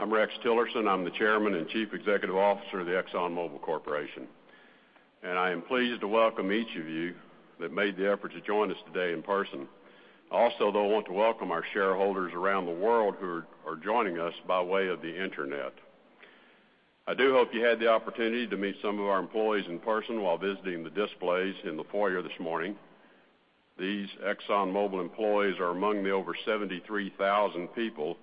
I'm Rex Tillerson. I'm the Chairman and Chief Executive Officer of the ExxonMobil Corporation. I am pleased to welcome each of you that made the effort to join us today in person. Also, though, I want to welcome our shareholders around the world who are joining us by way of the internet. I do hope you had the opportunity to meet some of our employees in person while visiting the displays in the foyer this morning. These ExxonMobil employees are among the over 73,000 people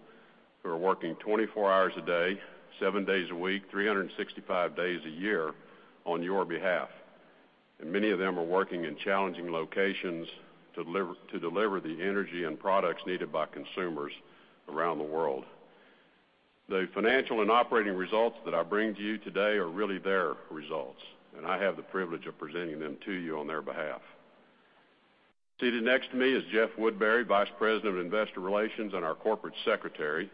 who are working 24 hours a day, seven days a week, 365 days a year on your behalf. Many of them are working in challenging locations to deliver the energy and products needed by consumers around the world. The financial and operating results that I bring to you today are really their results, and I have the privilege of presenting them to you on their behalf. Seated next to me is Jeff Woodbury, Vice President of Investor Relations and our Corporate Secretary.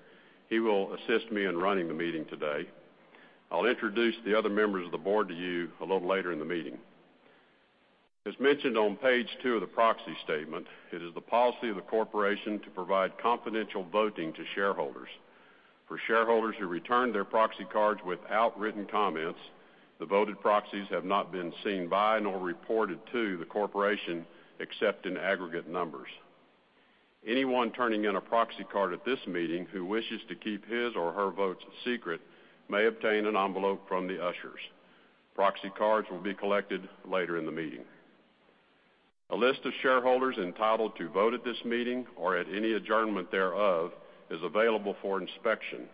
He will assist me in running the meeting today. I'll introduce the other members of the board to you a little later in the meeting. As mentioned on page two of the proxy statement, it is the policy of the corporation to provide confidential voting to shareholders. For shareholders who returned their proxy cards without written comments, the voted proxies have not been seen by nor reported to the corporation except in aggregate numbers. Anyone turning in a proxy card at this meeting who wishes to keep his or her votes secret may obtain an envelope from the ushers. Proxy cards will be collected later in the meeting. A list of shareholders entitled to vote at this meeting or at any adjournment thereof is available for inspection.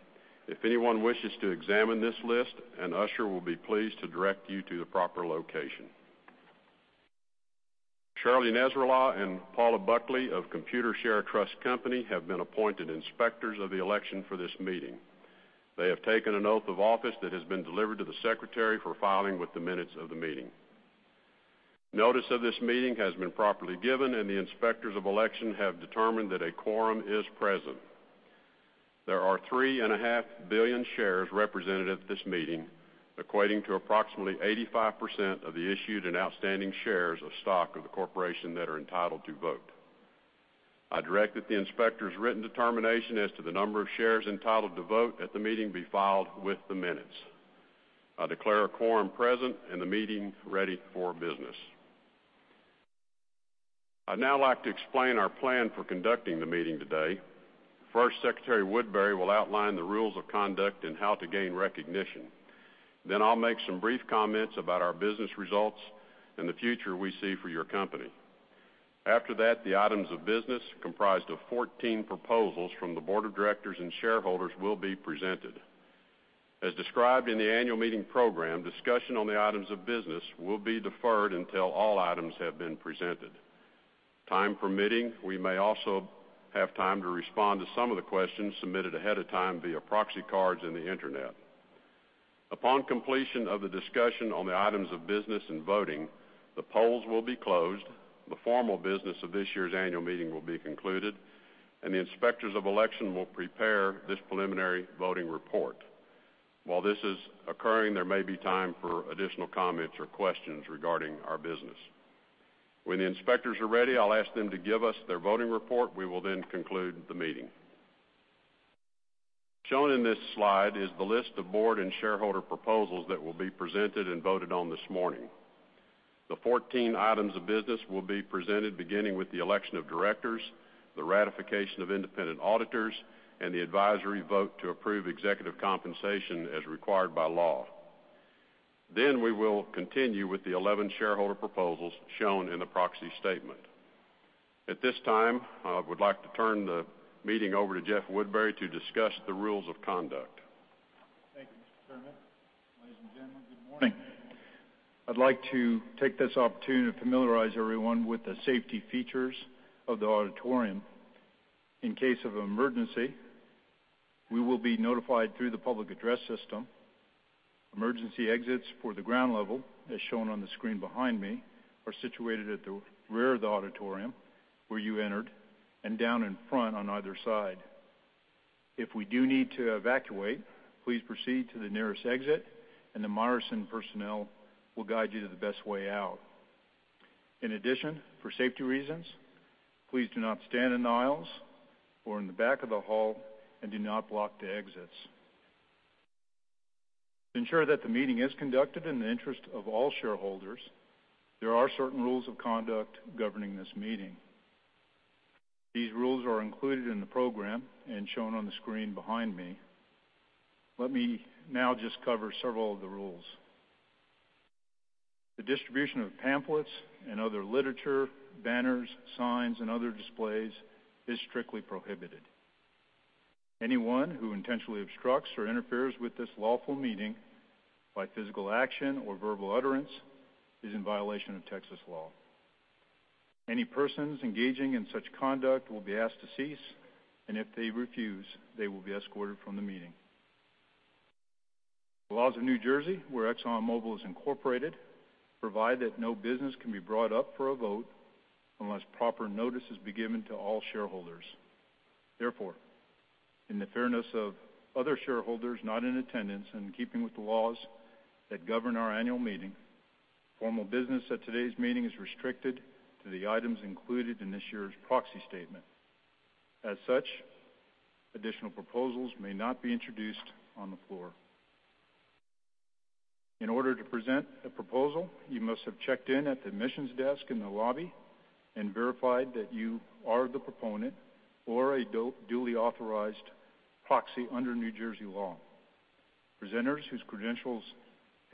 If anyone wishes to examine this list, an usher will be pleased to direct you to the proper location. Charlie Nesrallah and Paula Buckley of Computershare Trust Company have been appointed inspectors of the election for this meeting. They have taken an oath of office that has been delivered to the secretary for filing with the minutes of the meeting. Notice of this meeting has been properly given, and the inspectors of election have determined that a quorum is present. There are three and a half billion shares represented at this meeting, equating to approximately 85% of the issued and outstanding shares of stock of the corporation that are entitled to vote. I direct that the inspector's written determination as to the number of shares entitled to vote at the meeting be filed with the minutes. I declare a quorum present and the meeting ready for business. I'd now like to explain our plan for conducting the meeting today. First, Secretary Woodbury will outline the rules of conduct and how to gain recognition. I'll make some brief comments about our business results and the future we see for your company. After that, the items of business comprised of 14 proposals from the board of directors and shareholders will be presented. As described in the annual meeting program, discussion on the items of business will be deferred until all items have been presented. Time permitting, we may also have time to respond to some of the questions submitted ahead of time via proxy cards and the internet. Upon completion of the discussion on the items of business and voting, the polls will be closed, the formal business of this year's annual meeting will be concluded, and the inspectors of election will prepare this preliminary voting report. While this is occurring, there may be time for additional comments or questions regarding our business. When the inspectors are ready, I'll ask them to give us their voting report. We will then conclude the meeting. Shown in this slide is the list of board and shareholder proposals that will be presented and voted on this morning. The 14 items of business will be presented beginning with the election of directors, the ratification of independent auditors, and the advisory vote to approve executive compensation as required by law. We will continue with the 11 shareholder proposals shown in the proxy statement. At this time, I would like to turn the meeting over to Jeff Woodbury to discuss the rules of conduct. Thank you, Mr. Chairman. Ladies and gentlemen, good morning. I'd like to take this opportunity to familiarize everyone with the safety features of the auditorium. In case of emergency, we will be notified through the public address system. Emergency exits for the ground level, as shown on the screen behind me, are situated at the rear of the auditorium, where you entered, and down in front on either side. If we do need to evacuate, please proceed to the nearest exit, and the Meyerson personnel will guide you to the best way out. In addition, for safety reasons, please do not stand in the aisles or in the back of the hall, and do not block the exits. To ensure that the meeting is conducted in the interest of all shareholders, there are certain rules of conduct governing this meeting. These rules are included in the program and shown on the screen behind me. Let me now just cover several of the rules. The distribution of pamphlets and other literature, banners, signs, and other displays is strictly prohibited. Anyone who intentionally obstructs or interferes with this lawful meeting by physical action or verbal utterance is in violation of Texas law. Any persons engaging in such conduct will be asked to cease, and if they refuse, they will be escorted from the meeting. The laws of New Jersey, where ExxonMobil is incorporated, provide that no business can be brought up for a vote unless proper notice has been given to all shareholders. In the fairness of other shareholders not in attendance, and keeping with the laws that govern our annual meeting, formal business at today's meeting is restricted to the items included in this year's proxy statement. As such, additional proposals may not be introduced on the floor. In order to present a proposal, you must have checked in at the admissions desk in the lobby and verified that you are the proponent or a duly authorized proxy under New Jersey law. Presenters whose credentials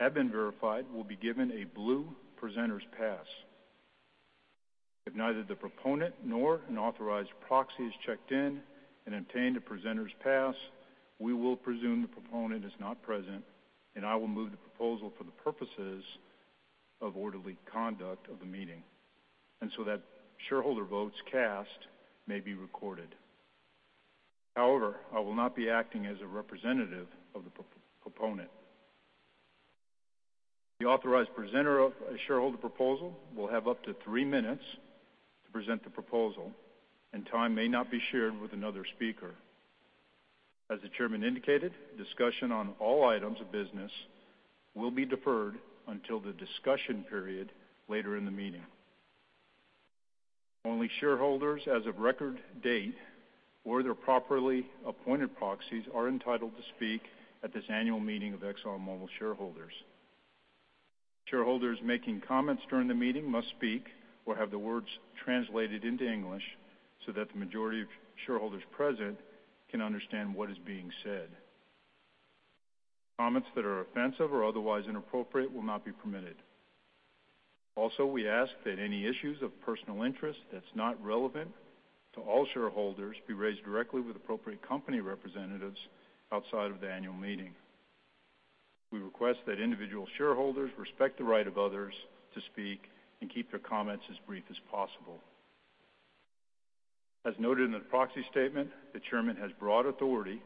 have been verified will be given a blue presenter's pass. If neither the proponent nor an authorized proxy has checked in and obtained a presenter's pass, we will presume the proponent is not present. That shareholder votes cast may be recorded. However, I will not be acting as a representative of the proponent. The authorized presenter of a shareholder proposal will have up to three minutes to present the proposal, and time may not be shared with another speaker. As the chairman indicated, discussion on all items of business will be deferred until the discussion period later in the meeting. Only shareholders as of record date or their properly appointed proxies are entitled to speak at this annual meeting of ExxonMobil shareholders. Shareholders making comments during the meeting must speak or have the words translated into English so that the majority of shareholders present can understand what is being said. Comments that are offensive or otherwise inappropriate will not be permitted. Also, we ask that any issues of personal interest that's not relevant to all shareholders be raised directly with appropriate company representatives outside of the annual meeting. We request that individual shareholders respect the right of others to speak and keep their comments as brief as possible. As noted in the proxy statement, the chairman has broad authority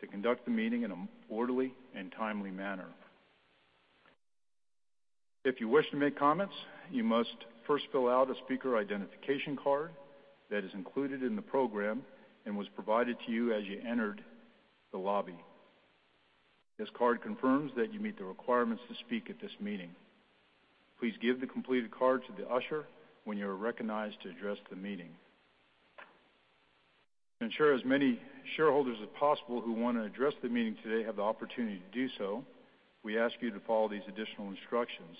to conduct the meeting in an orderly and timely manner. If you wish to make comments, you must first fill out a speaker identification card that is included in the program and was provided to you as you entered the lobby. This card confirms that you meet the requirements to speak at this meeting. Please give the completed card to the usher when you are recognized to address the meeting. To ensure as many shareholders as possible who want to address the meeting today have the opportunity to do so, we ask you to follow these additional instructions.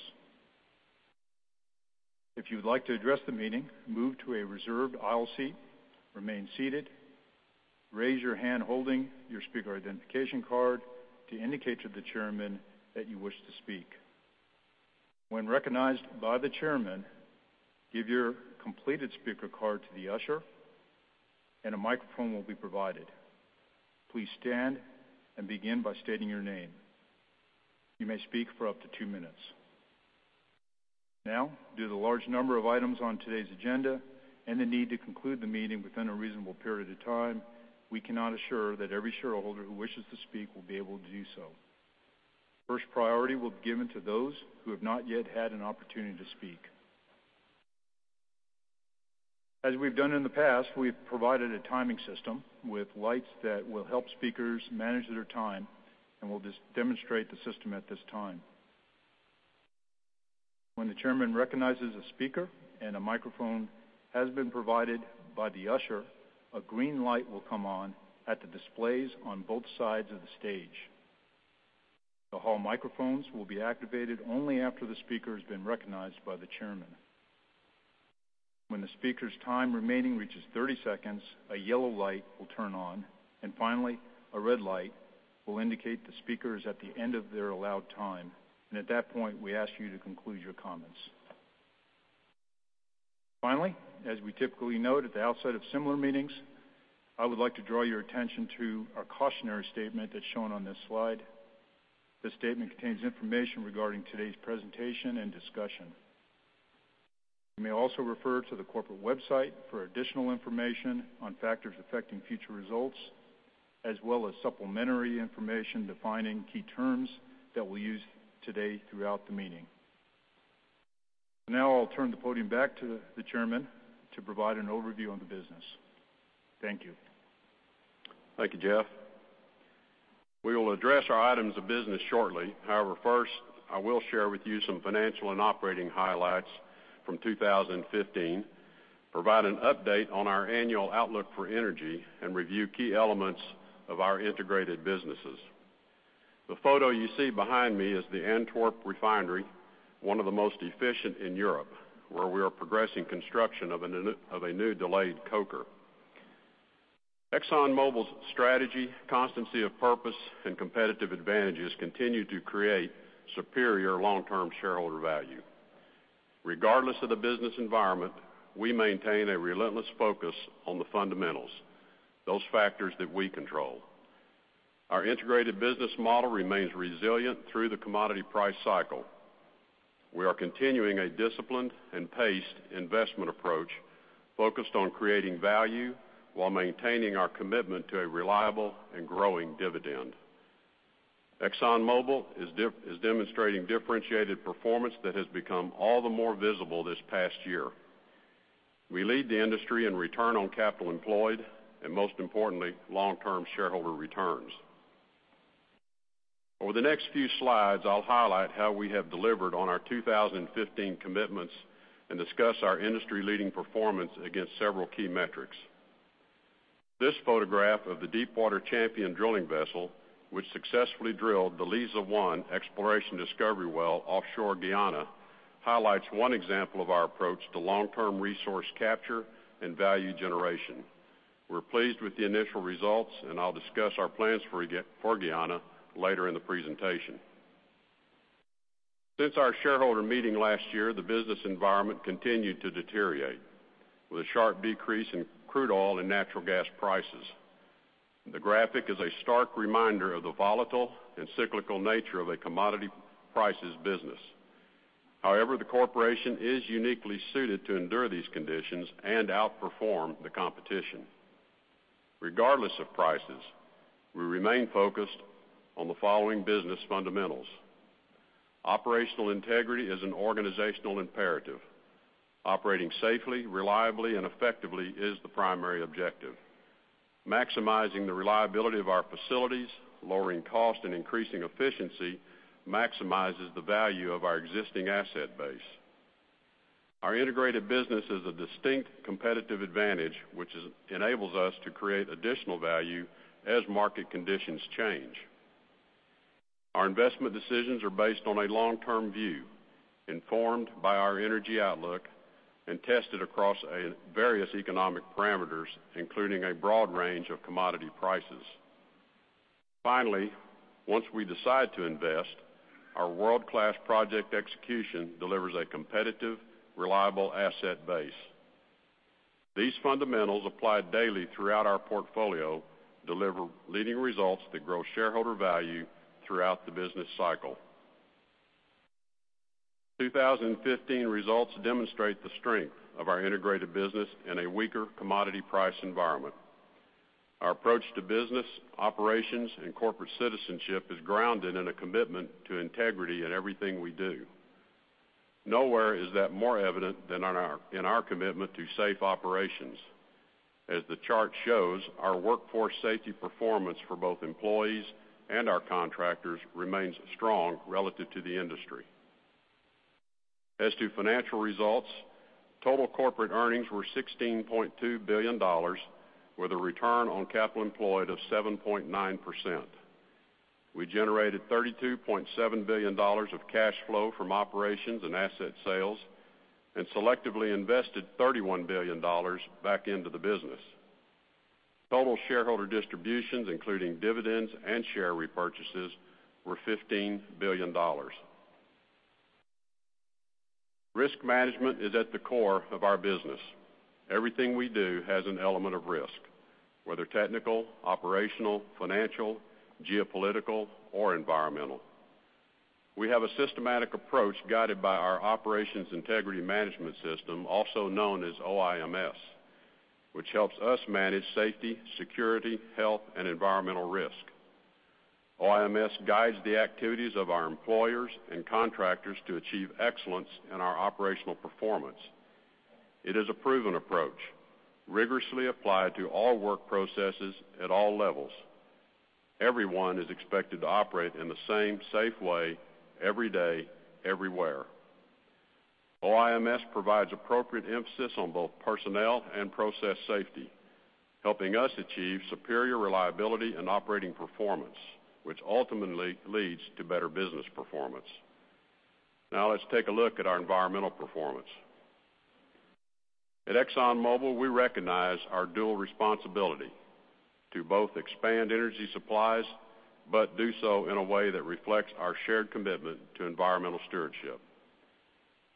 If you would like to address the meeting, move to a reserved aisle seat, remain seated, raise your hand holding your speaker identification card to indicate to the chairman that you wish to speak. When recognized by the chairman, give your completed speaker card to the usher and a microphone will be provided. Please stand and begin by stating your name. You may speak for up to two minutes. Now, due to the large number of items on today's agenda and the need to conclude the meeting within a reasonable period of time, we cannot assure that every shareholder who wishes to speak will be able to do so. First priority will be given to those who have not yet had an opportunity to speak. As we've done in the past, we've provided a timing system with lights that will help speakers manage their time. We'll just demonstrate the system at this time. When the chairman recognizes a speaker and a microphone has been provided by the usher, a green light will come on at the displays on both sides of the stage. The hall microphones will be activated only after the speaker has been recognized by the chairman. When the speaker's time remaining reaches 30 seconds, a yellow light will turn on. Finally, a red light will indicate the speaker is at the end of their allowed time. At that point, we ask you to conclude your comments. Finally, as we typically note at the outset of similar meetings, I would like to draw your attention to our cautionary statement that's shown on this slide. This statement contains information regarding today's presentation and discussion. You may also refer to the corporate website for additional information on factors affecting future results, as well as supplementary information defining key terms that we'll use today throughout the meeting. I'll turn the podium back to the chairman to provide an overview on the business. Thank you. Thank you, Jeff. We will address our items of business shortly. However, first, I will share with you some financial and operating highlights from 2015, provide an update on our annual outlook for energy, and review key elements of our integrated businesses. The photo you see behind me is the Antwerp Refinery, one of the most efficient in Europe, where we are progressing construction of a new delayed coker. ExxonMobil's strategy, constancy of purpose, and competitive advantages continue to create superior long-term shareholder value. Regardless of the business environment, we maintain a relentless focus on the fundamentals, those factors that we control. Our integrated business model remains resilient through the commodity price cycle. We are continuing a disciplined and paced investment approach focused on creating value while maintaining our commitment to a reliable and growing dividend. ExxonMobil is demonstrating differentiated performance that has become all the more visible this past year. We lead the industry in return on capital employed, and most importantly, long-term shareholder returns. Over the next few slides, I'll highlight how we have delivered on our 2015 commitments and discuss our industry-leading performance against several key metrics. This photograph of the deepwater Champion drilling vessel, which successfully drilled the Liza-1 exploration discovery well offshore Guyana, highlights one example of our approach to long-term resource capture and value generation. We're pleased with the initial results, and I'll discuss our plans for Guyana later in the presentation. Since our shareholder meeting last year, the business environment continued to deteriorate, with a sharp decrease in crude oil and natural gas prices. The graphic is a stark reminder of the volatile and cyclical nature of a commodity prices business. The corporation is uniquely suited to endure these conditions and outperform the competition. Regardless of prices, we remain focused on the following business fundamentals. Operational integrity is an organizational imperative. Operating safely, reliably, and effectively is the primary objective. Maximizing the reliability of our facilities, lowering cost, and increasing efficiency maximizes the value of our existing asset base. Our integrated business is a distinct competitive advantage, which enables us to create additional value as market conditions change. Our investment decisions are based on a long-term view, informed by our energy outlook and tested across various economic parameters, including a broad range of commodity prices. Finally, once we decide to invest, our world-class project execution delivers a competitive, reliable asset base. These fundamentals applied daily throughout our portfolio deliver leading results that grow shareholder value throughout the business cycle. 2015 results demonstrate the strength of our integrated business in a weaker commodity price environment. Our approach to business, operations, and corporate citizenship is grounded in a commitment to integrity in everything we do. Nowhere is that more evident than in our commitment to safe operations. As the chart shows, our workforce safety performance for both employees and our contractors remains strong relative to the industry. As to financial results, total corporate earnings were $16.2 billion, with a return on capital employed of 7.9%. We generated $32.7 billion of cash flow from operations and asset sales and selectively invested $31 billion back into the business. Total shareholder distributions, including dividends and share repurchases, were $15 billion. Risk management is at the core of our business. Everything we do has an element of risk, whether technical, operational, financial, geopolitical, or environmental. We have a systematic approach guided by our Operations Integrity Management System, also known as OIMS, which helps us manage safety, security, health, and environmental risk. OIMS guides the activities of our employers and contractors to achieve excellence in our operational performance. It is a proven approach, rigorously applied to all work processes at all levels. Everyone is expected to operate in the same safe way every day, everywhere. OIMS provides appropriate emphasis on both personnel and process safety, helping us achieve superior reliability and operating performance, which ultimately leads to better business performance. Let's take a look at our environmental performance. At ExxonMobil, we recognize our dual responsibility to both expand energy supplies, do so in a way that reflects our shared commitment to environmental stewardship.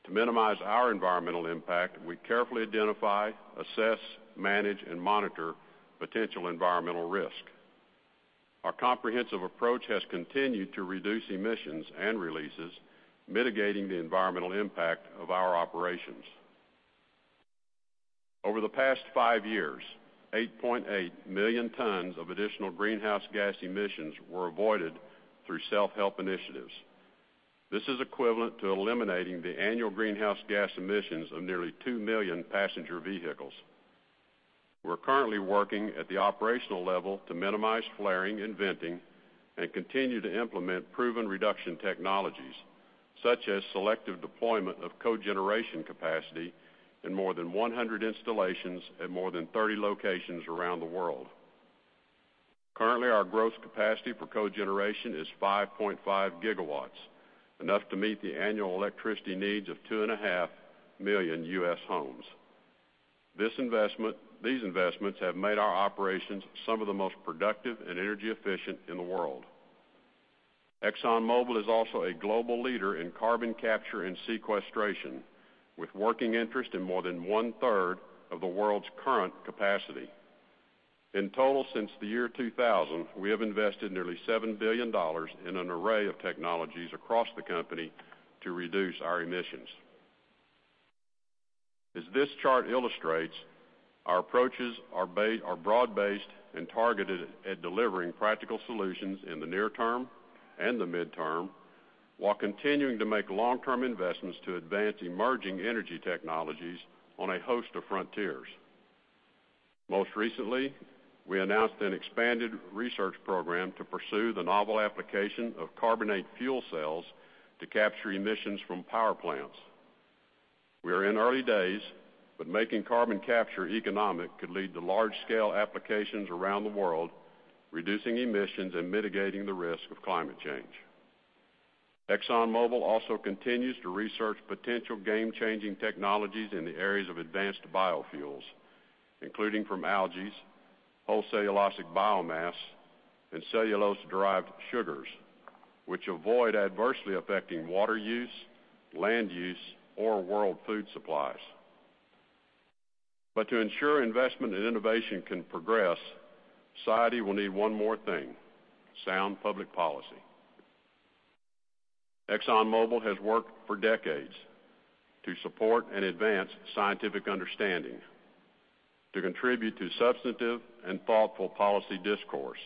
To minimize our environmental impact, we carefully identify, assess, manage, and monitor potential environmental risk. Our comprehensive approach has continued to reduce emissions and releases, mitigating the environmental impact of our operations. Over the past five years, 8.8 million tons of additional greenhouse gas emissions were avoided through self-help initiatives. This is equivalent to eliminating the annual greenhouse gas emissions of nearly 2 million passenger vehicles. We're currently working at the operational level to minimize flaring and venting and continue to implement proven reduction technologies, such as selective deployment of cogeneration capacity in more than 100 installations at more than 30 locations around the world. Currently, our gross capacity for cogeneration is 5.5 gigawatts, enough to meet the annual electricity needs of 2.5 million U.S. homes. These investments have made our operations some of the most productive and energy efficient in the world. ExxonMobil is also a global leader in carbon capture and sequestration, with working interest in more than one-third of the world's current capacity. In total since the year 2000, we have invested nearly $7 billion in an array of technologies across the company to reduce our emissions. As this chart illustrates, our approaches are broad-based and targeted at delivering practical solutions in the near term and the midterm while continuing to make long-term investments to advance emerging energy technologies on a host of frontiers. Most recently, we announced an expanded research program to pursue the novel application of carbonate fuel cells to capture emissions from power plants. We are in early days, making carbon capture economic could lead to large-scale applications around the world, reducing emissions and mitigating the risk of climate change. ExxonMobil also continues to research potential game-changing technologies in the areas of advanced biofuels, including from algaes, whole cellulosic biomass, and cellulose-derived sugars, which avoid adversely affecting water use, land use, or world food supplies. To ensure investment and innovation can progress, society will need one more thing: sound public policy. ExxonMobil has worked for decades to support and advance scientific understanding, to contribute to substantive and thoughtful policy discourse,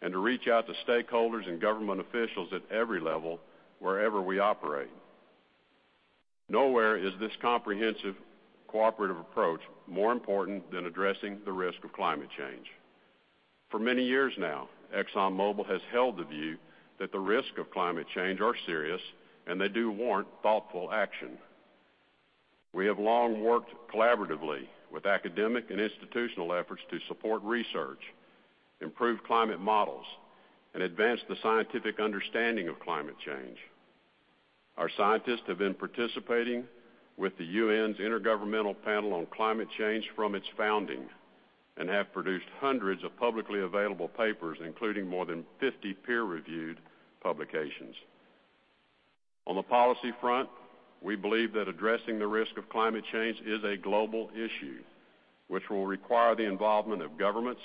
and to reach out to stakeholders and government officials at every level wherever we operate. Nowhere is this comprehensive cooperative approach more important than addressing the risk of climate change. For many years now, ExxonMobil has held the view that the risk of climate change are serious, and they do warrant thoughtful action. We have long worked collaboratively with academic and institutional efforts to support research, improve climate models, and advance the scientific understanding of climate change. Our scientists have been participating with the UN's Intergovernmental Panel on Climate Change from its founding and have produced hundreds of publicly available papers, including more than 50 peer-reviewed publications. On the policy front, we believe that addressing the risk of climate change is a global issue which will require the involvement of governments,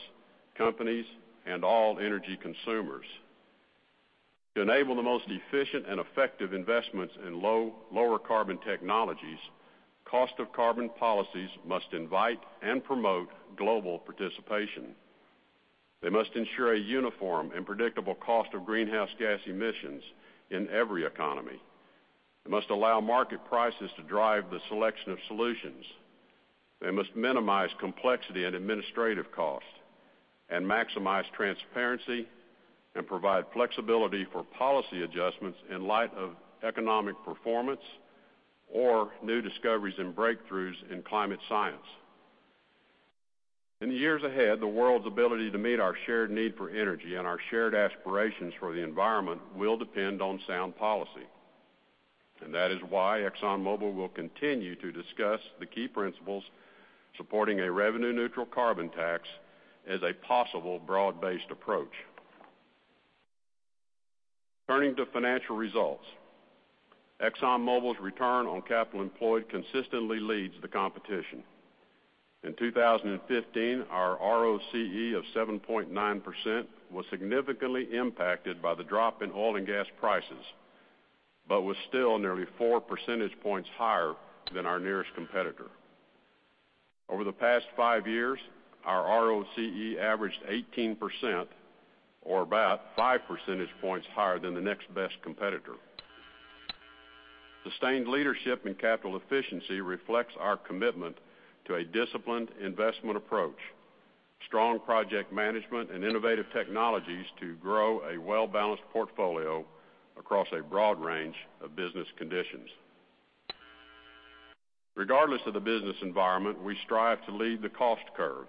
companies, and all energy consumers. To enable the most efficient and effective investments in lower carbon technologies, cost of carbon policies must invite and promote global participation. They must ensure a uniform and predictable cost of greenhouse gas emissions in every economy. They must allow market prices to drive the selection of solutions. They must minimize complexity and administrative cost and maximize transparency and provide flexibility for policy adjustments in light of economic performance or new discoveries and breakthroughs in climate science. In the years ahead, the world's ability to meet our shared need for energy and our shared aspirations for the environment will depend on sound policy. That is why ExxonMobil will continue to discuss the key principles supporting a revenue-neutral carbon tax as a possible broad-based approach. Turning to financial results. ExxonMobil's return on capital employed consistently leads the competition. In 2015, our ROCE of 7.9% was significantly impacted by the drop in oil and gas prices but was still nearly four percentage points higher than our nearest competitor. Over the past five years, our ROCE averaged 18% or about five percentage points higher than the next best competitor. Sustained leadership in capital efficiency reflects our commitment to a disciplined investment approach, strong project management, and innovative technologies to grow a well-balanced portfolio across a broad range of business conditions. Regardless of the business environment, we strive to lead the cost curve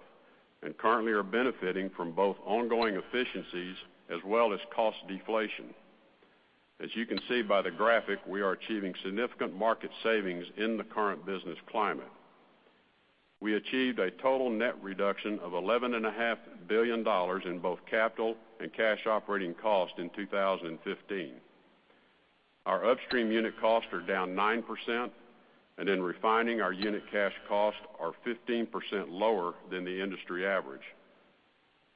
and currently are benefiting from both ongoing efficiencies as well as cost deflation. As you can see by the graphic, we are achieving significant market savings in the current business climate. We achieved a total net reduction of $11.5 billion in both capital and cash operating costs in 2015. Our Upstream unit costs are down 9%, and in Refining our unit cash costs are 15% lower than the industry average.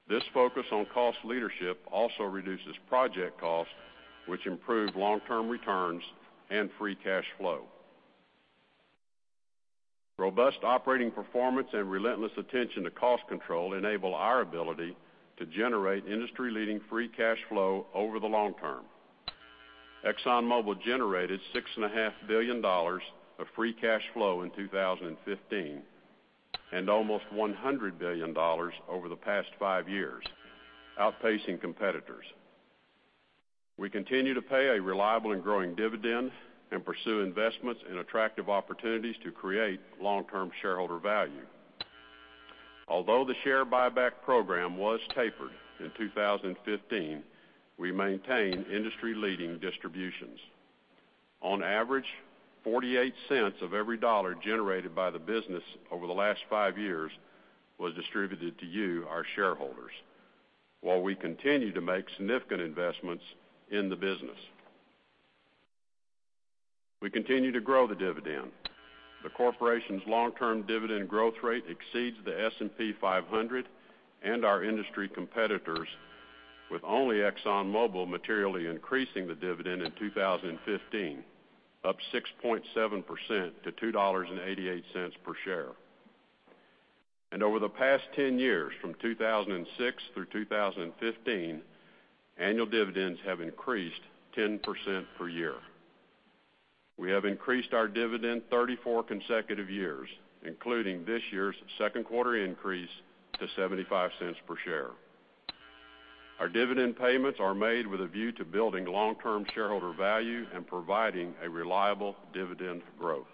This focus on cost leadership also reduces project costs, which improve long-term returns and free cash flow. Robust operating performance and relentless attention to cost control enable our ability to generate industry-leading free cash flow over the long term. ExxonMobil generated $6.5 billion of free cash flow in 2015 and almost $100 billion over the past five years, outpacing competitors. We continue to pay a reliable and growing dividend and pursue investments in attractive opportunities to create long-term shareholder value. Although the share buyback program was tapered in 2015, we maintained industry-leading distributions. On average, $0.48 of every dollar generated by the business over the last five years was distributed to you, our shareholders, while we continue to make significant investments in the business. We continue to grow the dividend. The corporation's long-term dividend growth rate exceeds the S&P 500 and our industry competitors, with only ExxonMobil materially increasing the dividend in 2015, up 6.7% to $2.88 per share. Over the past 10 years, from 2006 through 2015, annual dividends have increased 10% per year. We have increased our dividend 34 consecutive years, including this year's second quarter increase to $0.75 per share. Our dividend payments are made with a view to building long-term shareholder value and providing a reliable dividend growth.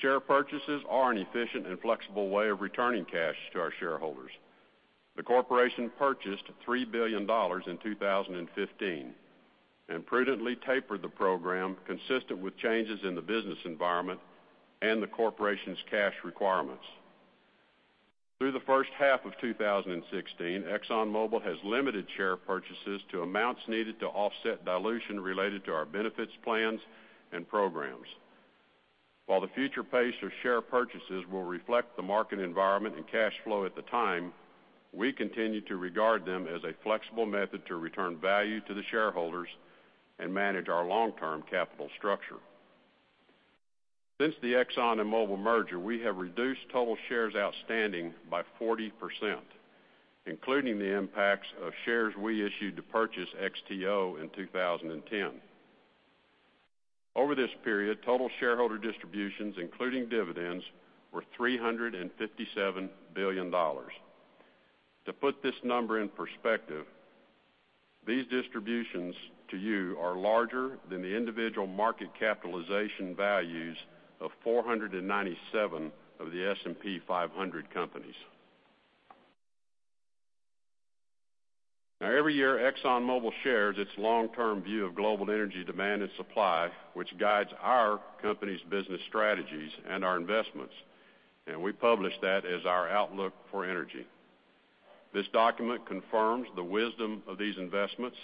Share purchases are an efficient and flexible way of returning cash to our shareholders. The corporation purchased $3 billion in 2015 and prudently tapered the program consistent with changes in the business environment and the corporation's cash requirements. Through the first half of 2016, ExxonMobil has limited share purchases to amounts needed to offset dilution related to our benefits plans and programs. While the future pace of share purchases will reflect the market environment and cash flow at the time, we continue to regard them as a flexible method to return value to the shareholders and manage our long-term capital structure. Since the Exxon and Mobil merger, we have reduced total shares outstanding by 40%, including the impacts of shares we issued to purchase XTO in 2010. Over this period, total shareholder distributions, including dividends, were $357 billion. To put this number in perspective, these distributions to you are larger than the individual market capitalization values of 497 of the S&P 500 companies. Every year, ExxonMobil shares its long-term view of global energy demand and supply, which guides our company's business strategies and our investments, and we publish that as our outlook for energy. This document confirms the wisdom of these investments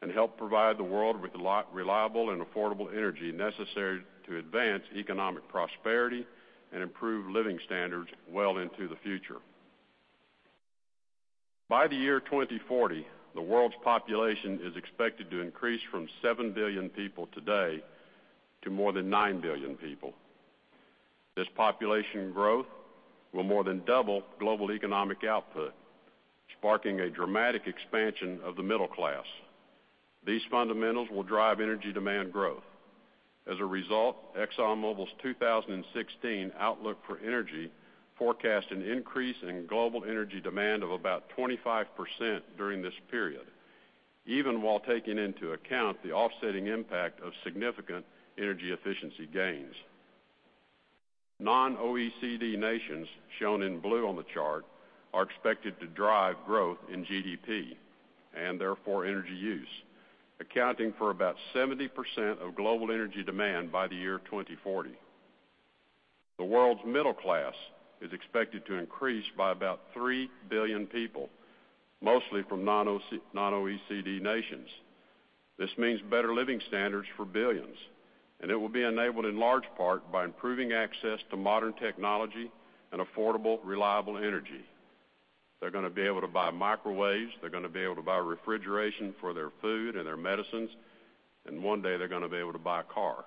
and help provide the world with reliable and affordable energy necessary to advance economic prosperity and improve living standards well into the future. By the year 2040, the world's population is expected to increase from 7 billion people today to more than 9 billion people. This population growth will more than double global economic output, sparking a dramatic expansion of the middle class. These fundamentals will drive energy demand growth. As a result, ExxonMobil's 2016 outlook for energy forecast an increase in global energy demand of about 25% during this period, even while taking into account the offsetting impact of significant energy efficiency gains. Non-OECD nations, shown in blue on the chart, are expected to drive growth in GDP and therefore energy use, accounting for about 70% of global energy demand by the year 2040. The world's middle class is expected to increase by about 3 billion people, mostly from non-OECD nations. This means better living standards for billions, and it will be enabled in large part by improving access to modern technology and affordable, reliable energy. They're going to be able to buy microwaves. They're going to be able to buy refrigeration for their food and their medicines, and one day they're going to be able to buy a car.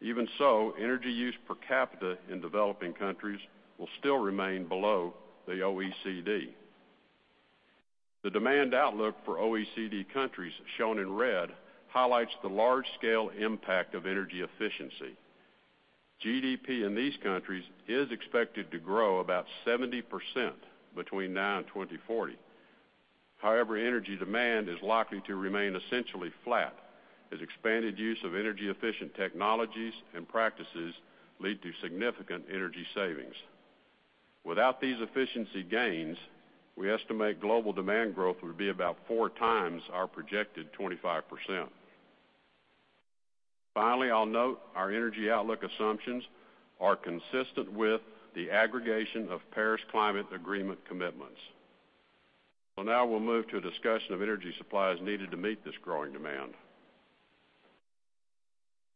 Even so, energy use per capita in developing countries will still remain below the OECD. The demand outlook for OECD countries, shown in red, highlights the large-scale impact of energy efficiency. GDP in these countries is expected to grow about 70% between now and 2040. However, energy demand is likely to remain essentially flat as expanded use of energy-efficient technologies and practices lead to significant energy savings. Without these efficiency gains, we estimate global demand growth would be about four times our projected 25%. Finally, I'll note our energy outlook assumptions are consistent with the aggregation of Paris Climate Agreement commitments. Now we'll move to a discussion of energy supplies needed to meet this growing demand.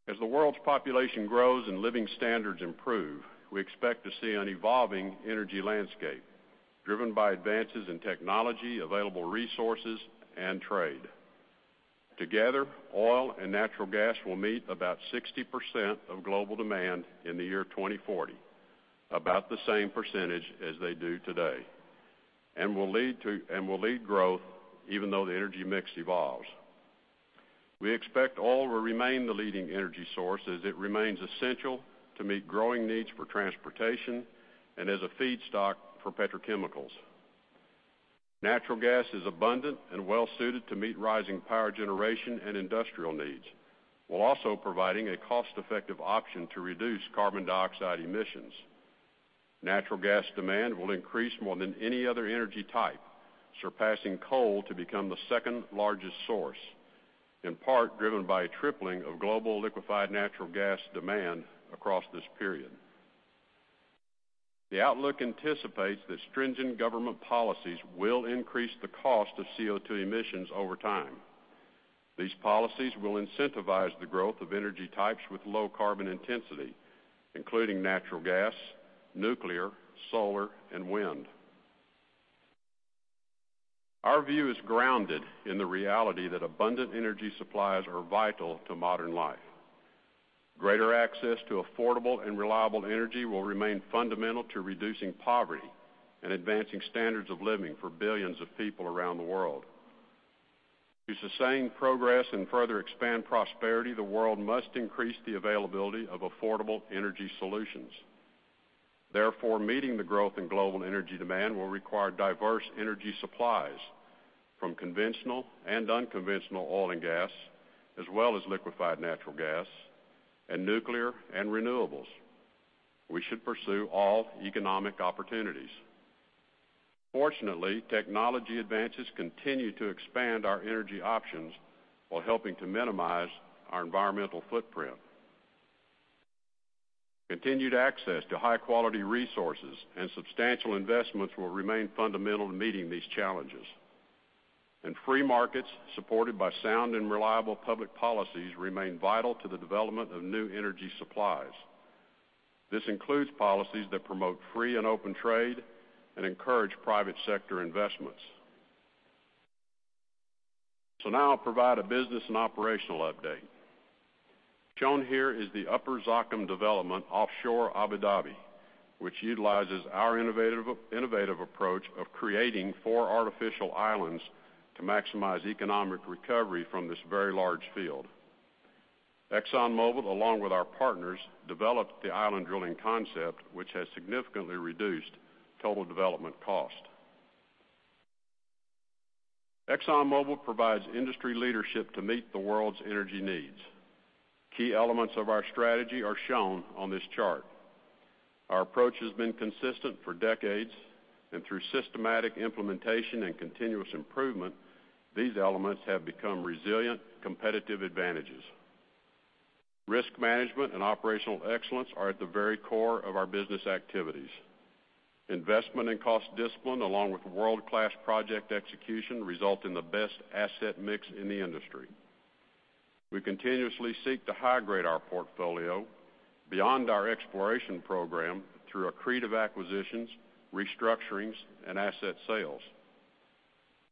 As the world's population grows and living standards improve, we expect to see an evolving energy landscape driven by advances in technology, available resources, and trade. Together, oil and natural gas will meet about 60% of global demand in the year 2040, about the same percentage as they do today, and will lead growth even though the energy mix evolves. We expect oil will remain the leading energy source as it remains essential to meet growing needs for transportation and as a feedstock for petrochemicals. Natural gas is abundant and well-suited to meet rising power generation and industrial needs while also providing a cost-effective option to reduce carbon dioxide emissions. Natural gas demand will increase more than any other energy type, surpassing coal to become the second-largest source, in part driven by a tripling of global liquefied natural gas demand across this period. The outlook anticipates that stringent government policies will increase the cost of CO2 emissions over time. These policies will incentivize the growth of energy types with low carbon intensity, including natural gas, nuclear, solar, and wind. Our view is grounded in the reality that abundant energy supplies are vital to modern life. Greater access to affordable and reliable energy will remain fundamental to reducing poverty and advancing standards of living for billions of people around the world. To sustain progress and further expand prosperity, the world must increase the availability of affordable energy solutions. Therefore, meeting the growth in global energy demand will require diverse energy supplies from conventional and unconventional oil and gas, as well as liquefied natural gas, and nuclear and renewables. We should pursue all economic opportunities. Fortunately, technology advances continue to expand our energy options while helping to minimize our environmental footprint. Continued access to high-quality resources and substantial investments will remain fundamental in meeting these challenges. Free markets supported by sound and reliable public policies remain vital to the development of new energy supplies. This includes policies that promote free and open trade and encourage private sector investments. Now I'll provide a business and operational update. Shown here is the Upper Zakum development offshore Abu Dhabi, which utilizes our innovative approach of creating four artificial islands to maximize economic recovery from this very large field. ExxonMobil, along with our partners, developed the island drilling concept, which has significantly reduced total development cost. ExxonMobil provides industry leadership to meet the world's energy needs. Key elements of our strategy are shown on this chart. Our approach has been consistent for decades, and through systematic implementation and continuous improvement, these elements have become resilient competitive advantages. Risk management and operational excellence are at the very core of our business activities. Investment and cost discipline, along with world-class project execution, result in the best asset mix in the industry. We continuously seek to high-grade our portfolio beyond our exploration program through accretive acquisitions, restructurings, and asset sales.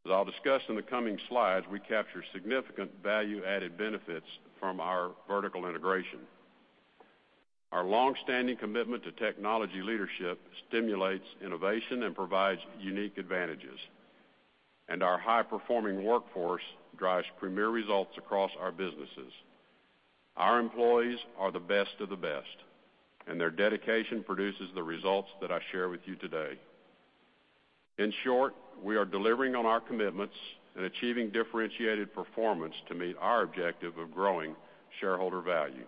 As I'll discuss in the coming slides, we capture significant value-added benefits from our vertical integration. Our longstanding commitment to technology leadership stimulates innovation and provides unique advantages. Our high-performing workforce drives premier results across our businesses. Our employees are the best of the best, and their dedication produces the results that I share with you today. In short, we are delivering on our commitments and achieving differentiated performance to meet our objective of growing shareholder value.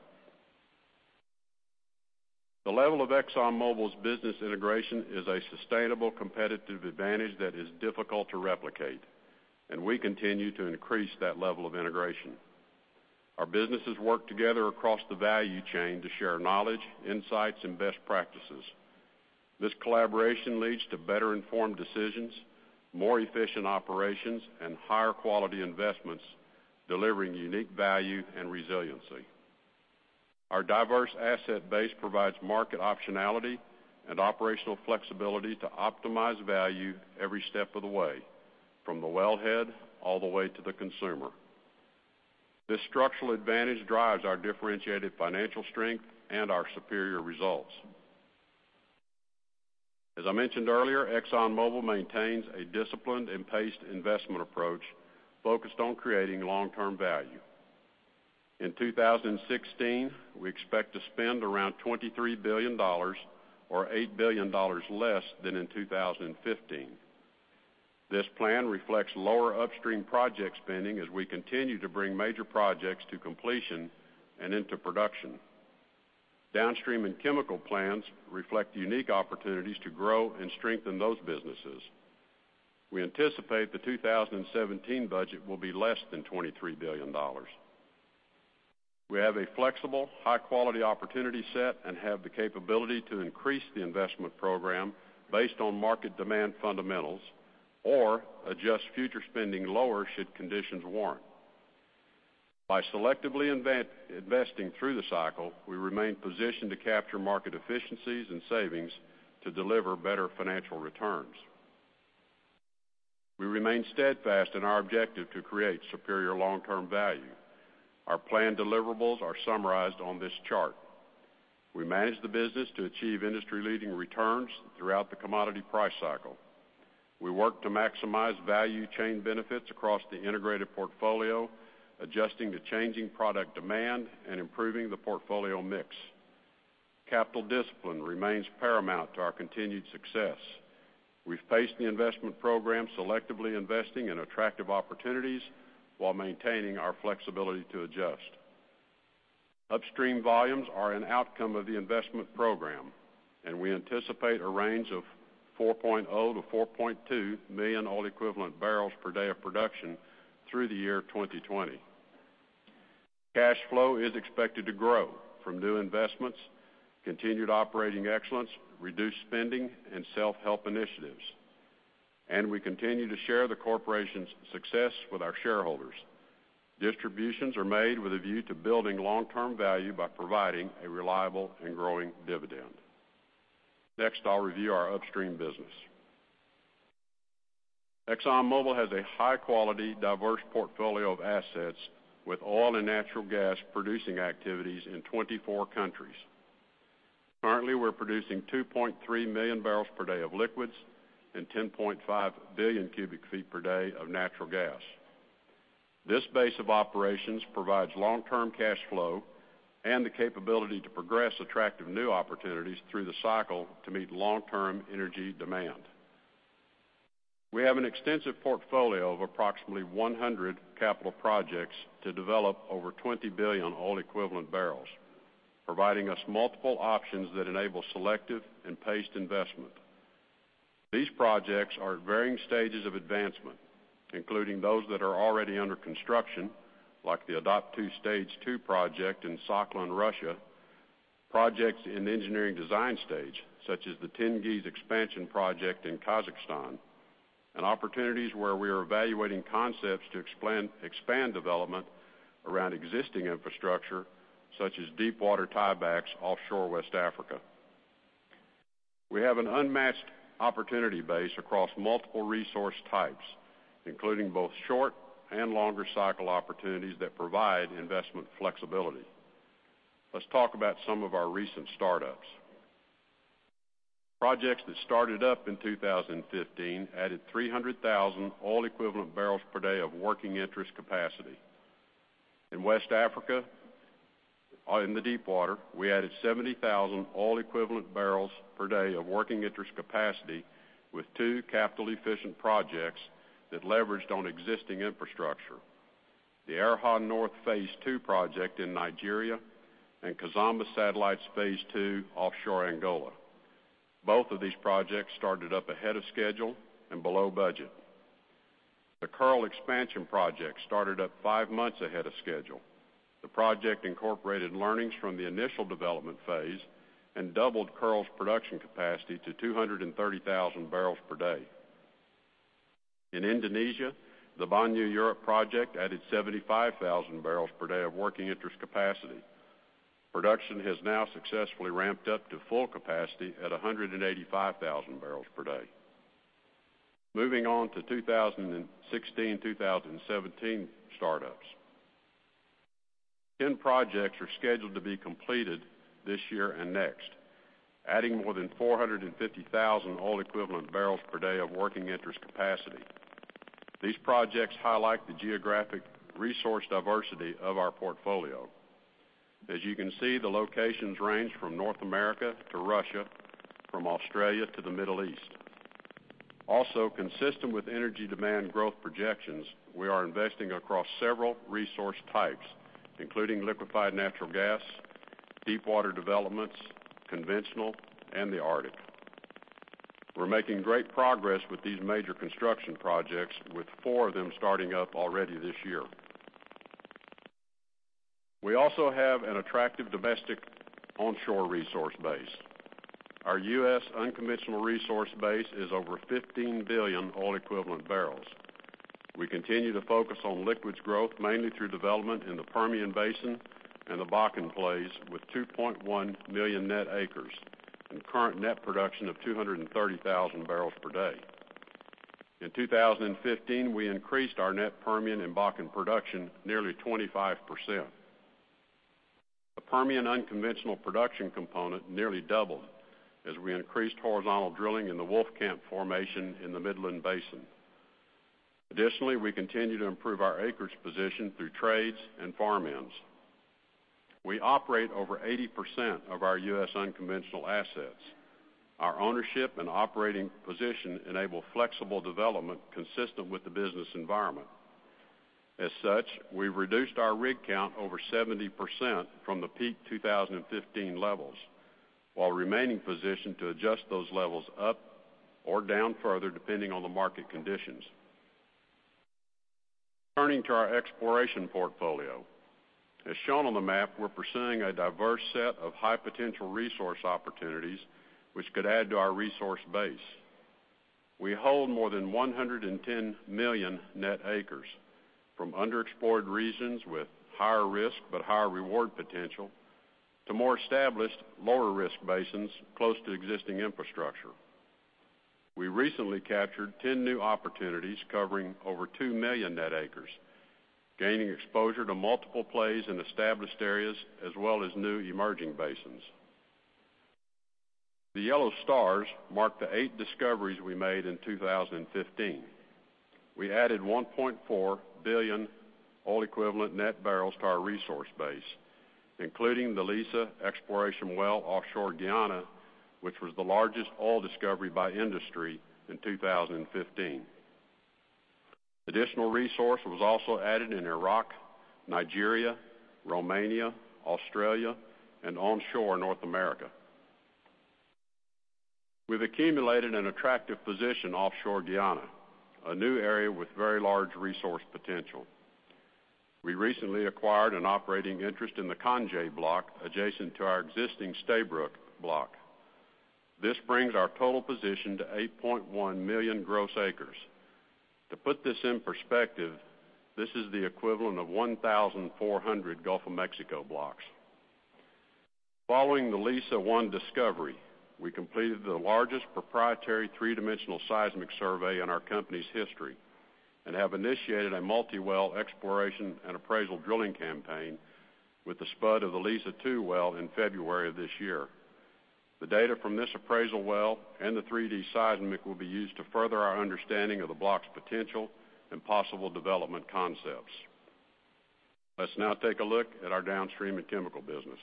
The level of ExxonMobil's business integration is a sustainable competitive advantage that is difficult to replicate, and we continue to increase that level of integration. Our businesses work together across the value chain to share knowledge, insights, and best practices. This collaboration leads to better informed decisions, more efficient operations, and higher quality investments, delivering unique value and resiliency. Our diverse asset base provides market optionality and operational flexibility to optimize value every step of the way, from the wellhead all the way to the consumer. This structural advantage drives our differentiated financial strength and our superior results. As I mentioned earlier, ExxonMobil maintains a disciplined and paced investment approach focused on creating long-term value. In 2016, we expect to spend around $23 billion, or $8 billion less than in 2015. This plan reflects lower upstream project spending as we continue to bring major projects to completion and into production. Downstream and chemical plans reflect unique opportunities to grow and strengthen those businesses. We anticipate the 2017 budget will be less than $23 billion. We have a flexible, high-quality opportunity set and have the capability to increase the investment program based on market demand fundamentals or adjust future spending lower should conditions warrant. By selectively investing through the cycle, we remain positioned to capture market efficiencies and savings to deliver better financial returns. We remain steadfast in our objective to create superior long-term value. Our planned deliverables are summarized on this chart. We manage the business to achieve industry-leading returns throughout the commodity price cycle. We work to maximize value chain benefits across the integrated portfolio, adjusting to changing product demand and improving the portfolio mix. Capital discipline remains paramount to our continued success. We've paced the investment program selectively investing in attractive opportunities while maintaining our flexibility to adjust. Upstream volumes are an outcome of the investment program, and we anticipate a range of 4.0-4.2 million oil equivalent barrels per day of production through the year 2020. Cash flow is expected to grow from new investments, continued operating excellence, reduced spending, and self-help initiatives. We continue to share the corporation's success with our shareholders. Distributions are made with a view to building long-term value by providing a reliable and growing dividend. Next, I'll review our upstream business. ExxonMobil has a high-quality, diverse portfolio of assets with oil and natural gas producing activities in 24 countries. Currently, we're producing 2.3 million barrels per day of liquids and 10.5 billion cubic feet per day of natural gas. This base of operations provides long-term cash flow and the capability to progress attractive new opportunities through the cycle to meet long-term energy demand. We have an extensive portfolio of approximately 100 capital projects to develop over 20 billion oil equivalent barrels, providing us multiple options that enable selective and paced investment. These projects are at varying stages of advancement, including those that are already under construction, like the Odoptu Stage 2 project in Sakhalin, Russia, projects in the engineering design stage, such as the Tengiz expansion project in Kazakhstan, and opportunities where we are evaluating concepts to expand development around existing infrastructure, such as deepwater tiebacks offshore West Africa. We have an unmatched opportunity base across multiple resource types, including both short and longer cycle opportunities that provide investment flexibility. Let's talk about some of our recent startups. Projects that started up in 2015 added 300,000 oil equivalent barrels per day of working interest capacity. In West Africa, in the deepwater, we added 70,000 oil equivalent barrels per day of working interest capacity with two capital-efficient projects that leveraged on existing infrastructure, the Erha North Phase 2 project in Nigeria and Kizomba Satellites Phase 2 offshore Angola. Both of these projects started up ahead of schedule and below budget. The Kearl Expansion project started up five months ahead of schedule. The project incorporated learnings from the initial development phase and doubled Kearl's production capacity to 230,000 barrels per day. In Indonesia, the Banyu Urip project added 75,000 barrels per day of working interest capacity. Production has now successfully ramped up to full capacity at 185,000 barrels per day. Moving on to 2016-2017 startups. 10 projects are scheduled to be completed this year and next, adding more than 450,000 oil-equivalent barrels per day of working interest capacity. These projects highlight the geographic resource diversity of our portfolio. As you can see, the locations range from North America to Russia, from Australia to the Middle East. Consistent with energy demand growth projections, we are investing across several resource types, including liquefied natural gas, deepwater developments, conventional, and the Arctic. We're making great progress with these major construction projects, with four of them starting up already this year. We also have an attractive domestic onshore resource base. Our U.S. unconventional resource base is over 15 billion oil-equivalent barrels. We continue to focus on liquids growth mainly through development in the Permian Basin and the Bakken plays, with 2.1 million net acres and current net production of 230,000 barrels per day. In 2015, we increased our net Permian and Bakken production nearly 25%. The Permian unconventional production component nearly doubled as we increased horizontal drilling in the Wolfcamp Formation in the Midland Basin. Additionally, we continue to improve our acreage position through trades and farm-ins. We operate over 80% of our U.S. unconventional assets. Our ownership and operating position enable flexible development consistent with the business environment. As such, we've reduced our rig count over 70% from the peak 2015 levels while remaining positioned to adjust those levels up or down further depending on the market conditions. Turning to our exploration portfolio. As shown on the map, we're pursuing a diverse set of high-potential resource opportunities which could add to our resource base. We hold more than 110 million net acres from underexplored regions with higher risk but higher reward potential to more established lower risk basins close to existing infrastructure. We recently captured 10 new opportunities covering over 2 million net acres, gaining exposure to multiple plays in established areas as well as new emerging basins. The yellow stars mark the eight discoveries we made in 2015. We added 1.4 billion oil-equivalent net barrels to our resource base, including the Liza exploration well offshore Guyana, which was the largest oil discovery by industry in 2015. Additional resource was also added in Iraq, Nigeria, Romania, Australia, and onshore North America. We've accumulated an attractive position offshore Guyana, a new area with very large resource potential. We recently acquired an operating interest in the Kanje block adjacent to our existing Stabroek block. This brings our total position to 8.1 million gross acres. To put this in perspective, this is the equivalent of 1,400 Gulf of Mexico blocks. Following the Liza-1 discovery, we completed the largest proprietary three-dimensional seismic survey in our company's history and have initiated a multi-well exploration and appraisal drilling campaign with the spud of the Liza-2 well in February of this year. The data from this appraisal well and the 3D seismic will be used to further our understanding of the block's potential and possible development concepts. Let's now take a look at our downstream and chemical business.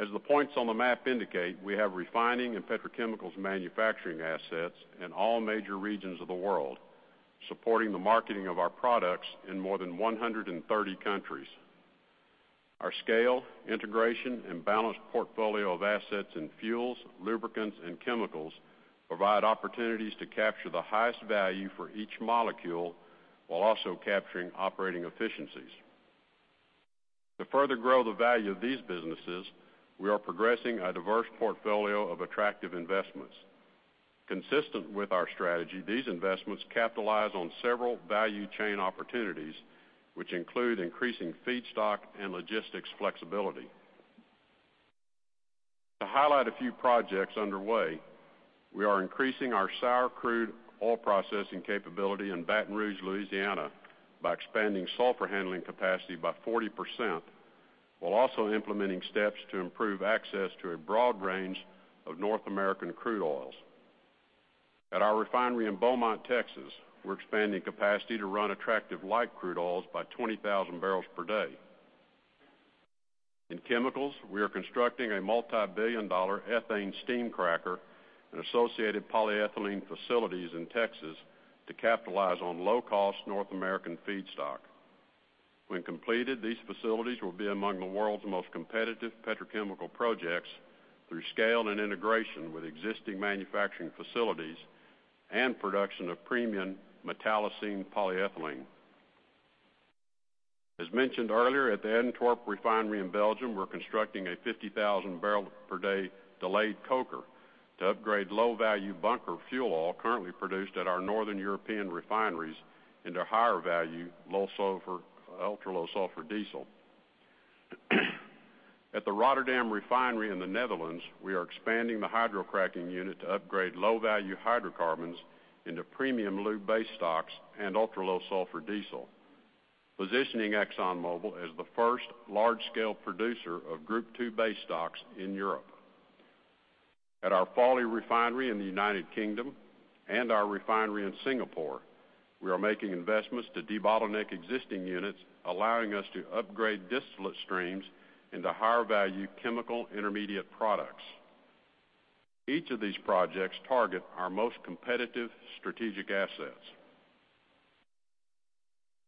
As the points on the map indicate, we have refining and petrochemicals manufacturing assets in all major regions of the world, supporting the marketing of our products in more than 130 countries. Our scale, integration, and balanced portfolio of assets in fuels, lubricants, and chemicals provide opportunities to capture the highest value for each molecule while also capturing operating efficiencies. To further grow the value of these businesses, we are progressing a diverse portfolio of attractive investments. Consistent with our strategy, these investments capitalize on several value chain opportunities, which include increasing feedstock and logistics flexibility. To highlight a few projects underway, we are increasing our sour crude oil processing capability in Baton Rouge, Louisiana, by expanding sulfur handling capacity by 40%, while also implementing steps to improve access to a broad range of North American crude oils. At our refinery in Beaumont, Texas, we're expanding capacity to run attractive light crude oils by 20,000 barrels per day. In chemicals, we are constructing a multibillion-dollar ethane steam cracker and associated polyethylene facilities in Texas to capitalize on low-cost North American feedstock. When completed, these facilities will be among the world's most competitive petrochemical projects through scale and integration with existing manufacturing facilities and production of premium metallocene polyethylene. As mentioned earlier, at the Antwerp refinery in Belgium, we're constructing a 50,000 barrel per day delayed coker to upgrade low-value bunker fuel oil currently produced at our Northern European refineries into higher value, ultra-low sulfur diesel. At the Rotterdam refinery in the Netherlands, we are expanding the hydrocracking unit to upgrade low-value hydrocarbons into premium lube base stocks and ultra-low sulfur diesel, positioning ExxonMobil as the first large-scale producer of Group II base stocks in Europe. At our Fawley refinery in the U.K. and our refinery in Singapore, we are making investments to debottleneck existing units, allowing us to upgrade distillate streams into higher value chemical intermediate products. Each of these projects target our most competitive strategic assets.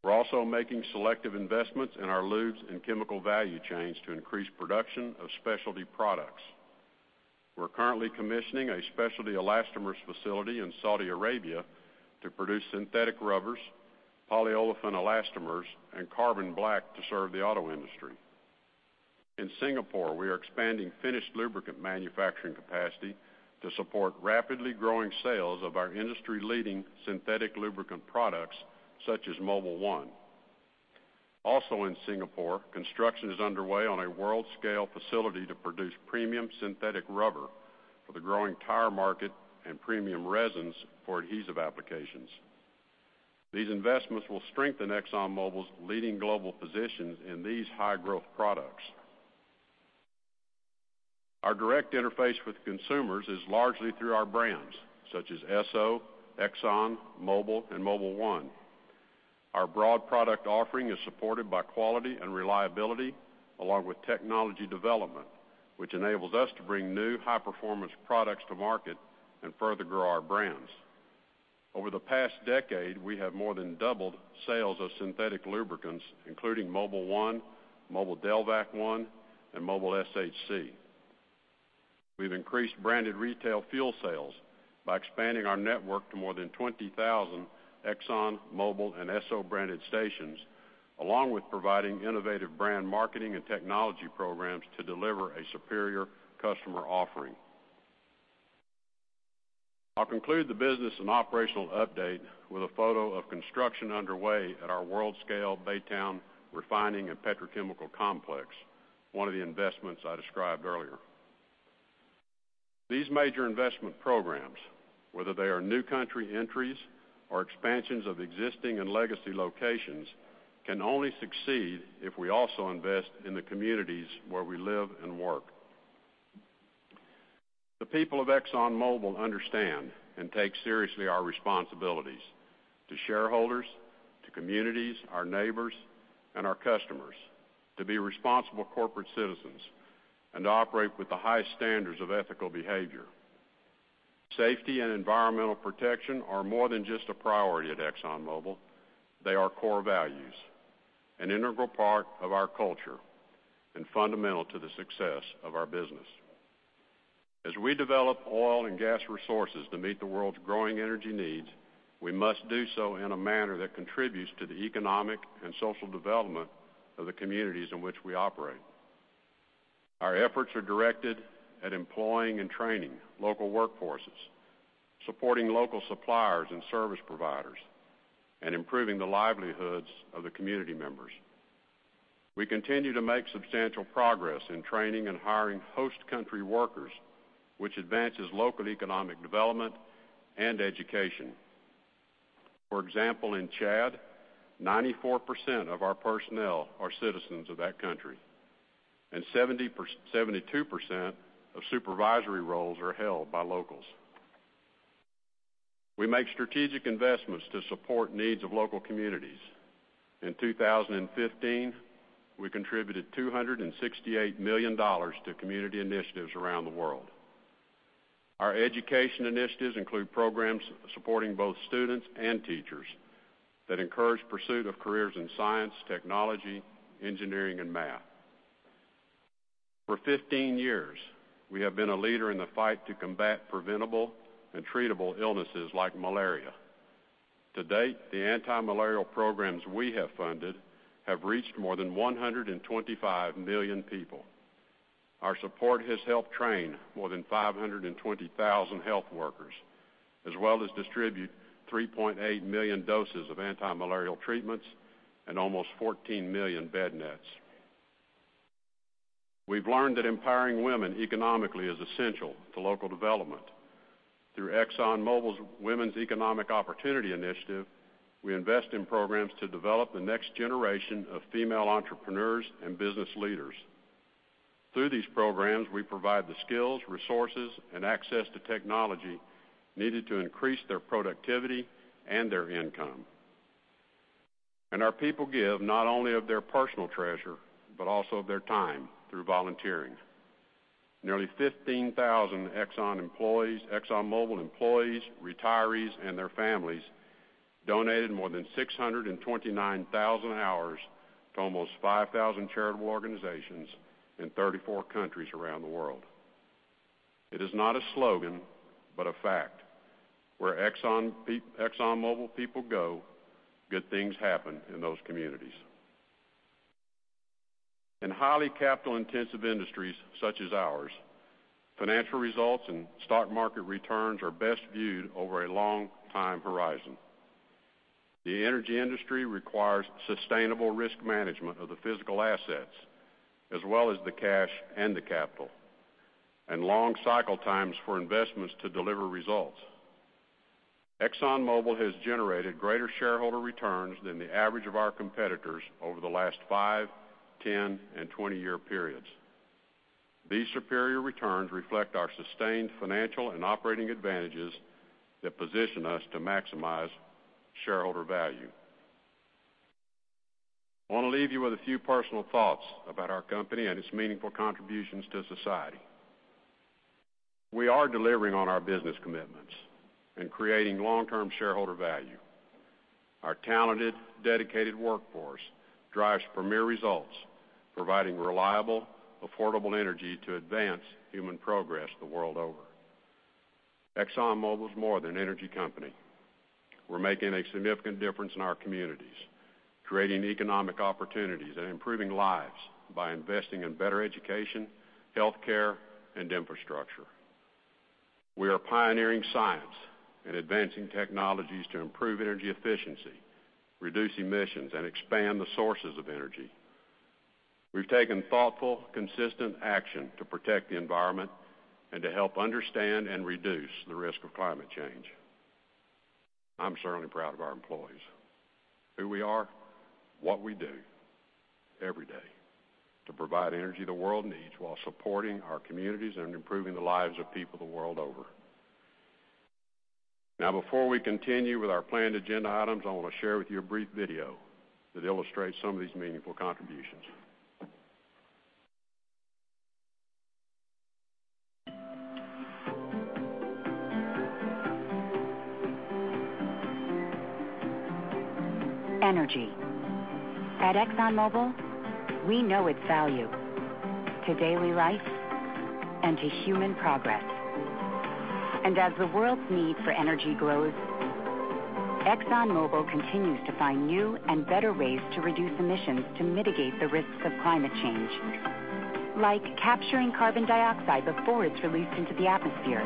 We're also making selective investments in our lubes and chemical value chains to increase production of specialty products. We're currently commissioning a specialty elastomers facility in Saudi Arabia to produce synthetic rubbers, polyolefin elastomers, and carbon black to serve the auto industry. In Singapore, we are expanding finished lubricant manufacturing capacity to support rapidly growing sales of our industry-leading synthetic lubricant products, such as Mobil 1. Also in Singapore, construction is underway on a world-scale facility to produce premium synthetic rubber for the growing tire market and premium resins for adhesive applications. These investments will strengthen ExxonMobil's leading global positions in these high-growth products. Our direct interface with consumers is largely through our brands, such as Esso, Exxon, Mobil, and Mobil 1. Our broad product offering is supported by quality and reliability along with technology development, which enables us to bring new high-performance products to market and further grow our brands. Over the past decade, we have more than doubled sales of synthetic lubricants, including Mobil 1, Mobil Delvac 1, and Mobil SHC. We've increased branded retail fuel sales by expanding our network to more than 20,000 Exxon, Mobil, and Esso branded stations, along with providing innovative brand marketing and technology programs to deliver a superior customer offering. I'll conclude the business and operational update with a photo of construction underway at our world-scale Baytown refining and petrochemical complex, one of the investments I described earlier. These major investment programs, whether they are new country entries or expansions of existing and legacy locations, can only succeed if we also invest in the communities where we live and work. The people of ExxonMobil understand and take seriously our responsibilities to shareholders, to communities, our neighbors, and our customers to be responsible corporate citizens and to operate with the highest standards of ethical behavior. Safety and environmental protection are more than just a priority at ExxonMobil. They are core values, an integral part of our culture, and fundamental to the success of our business. As we develop oil and gas resources to meet the world's growing energy needs, we must do so in a manner that contributes to the economic and social development of the communities in which we operate. Our efforts are directed at employing and training local workforces, supporting local suppliers and service providers, and improving the livelihoods of the community members. We continue to make substantial progress in training and hiring host country workers, which advances local economic development and education. For example, in Chad, 94% of our personnel are citizens of that country, and 72% of supervisory roles are held by locals. We make strategic investments to support needs of local communities. In 2015, we contributed $268 million to community initiatives around the world. Our education initiatives include programs supporting both students and teachers that encourage pursuit of careers in science, technology, engineering, and math. For 15 years, we have been a leader in the fight to combat preventable and treatable illnesses like malaria. To date, the anti-malaria programs we have funded have reached more than 125 million people. Our support has helped train more than 520,000 health workers, as well as distribute 3.8 million doses of anti-malaria treatments and almost 14 million bed nets. We've learned that empowering women economically is essential to local development. Through ExxonMobil's Women's Economic Opportunity Initiative, we invest in programs to develop the next generation of female entrepreneurs and business leaders. Through these programs, we provide the skills, resources, and access to technology needed to increase their productivity and their income. Our people give not only of their personal treasure, but also of their time through volunteering. Nearly 15,000 ExxonMobil employees, retirees, and their families donated more than 629,000 hours to almost 5,000 charitable organizations in 34 countries around the world. It is not a slogan, but a fact. Where ExxonMobil people go, good things happen in those communities. In highly capital-intensive industries such as ours, financial results and stock market returns are best viewed over a long time horizon. The energy industry requires sustainable risk management of the physical assets, as well as the cash and the capital, and long cycle times for investments to deliver results. ExxonMobil has generated greater shareholder returns than the average of our competitors over the last 5, 10, and 20-year periods. These superior returns reflect our sustained financial and operating advantages that position us to maximize shareholder value. I want to leave you with a few personal thoughts about our company and its meaningful contributions to society. We are delivering on our business commitments and creating long-term shareholder value. Our talented, dedicated workforce drives premier results, providing reliable, affordable energy to advance human progress the world over. ExxonMobil is more than an energy company. We're making a significant difference in our communities, creating economic opportunities, and improving lives by investing in better education, healthcare, and infrastructure. We are pioneering science and advancing technologies to improve energy efficiency, reduce emissions, and expand the sources of energy. We've taken thoughtful, consistent action to protect the environment and to help understand and reduce the risk of climate change. I'm certainly proud of our employees, who we are, what we do every day to provide energy the world needs while supporting our communities and improving the lives of people the world over. Before we continue with our planned agenda items, I want to share with you a brief video that illustrates some of these meaningful contributions. Energy. At ExxonMobil, we know its value to daily life and to human progress. As the world's need for energy grows, ExxonMobil continues to find new and better ways to reduce emissions to mitigate the risks of climate change, like capturing carbon dioxide before it's released into the atmosphere.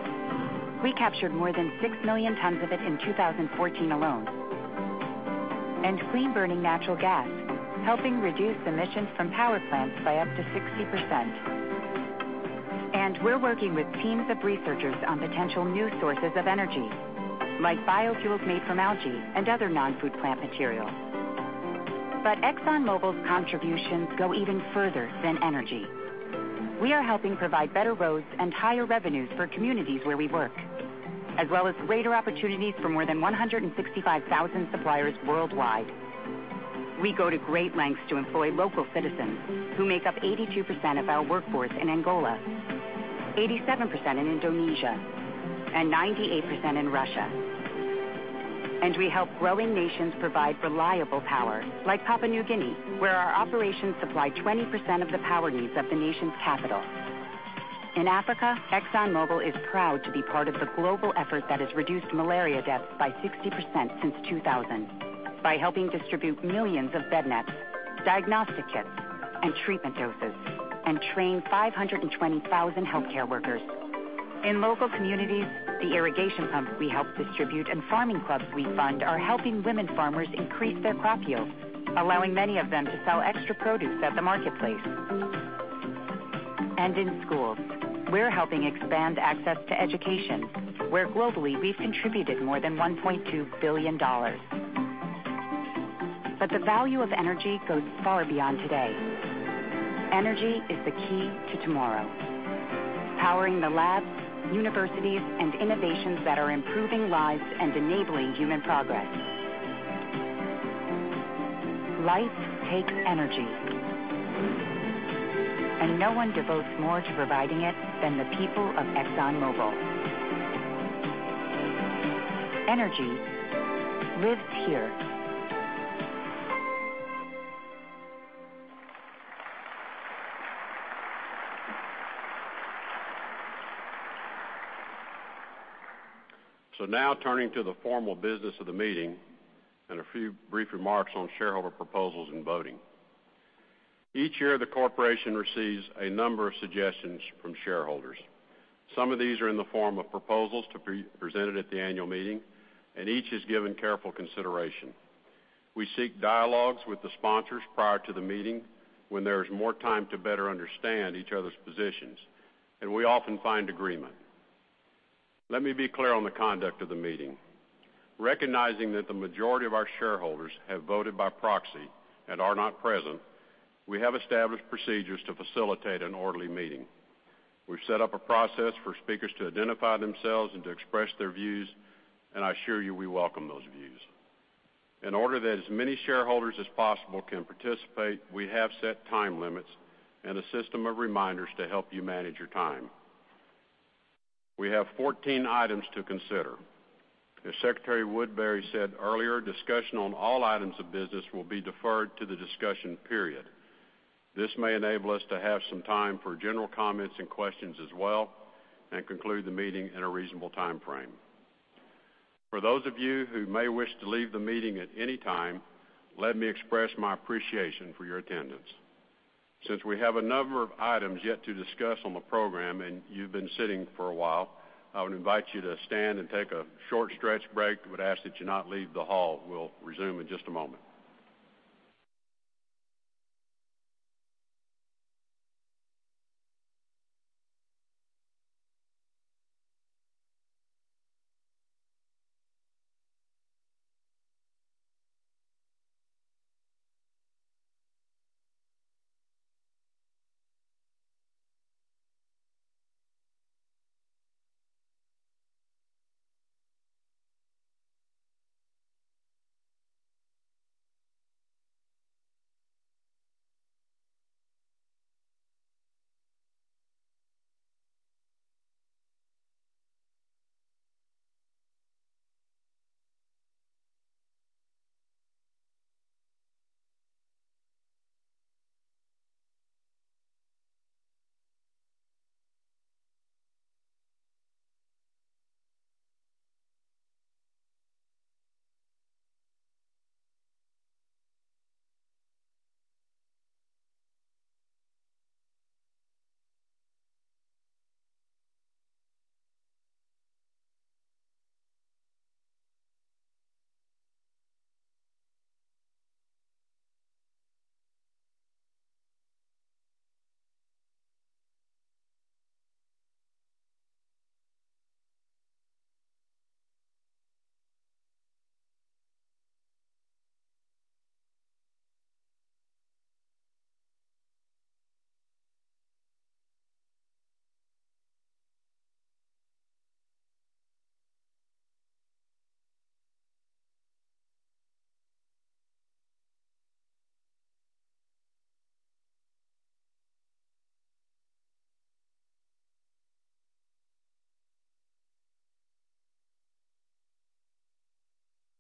We captured more than 6 million tons of it in 2014 alone. Clean-burning natural gas, helping reduce emissions from power plants by up to 60%. We're working with teams of researchers on potential new sources of energy, like biofuels made from algae and other non-food plant material. ExxonMobil's contributions go even further than energy. We are helping provide better roads and higher revenues for communities where we work, as well as greater opportunities for more than 165,000 suppliers worldwide. We go to great lengths to employ local citizens who make up 82% of our workforce in Angola, 87% in Indonesia, and 98% in Russia. We help growing nations provide reliable power, like Papua New Guinea, where our operations supply 20% of the power needs of the nation's capital. In Africa, ExxonMobil is proud to be part of the global effort that has reduced malaria deaths by 60% since 2000 by helping distribute millions of bed nets, diagnostic kits, and treatment doses, and train 520,000 healthcare workers. In local communities, the irrigation pumps we help distribute and farming clubs we fund are helping women farmers increase their crop yield, allowing many of them to sell extra produce at the marketplace. In schools, we're helping expand access to education, where globally we've contributed more than $1.2 billion. The value of energy goes far beyond today. Energy is the key to tomorrow, powering the labs, universities, and innovations that are improving lives and enabling human progress. Life takes energy, and no one devotes more to providing it than the people of ExxonMobil. Energy lives here. Now turning to the formal business of the meeting and a few brief remarks on shareholder proposals and voting. Each year, the corporation receives a number of suggestions from shareholders. Some of these are in the form of proposals to be presented at the annual meeting. Each is given careful consideration. We seek dialogues with the sponsors prior to the meeting when there is more time to better understand each other's positions. We often find agreement. Let me be clear on the conduct of the meeting. Recognizing that the majority of our shareholders have voted by proxy and are not present, we have established procedures to facilitate an orderly meeting. We've set up a process for speakers to identify themselves and to express their views. I assure you, we welcome those views. In order that as many shareholders as possible can participate, we have set time limits and a system of reminders to help you manage your time. We have 14 items to consider. As Secretary Woodbury said earlier, discussion on all items of business will be deferred to the discussion period. This may enable us to have some time for general comments and questions as well and conclude the meeting in a reasonable timeframe. For those of you who may wish to leave the meeting at any time, let me express my appreciation for your attendance. Since we have a number of items yet to discuss on the program and you've been sitting for a while, I would invite you to stand and take a short stretch break. Ask that you not leave the hall. We'll resume in just a moment.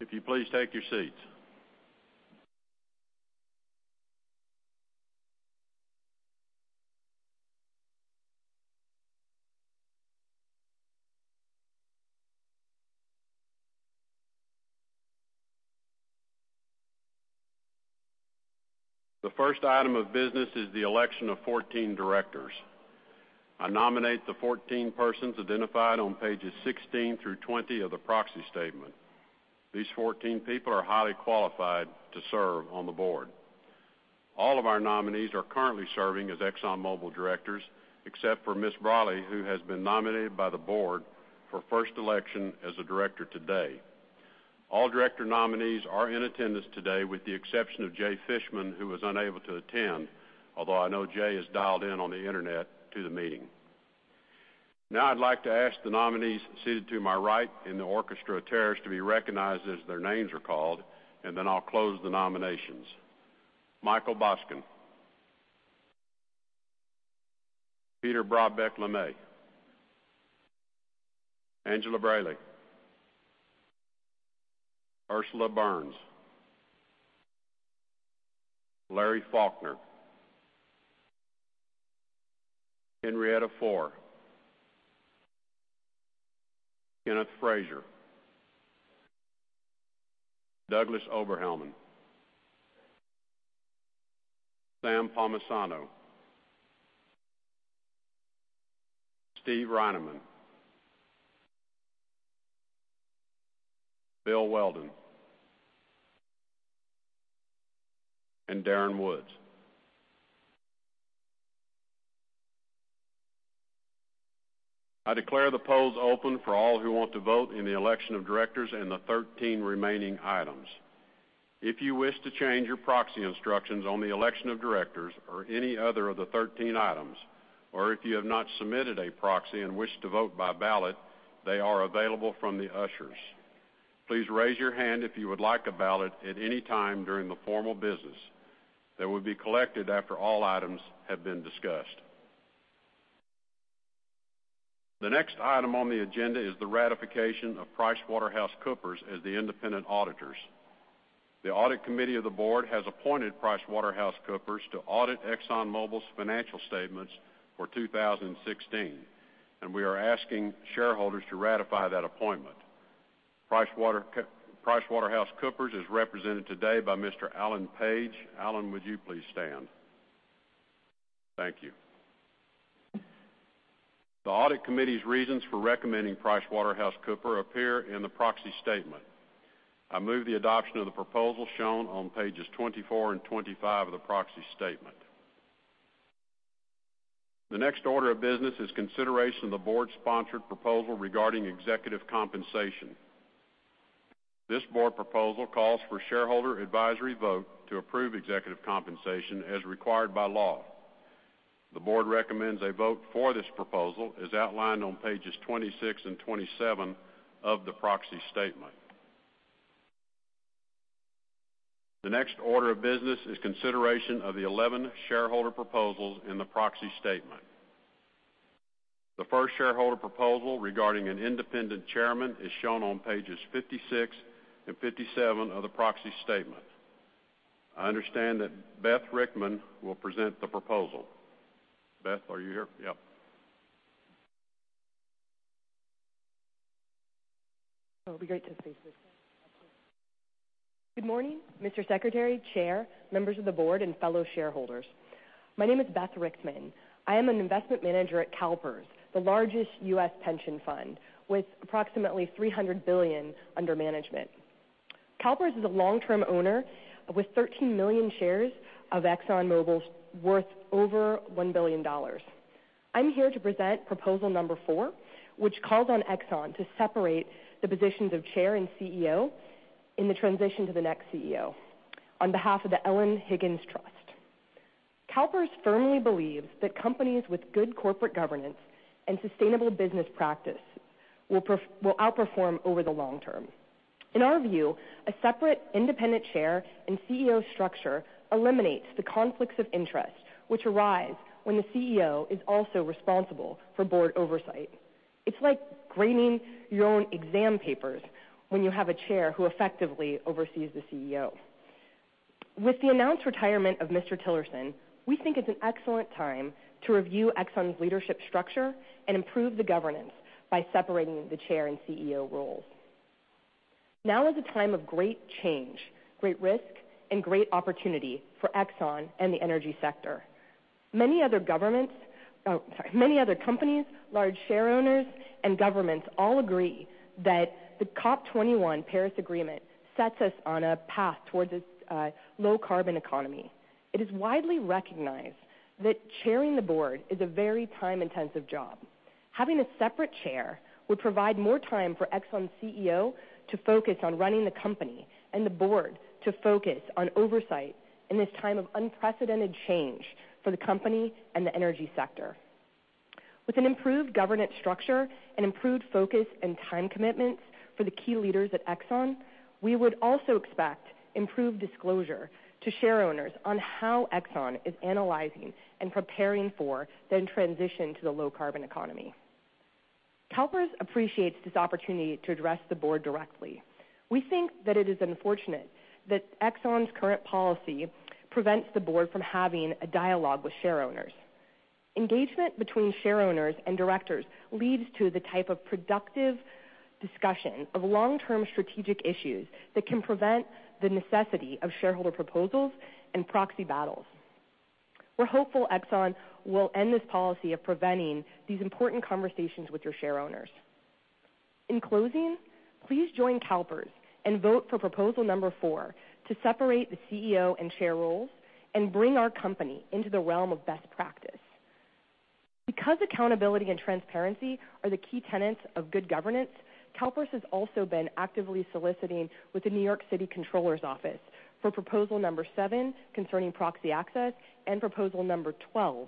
If you please take your seats. The first item of business is the election of 14 directors. I nominate the 14 persons identified on pages 16 through 20 of the proxy statement. These 14 people are highly qualified to serve on the board. All of our nominees are currently serving as ExxonMobil directors, except for Ms. Braly, who has been nominated by the board for first election as a director today. All director nominees are in attendance today with the exception of Jay Fishman, who was unable to attend, although I know Jay is dialed in on the internet to the meeting. Now I'd like to ask the nominees seated to my right in the orchestra terrace to be recognized as their names are called. Then I'll close the nominations. Michael Boskin. Peter Brabeck-Letmathe. Angela Braly. Ursula Burns. Larry Faulkner. Henrietta Fore. Kenneth Frazier. Douglas Oberhelman. Sam Palmisano. Steve Reinemund. Bill Weldon. Darren Woods. I declare the polls open for all who want to vote in the election of directors and the 13 remaining items. If you wish to change your proxy instructions on the election of directors or any other of the 13 items, or if you have not submitted a proxy and wish to vote by ballot, they are available from the ushers. Please raise your hand if you would like a ballot at any time during the formal business. They will be collected after all items have been discussed. The next item on the agenda is the ratification of PricewaterhouseCoopers as the independent auditors. The audit committee of the board has appointed PricewaterhouseCoopers to audit ExxonMobil's financial statements for 2016. We are asking shareholders to ratify that appointment. PricewaterhouseCoopers is represented today by Mr. Alan Page. Alan, would you please stand? Thank you. The audit committee's reasons for recommending PricewaterhouseCoopers appear in the proxy statement. I move the adoption of the proposal shown on pages 24 and 25 of the proxy statement. The next order of business is consideration of the board-sponsored proposal regarding executive compensation. This board proposal calls for shareholder advisory vote to approve executive compensation as required by law. The board recommends a vote for this proposal as outlined on pages 26 and 27 of the proxy statement. The next order of business is consideration of the 11 shareholder proposals in the proxy statement. The first shareholder proposal regarding an independent chairman is shown on pages 56 and 57 of the proxy statement. I understand that Beth Richtman will present the proposal. Beth, are you here? Yep. It'll be great to see you. Good morning, Mr. Secretary, Chair, members of the board, and fellow shareholders. My name is Beth Richtman. I am an investment manager at CalPERS, the largest U.S. pension fund, with approximately $300 billion under management. CalPERS is a long-term owner with 13 million shares of ExxonMobil worth over $1 billion. I'm here to present proposal number four, which calls on Exxon to separate the positions of chair and CEO in the transition to the next CEO on behalf of the Helen Higgins Trust. CalPERS firmly believes that companies with good corporate governance and sustainable business practice will outperform over the long term. In our view, a separate independent chair and CEO structure eliminates the conflicts of interest which arise when the CEO is also responsible for board oversight. It's like grading your own exam papers when you have a chair who effectively oversees the CEO. With the announced retirement of Mr. Tillerson, we think it's an excellent time to review Exxon's leadership structure and improve the governance by separating the chair and CEO roles. Now is a time of great change, great risk, and great opportunity for Exxon and the energy sector. Many other companies, large share owners, and governments all agree that the COP 21 Paris Agreement sets us on a path towards a low carbon economy. It is widely recognized that chairing the board is a very time-intensive job. Having a separate chair would provide more time for Exxon's CEO to focus on running the company and the board to focus on oversight in this time of unprecedented change for the company and the energy sector. With an improved governance structure and improved focus and time commitments for the key leaders at Exxon, we would also expect improved disclosure to share owners on how Exxon is analyzing and preparing for the transition to the low carbon economy. CalPERS appreciates this opportunity to address the board directly. We think that it is unfortunate that Exxon's current policy prevents the board from having a dialogue with share owners. Engagement between share owners and directors leads to the type of productive discussion of long-term strategic issues that can prevent the necessity of shareholder proposals and proxy battles. We're hopeful Exxon will end this policy of preventing these important conversations with your share owners. In closing, please join CalPERS and vote for proposal number four to separate the CEO and chair roles and bring our company into the realm of best practice. Because accountability and transparency are the key tenets of good governance, CalPERS has also been actively soliciting with the New York City Comptroller's Office for proposal number seven concerning proxy access and proposal number 12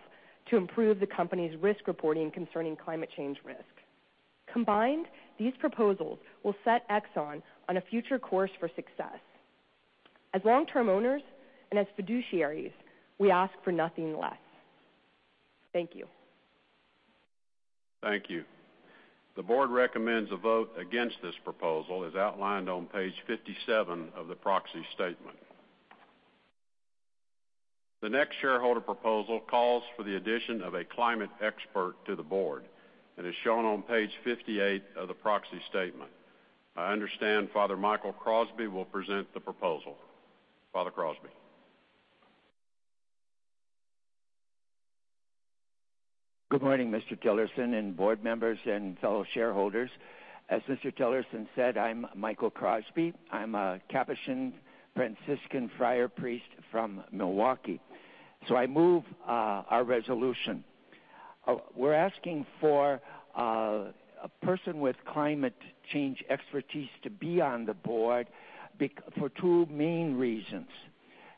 to improve the company's risk reporting concerning climate change risk. Combined, these proposals will set Exxon on a future course for success. As long-term owners and as fiduciaries, we ask for nothing less. Thank you. Thank you. The board recommends a vote against this proposal, as outlined on page 57 of the proxy statement. The next shareholder proposal calls for the addition of a climate expert to the board, and is shown on page 58 of the proxy statement. I understand Father Michael Crosby will present the proposal. Father Crosby. Good morning, Mr. Tillerson and board members and fellow shareholders. As Mr. Tillerson said, I'm Michael Crosby. I'm a Capuchin Franciscan friar priest from Milwaukee. I move our resolution. We're asking for a person with climate change expertise to be on the board for two main reasons.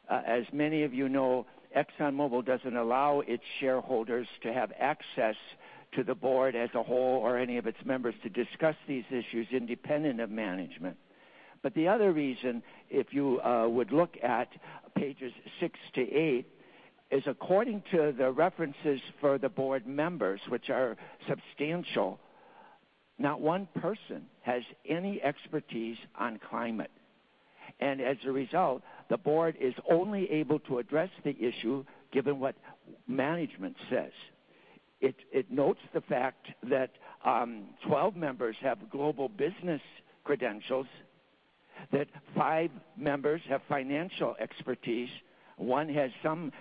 As many of you know, ExxonMobil doesn't allow its shareholders to have access to the board as a whole or any of its members to discuss these issues independent of management. The other reason, if you would look at pages six to eight, is according to the references for the board members, which are substantial, not one person has any expertise on climate. As a result, the board is only able to address the issue given what management says. It notes the fact that 12 members have global business credentials, that five members have financial expertise. One has some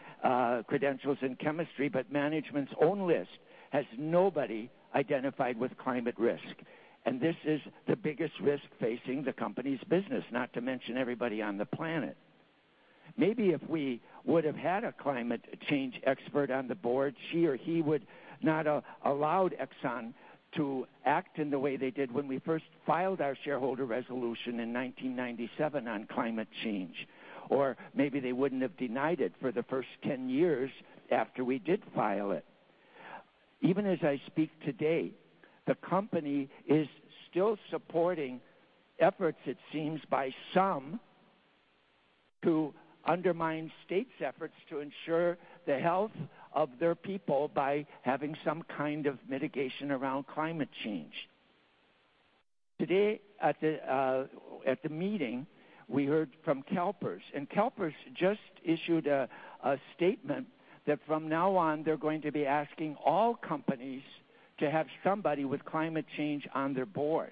credentials in chemistry, management's own list has nobody identified with climate risk, and this is the biggest risk facing the company's business, not to mention everybody on the planet. Maybe if we would have had a climate change expert on the board, she or he would not allow Exxon to act in the way they did when we first filed our shareholder resolution in 1997 on climate change. Maybe they wouldn't have denied it for the first 10 years after we did file it. Even as I speak today, the company is still supporting efforts, it seems, by some to undermine states' efforts to ensure the health of their people by having some kind of mitigation around climate change. Today at the meeting, we heard from CalPERS. CalPERS just issued a statement that from now on, they're going to be asking all companies to have somebody with climate change on their board.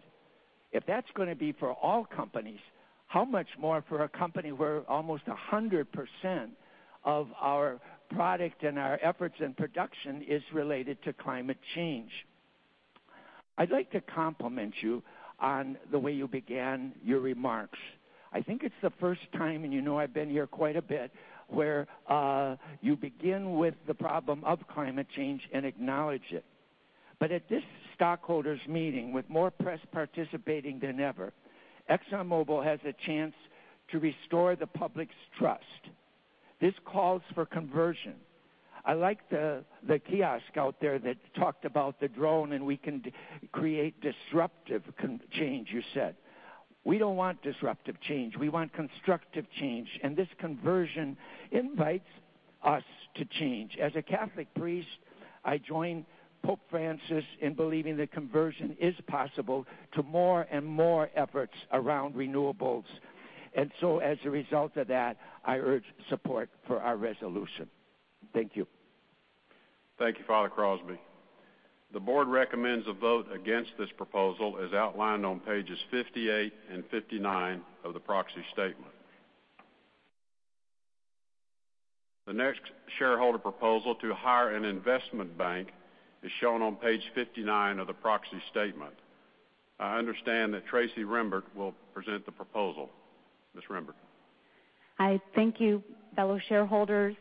If that's going to be for all companies, how much more for a company where almost 100% of our product and our efforts and production is related to climate change? I'd like to compliment you on the way you began your remarks. I think it's the first time, you know I've been here quite a bit, where you begin with the problem of climate change and acknowledge it. At this stockholders meeting, with more press participating than ever, ExxonMobil has a chance to restore the public's trust. This calls for conversion. I like the kiosk out there that talked about the drone. We can create disruptive change, you said. We don't want disruptive change. We want constructive change. This conversion invites us to change. As a Catholic priest, I join Pope Francis in believing that conversion is possible to more and more efforts around renewables. As a result of that, I urge support for our resolution. Thank you. Thank you, Father Crosby. The board recommends a vote against this proposal, as outlined on pages 58 and 59 of the proxy statement. The next shareholder proposal to hire an investment bank is shown on page 59 of the proxy statement. I understand that Tracey Rembert will present the proposal. Ms. Rembert. I thank you, fellow shareholders,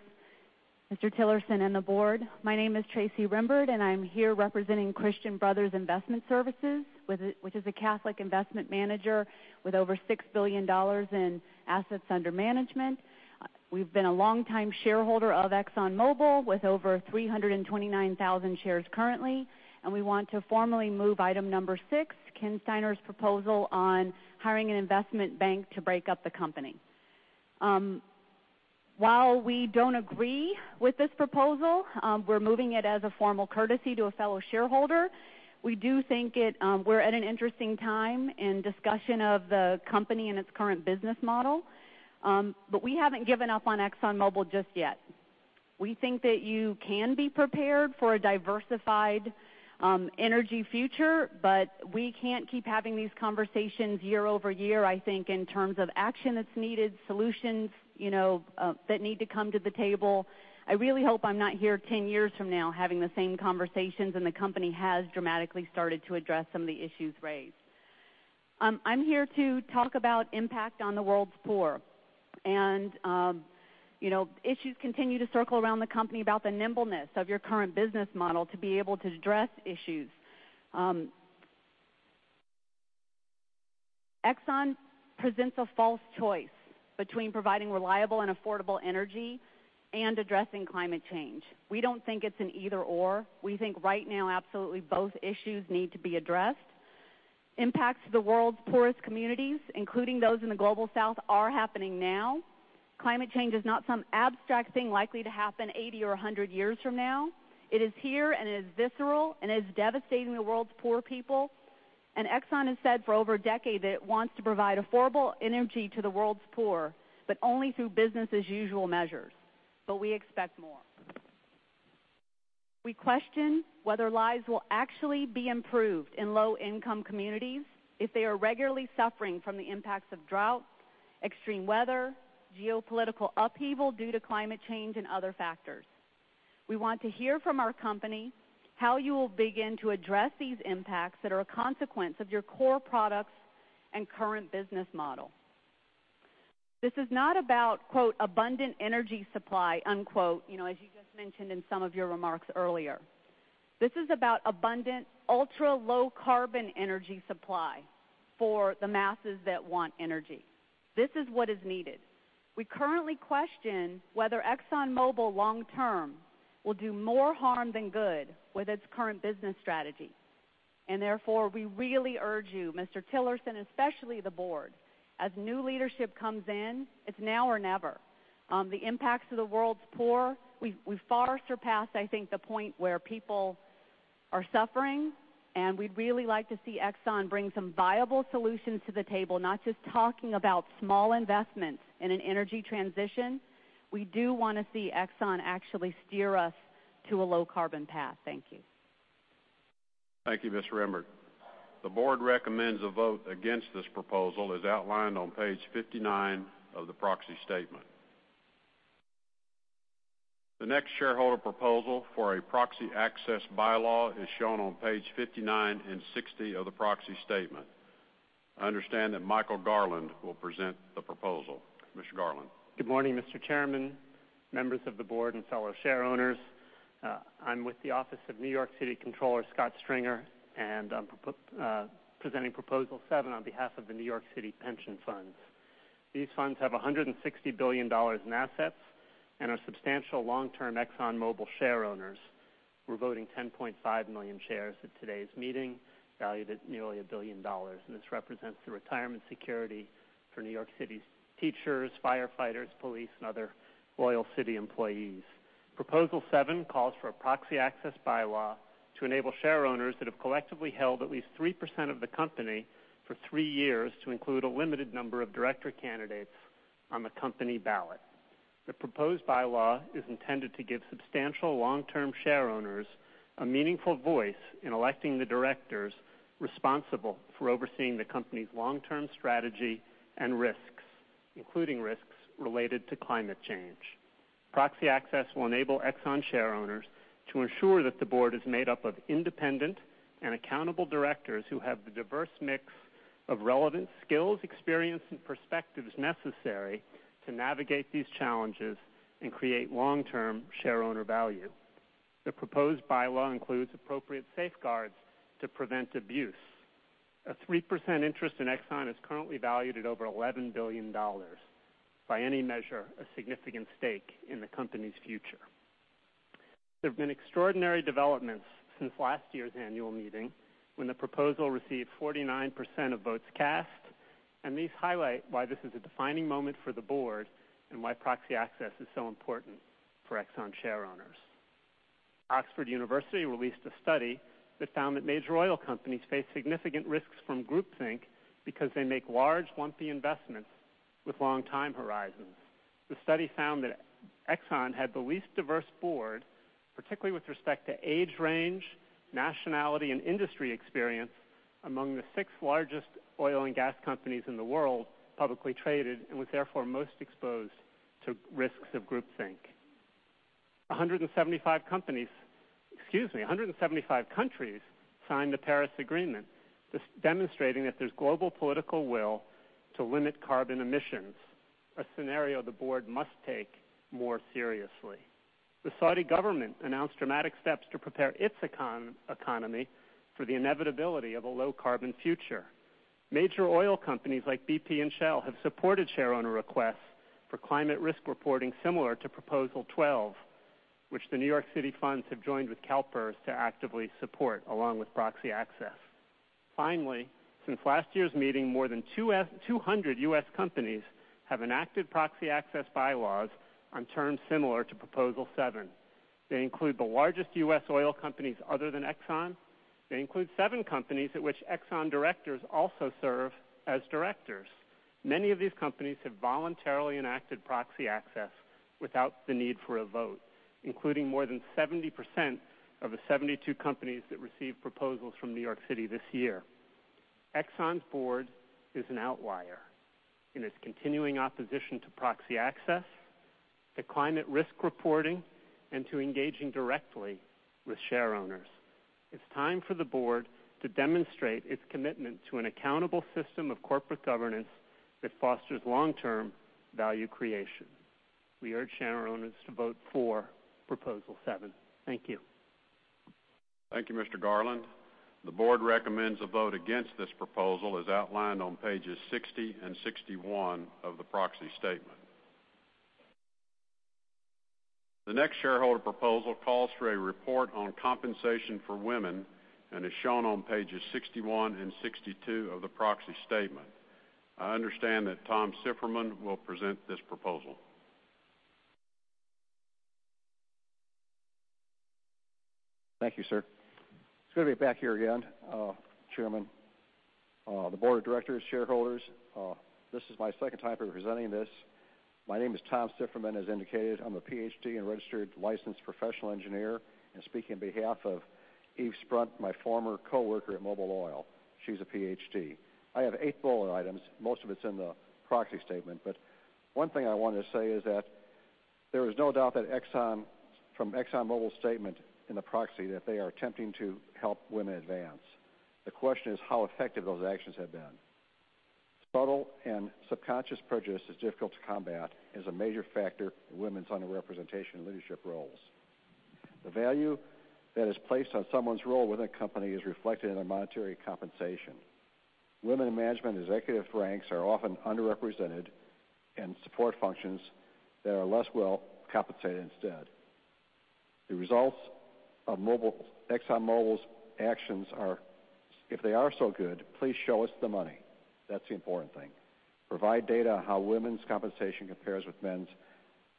Mr. Tillerson, and the board. My name is Tracey Rembert, and I'm here representing Christian Brothers Investment Services, which is a Catholic investment manager with over $6 billion in assets under management. We've been a longtime shareholder of ExxonMobil with over 329,000 shares currently, we want to formally move item number 6, Kenneth Steiner's proposal on hiring an investment bank to break up the company. While we don't agree with this proposal, we're moving it as a formal courtesy to a fellow shareholder. We do think we're at an interesting time in discussion of the company and its current business model. We haven't given up on ExxonMobil just yet. We think that you can be prepared for a diversified energy future, but we can't keep having these conversations year-over-year, I think, in terms of action that's needed, solutions that need to come to the table. I really hope I'm not here 10 years from now having the same conversations and the company has dramatically started to address some of the issues raised. I'm here to talk about impact on the world's poor. Issues continue to circle around the company about the nimbleness of your current business model to be able to address issues. Exxon presents a false choice between providing reliable and affordable energy and addressing climate change. We don't think it's an either/or. We think right now absolutely both issues need to be addressed. Impacts to the world's poorest communities, including those in the Global South, are happening now. Climate change is not some abstract thing likely to happen 80 or 100 years from now. It is here, and it is visceral, and it is devastating the world's poor people. Exxon has said for over a decade that it wants to provide affordable energy to the world's poor, but only through business as usual measures. We expect more. We question whether lives will actually be improved in low-income communities if they are regularly suffering from the impacts of drought, extreme weather, geopolitical upheaval due to climate change, and other factors. We want to hear from our company how you will begin to address these impacts that are a consequence of your core products and current business model. This is not about, quote, "abundant energy supply," unquote, as you just mentioned in some of your remarks earlier. This is about abundant ultra-low carbon energy supply for the masses that want energy. This is what is needed. We currently question whether ExxonMobil long term will do more harm than good with its current business strategy. Therefore, we really urge you, Mr. Tillerson, especially the board, as new leadership comes in, it's now or never. The impacts of the world's poor, we've far surpassed, I think, the point where people are suffering. We'd really like to see Exxon bring some viable solutions to the table, not just talking about small investments in an energy transition. We do want to see Exxon actually steer us to a low carbon path. Thank you. Thank you, Ms. Rembert. The board recommends a vote against this proposal as outlined on page 59 of the proxy statement. The next shareholder proposal for a proxy access bylaw is shown on page 59 and 60 of the proxy statement. I understand that Michael Garland will present the proposal. Mr. Garland. Good morning, Mr. Chairman, members of the board, and fellow shareowners. I'm with the office of New York City Comptroller Scott Stringer, and I'm presenting Proposal 7 on behalf of the New York City Pension Funds. These funds have $160 billion in assets and are substantial long-term ExxonMobil shareowners. We're voting 10.5 million shares at today's meeting, valued at nearly a billion dollars. This represents the retirement security for New York City's teachers, firefighters, police, and other loyal city employees. Proposal 7 calls for a proxy access bylaw to enable shareowners that have collectively held at least 3% of the company for three years to include a limited number of director candidates on the company ballot. The proposed bylaw is intended to give substantial long-term shareowners a meaningful voice in electing the directors responsible for overseeing the company's long-term strategy and risks, including risks related to climate change. Proxy access will enable Exxon shareowners to ensure that the board is made up of independent and accountable directors who have the diverse mix of relevant skills, experience, and perspectives necessary to navigate these challenges and create long-term shareowner value. The proposed bylaw includes appropriate safeguards to prevent abuse. A 3% interest in Exxon is currently valued at over $11 billion. By any measure, a significant stake in the company's future. There have been extraordinary developments since last year's annual meeting when the proposal received 49% of votes cast. These highlight why this is a defining moment for the board and why proxy access is so important for Exxon shareowners. Oxford University released a study that found that major oil companies face significant risks from groupthink because they make large, lumpy investments with long time horizons. The study found that Exxon had the least diverse board, particularly with respect to age range, nationality, and industry experience among the six largest oil and gas companies in the world, publicly traded, and was therefore most exposed to risks of groupthink. 175 countries signed the Paris Agreement, demonstrating that there's global political will to limit carbon emissions, a scenario the board must take more seriously. The Saudi government announced dramatic steps to prepare its economy for the inevitability of a low carbon future. Major oil companies like BP and Shell have supported shareowner requests for climate risk reporting similar to Proposal 12, which the New York City funds have joined with CalPERS to actively support along with proxy access. Finally, since last year's meeting, more than 200 U.S. companies have enacted proxy access bylaws on terms similar to Proposal 7. They include the largest U.S. oil companies other than Exxon. They include seven companies at which Exxon directors also serve as directors. Many of these companies have voluntarily enacted proxy access without the need for a vote, including more than 70% of the 72 companies that received proposals from New York City this year. Exxon's board is an outlier in its continuing opposition to proxy access, to climate risk reporting, and to engaging directly with shareowners. It's time for the board to demonstrate its commitment to an accountable system of corporate governance that fosters long-term value creation. We urge shareowners to vote for Proposal 7. Thank you. Thank you, Mr. Garland. The board recommends a vote against this proposal, as outlined on pages 60 and 61 of the proxy statement. The next shareholder proposal calls for a report on compensation for women and is shown on pages 61 and 62 of the proxy statement. I understand that Tom Sifferman will present this proposal. Thank you, sir. It's good to be back here again. Chairman, the board of directors, shareholders, this is my second time representing this. My name is Tom Sifferman, as indicated. I'm a PhD and registered licensed professional engineer, and speaking on behalf of Eve Sprunt, my former coworker at Mobil Oil. She's a PhD. I have eight bullet items. Most of it's in the proxy statement. One thing I wanted to say is that there is no doubt from Exxon Mobil's statement in the proxy that they are attempting to help women advance. The question is how effective those actions have been. Subtle and subconscious prejudice is difficult to combat, and is a major factor in women's underrepresentation in leadership roles. The value that is placed on someone's role with a company is reflected in their monetary compensation. Women in management and executive ranks are often underrepresented in support functions that are less well compensated instead. The results of Exxon Mobil's actions are, if they are so good, please show us the money. That's the important thing. Provide data on how women's compensation compares with men's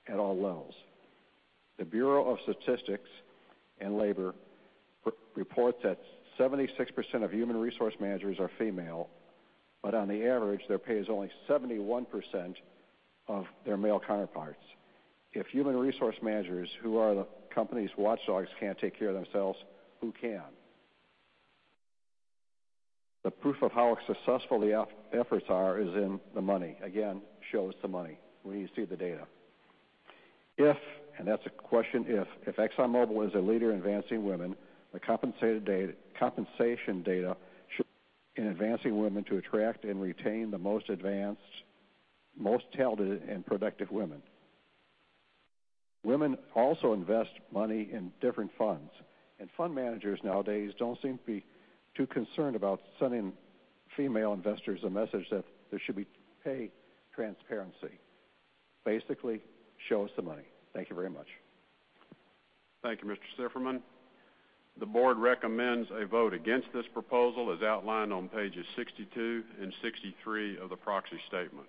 at all levels. The Bureau of Labor Statistics reports that 76% of human resource managers are female, but on the average, their pay is only 71% of their male counterparts. If human resource managers, who are the company's watchdogs, can't take care of themselves, who can? The proof of how successful the efforts are is in the money. Again, show us the money. We need to see the data. If, and that's a question if Exxon Mobil is a leader in advancing women, the compensation data should In advancing women to attract and retain the most advanced, most talented, and productive women. Women also invest money in different funds, and fund managers nowadays don't seem to be too concerned about sending female investors a message that there should be pay transparency. Basically, show us the money. Thank you very much. Thank you, Mr. Sifferman. The board recommends a vote against this proposal, as outlined on pages 62 and 63 of the proxy statement.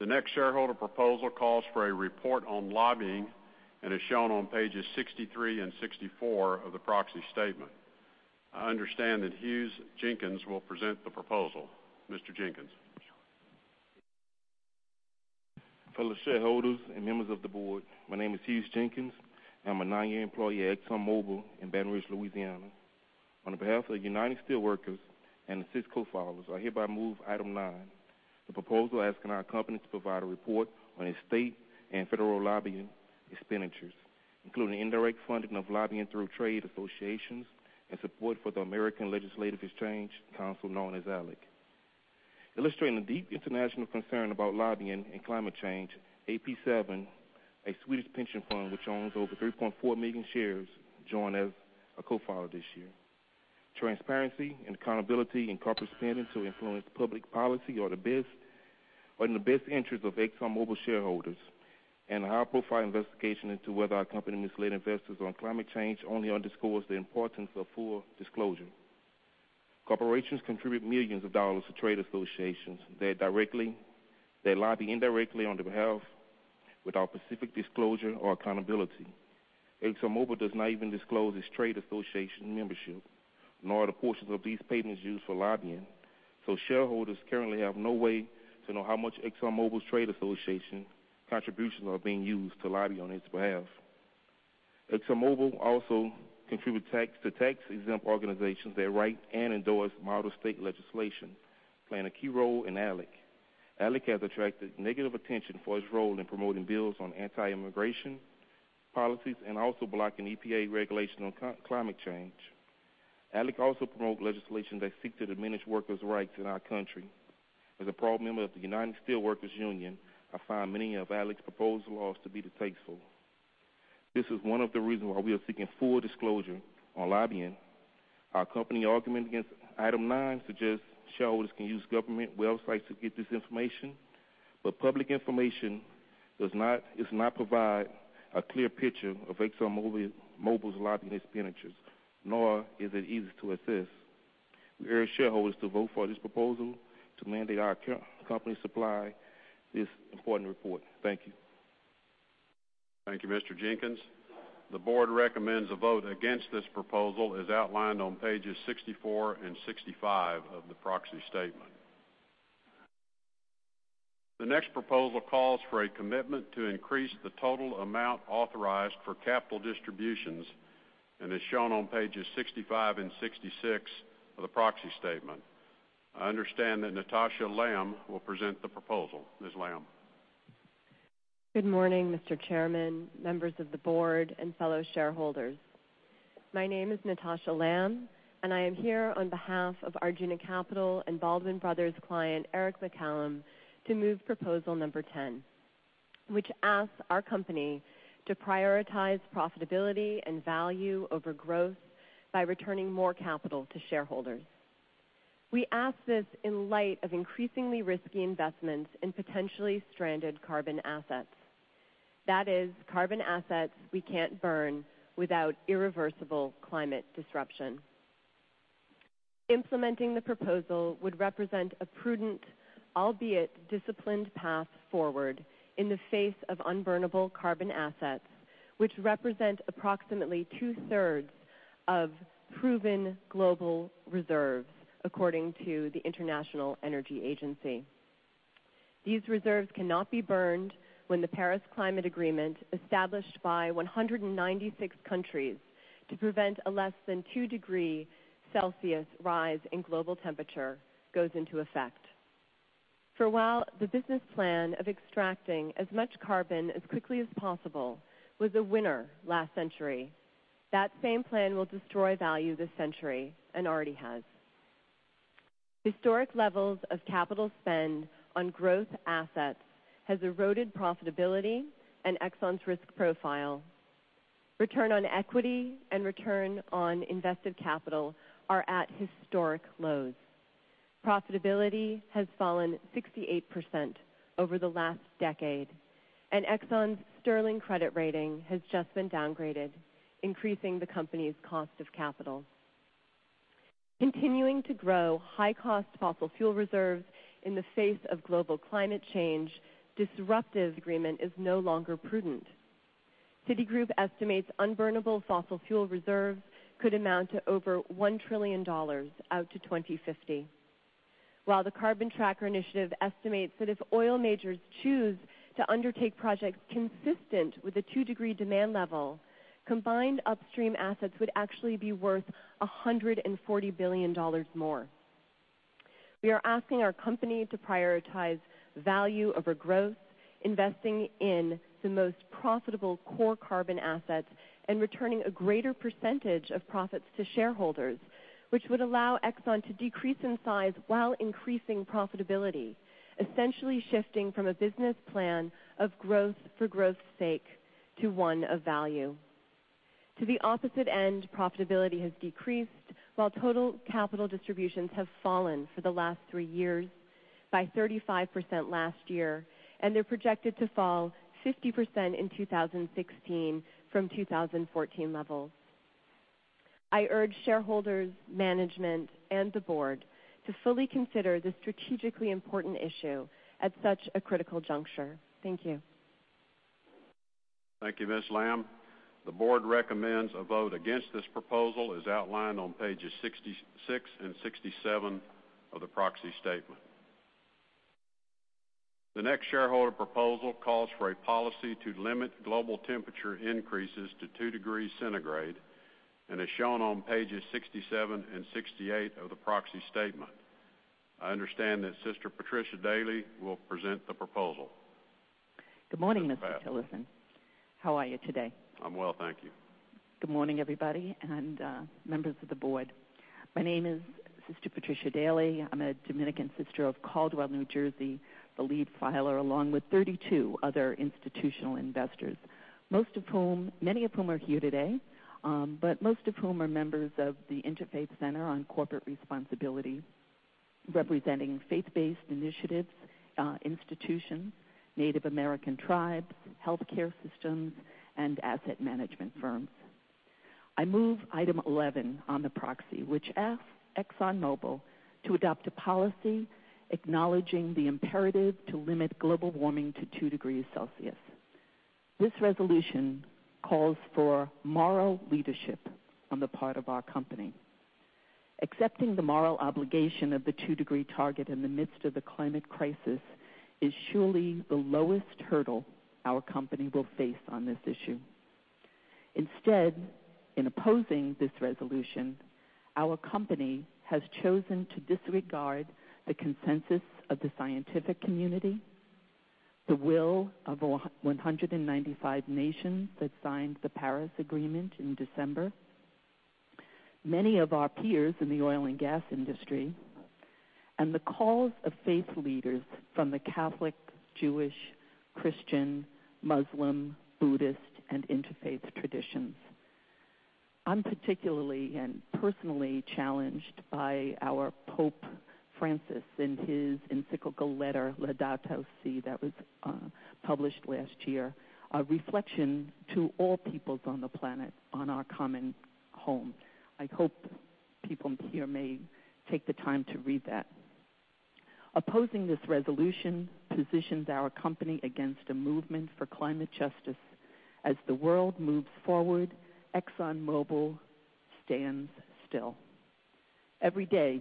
The next shareholder proposal calls for a report on lobbying and is shown on pages 63 and 64 of the proxy statement. I understand that Hughes Jenkins will present the proposal. Mr. Jenkins. Fellow shareholders and members of the board, my name is Hughes Jenkins. I'm a nine-year employee at Exxon Mobil in Baton Rouge, Louisiana. On behalf of the United Steelworkers and the six co-filers, I hereby move item nine, the proposal asking our company to provide a report on its state and federal lobbying expenditures, including indirect funding of lobbying through trade associations and support for the American Legislative Exchange Council, known as ALEC. Illustrating the deep international concern about lobbying and climate change, AP7, a Swedish pension fund which owns over 3.4 million shares, joined as a co-filer this year. Transparency and accountability in corporate spending to influence public policy are in the best interest of Exxon Mobil shareholders, and a high-profile investigation into whether our company misled investors on climate change only underscores the importance of full disclosure. Corporations contribute millions of dollars to trade associations. They lobby indirectly on their behalf without specific disclosure or accountability. Exxon Mobil does not even disclose its trade association membership, nor the portions of these payments used for lobbying. Shareholders currently have no way to know how much Exxon Mobil's trade association contributions are being used to lobby on its behalf. Exxon Mobil also contribute to tax-exempt organizations that write and endorse model state legislation, playing a key role in ALEC. ALEC has attracted negative attention for its role in promoting bills on anti-immigration policies and also blocking EPA regulation on climate change. ALEC also promote legislation that seek to diminish workers' rights in our country. As a proud member of the United Steelworkers union, I find many of ALEC's proposed laws to be distasteful. This is one of the reasons why we are seeking full disclosure on lobbying. Our company argument against item nine suggests shareholders can use government websites to get this information. Public information does not provide a clear picture of Exxon Mobil's lobbying expenditures, nor is it easy to assess. We urge shareholders to vote for this proposal to mandate our company supply this important report. Thank you. Thank you, Mr. Jenkins. The board recommends a vote against this proposal, as outlined on pages 64 and 65 of the proxy statement. The next proposal calls for a commitment to increase the total amount authorized for capital distributions and is shown on pages 65 and 66 of the proxy statement. I understand that Natasha Lamb will present the proposal. Ms. Lamb. Good morning, Mr. Chairman, members of the board, and fellow shareholders. My name is Natasha Lamb, and I am here on behalf of Arjuna Capital and Baldwin Brothers client Eric McCallum to move proposal number 10, which asks our company to prioritize profitability and value over growth by returning more capital to shareholders. We ask this in light of increasingly risky investments in potentially stranded carbon assets. That is, carbon assets we can't burn without irreversible climate disruption. Implementing the proposal would represent a prudent, albeit disciplined, path forward in the face of unburnable carbon assets, which represent approximately two-thirds of proven global reserves, according to the International Energy Agency. These reserves cannot be burned when the Paris Agreement, established by 196 countries to prevent a less than two-degree Celsius rise in global temperature, goes into effect. For a while, the business plan of extracting as much carbon as quickly as possible was a winner last century. That same plan will destroy value this century and already has. Historic levels of capital spend on growth assets has eroded profitability and Exxon's risk profile. Return on equity and return on invested capital are at historic lows. Profitability has fallen 68% over the last decade, and Exxon's sterling credit rating has just been downgraded, increasing the company's cost of capital. Continuing to grow high-cost fossil fuel reserves in the face of global climate change disruptive agreement is no longer prudent. Citigroup estimates unburnable fossil fuel reserves could amount to over $1 trillion out to 2050. The Carbon Tracker Initiative estimates that if oil majors choose to undertake projects consistent with the 2-degree demand level, combined upstream assets would actually be worth $140 billion more. We are asking our company to prioritize value over growth, investing in the most profitable core carbon assets, and returning a greater percentage of profits to shareholders, which would allow Exxon to decrease in size while increasing profitability, essentially shifting from a business plan of growth for growth's sake to one of value. To the opposite end, profitability has decreased, while total capital distributions have fallen for the last three years, by 35% last year, and they're projected to fall 50% in 2016 from 2014 levels. I urge shareholders, management, and the board to fully consider the strategically important issue at such a critical juncture. Thank you. Thank you, Ms. Lamb. The board recommends a vote against this proposal as outlined on pages 66 and 67 of the proxy statement. The next shareholder proposal calls for a policy to limit global temperature increases to 2 degrees centigrade and is shown on pages 67 and 68 of the proxy statement. I understand that Sister Patricia Daly will present the proposal. Good morning, Mr. Tillerson. How are you today? I'm well, thank you. Good morning, everybody, and members of the board. My name is Sister Patricia Daly. I'm a Dominican sister of Caldwell, New Jersey, the lead filer, along with 32 other institutional investors many of whom are here today, but most of whom are members of the Interfaith Center on Corporate Responsibility, representing faith-based initiatives, institutions, Native American tribes, healthcare systems, and asset management firms. I move item 11 on the proxy, which asks ExxonMobil to adopt a policy acknowledging the imperative to limit global warming to two degrees Celsius. This resolution calls for moral leadership on the part of our company. Accepting the moral obligation of the two-degree target in the midst of the climate crisis is surely the lowest hurdle our company will face on this issue. Instead, in opposing this resolution, our company has chosen to disregard the consensus of the scientific community, the will of 195 nations that signed the Paris Agreement in December, many of our peers in the oil and gas industry, and the calls of faith leaders from the Catholic, Jewish, Christian, Muslim, Buddhist, and interfaith traditions. I'm particularly and personally challenged by our Pope Francis in his encyclical letter, "Laudato si'," that was published last year, a reflection to all peoples on the planet on our common home. I hope people here may take the time to read that. Opposing this resolution positions our company against a movement for climate justice. As the world moves forward, ExxonMobil stands still. Every day,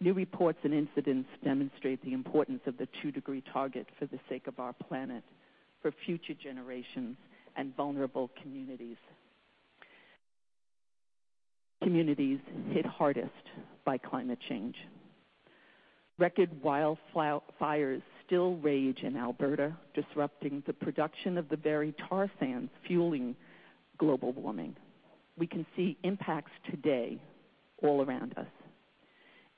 new reports and incidents demonstrate the importance of the two-degree target for the sake of our planet, for future generations and vulnerable communities hit hardest by climate change. Record wildfires still rage in Alberta, disrupting the production of the very tar sands fueling global warming. We can see impacts today all around us.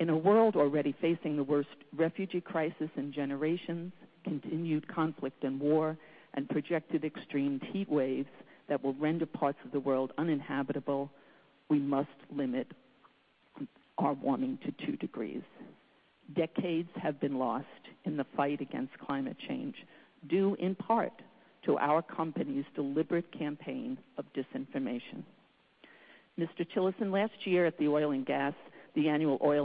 In a world already facing the worst refugee crisis in generations, continued conflict and war, and projected extreme heat waves that will render parts of the world uninhabitable, we must limit our warming to two degrees. Decades have been lost in the fight against climate change, due in part to our company's deliberate campaign of disinformation. Mr. Tillerson, last year at the Oil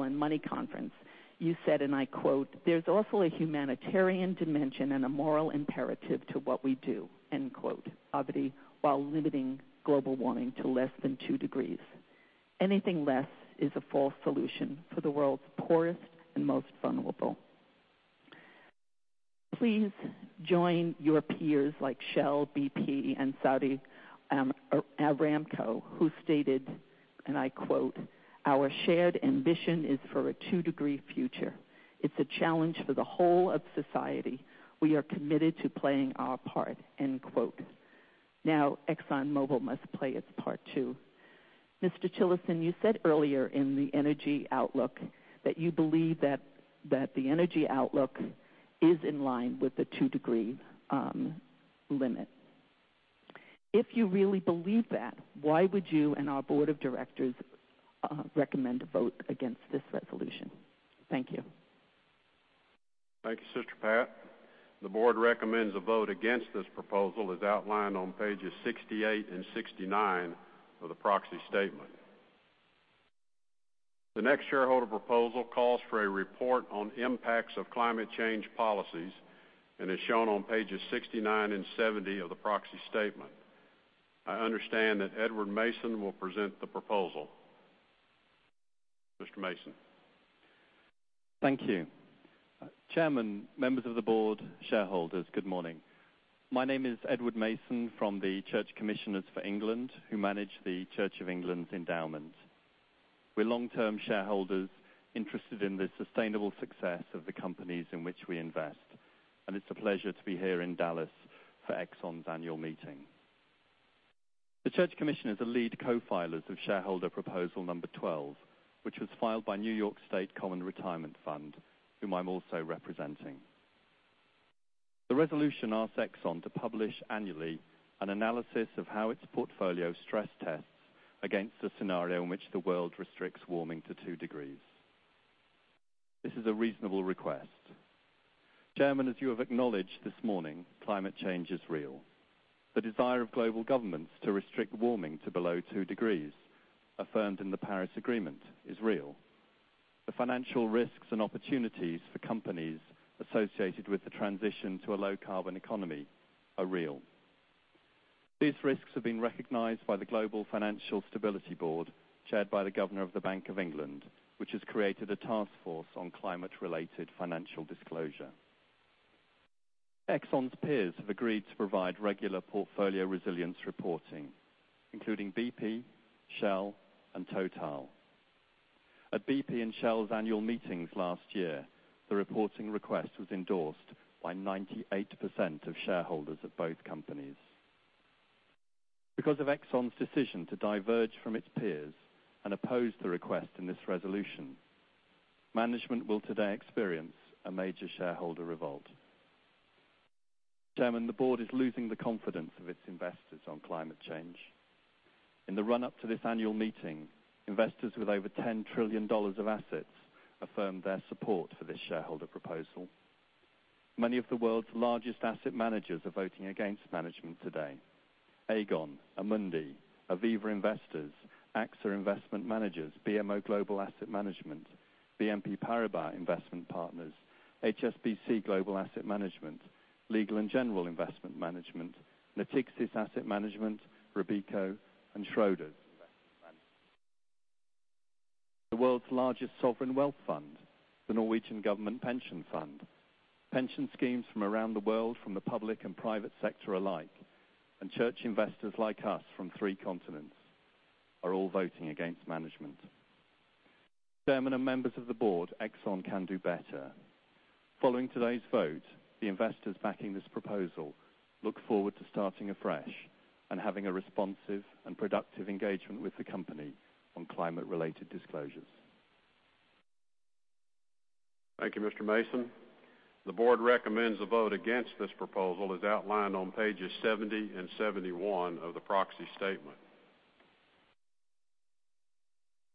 and Money conference, you said, and I quote, "There's also a humanitarian dimension and a moral imperative to what we do." End quote. While limiting global warming to less than two degrees. Anything less is a false solution for the world's poorest and most vulnerable. Please join your peers like Shell, BP, and Saudi Aramco, who stated, and I quote, "Our shared ambition is for a two-degree future. It's a challenge for the whole of society. We are committed to playing our part." End quote. ExxonMobil must play its part, too. Mr. Tillerson, you said earlier in the energy outlook that you believe that the energy outlook is in line with the two-degree limit. If you really believe that, why would you and our board of directors recommend a vote against this resolution? Thank you. Thank you, Sister Pat. The board recommends a vote against this proposal, as outlined on pages 68 and 69 of the proxy statement. The next shareholder proposal calls for a report on impacts of climate change policies and is shown on pages 69 and 70 of the proxy statement. I understand that Edward Mason will present the proposal. Mr. Mason? Thank you. Chairman, members of the board, shareholders, good morning. My name is Edward Mason from the Church Commissioners for England, who manage the Church of England's endowment. We're long-term shareholders interested in the sustainable success of the companies in which we invest, and it's a pleasure to be here in Dallas for Exxon's annual meeting. The Church Commissioners are lead co-filers of shareholder proposal number 12, which was filed by New York State Common Retirement Fund, whom I'm also representing. The resolution asks Exxon to publish annually an analysis of how its portfolio stress tests against a scenario in which the world restricts warming to two degrees. This is a reasonable request. Chairman, as you have acknowledged this morning, climate change is real. The desire of global governments to restrict warming to below two degrees, affirmed in the Paris Agreement, is real. The financial risks and opportunities for companies associated with the transition to a low-carbon economy are real. These risks have been recognized by the Global Financial Stability Board, chaired by the Governor of the Bank of England, which has created a task force on climate-related financial disclosure. Exxon's peers have agreed to provide regular portfolio resilience reporting, including BP, Shell, and Total. At BP and Shell's annual meetings last year, the reporting request was endorsed by 98% of shareholders of both companies. Because of Exxon's decision to diverge from its peers and oppose the request in this resolution, management will today experience a major shareholder revolt. Chairman, the board is losing the confidence of its investors on climate change. In the run-up to this annual meeting, investors with over $10 trillion of assets affirmed their support for this shareholder proposal. Many of the world's largest asset managers are voting against management today. Aegon, Amundi, Aviva Investors, AXA Investment Managers, BMO Global Asset Management, BNP Paribas Investment Partners, HSBC Global Asset Management, Legal & General Investment Management, Natixis Asset Management, Robeco, and Schroders Investment Management. The world's largest sovereign wealth fund, the Government Pension Fund of Norway, pension schemes from around the world from the public and private sector alike, and church investors like us from three continents are all voting against management. Chairman and members of the board, Exxon can do better. Following today's vote, the investors backing this proposal look forward to starting afresh and having a responsive and productive engagement with the company on climate-related disclosures. Thank you, Mr. Mason. The board recommends a vote against this proposal, as outlined on pages 70 and 71 of the proxy statement.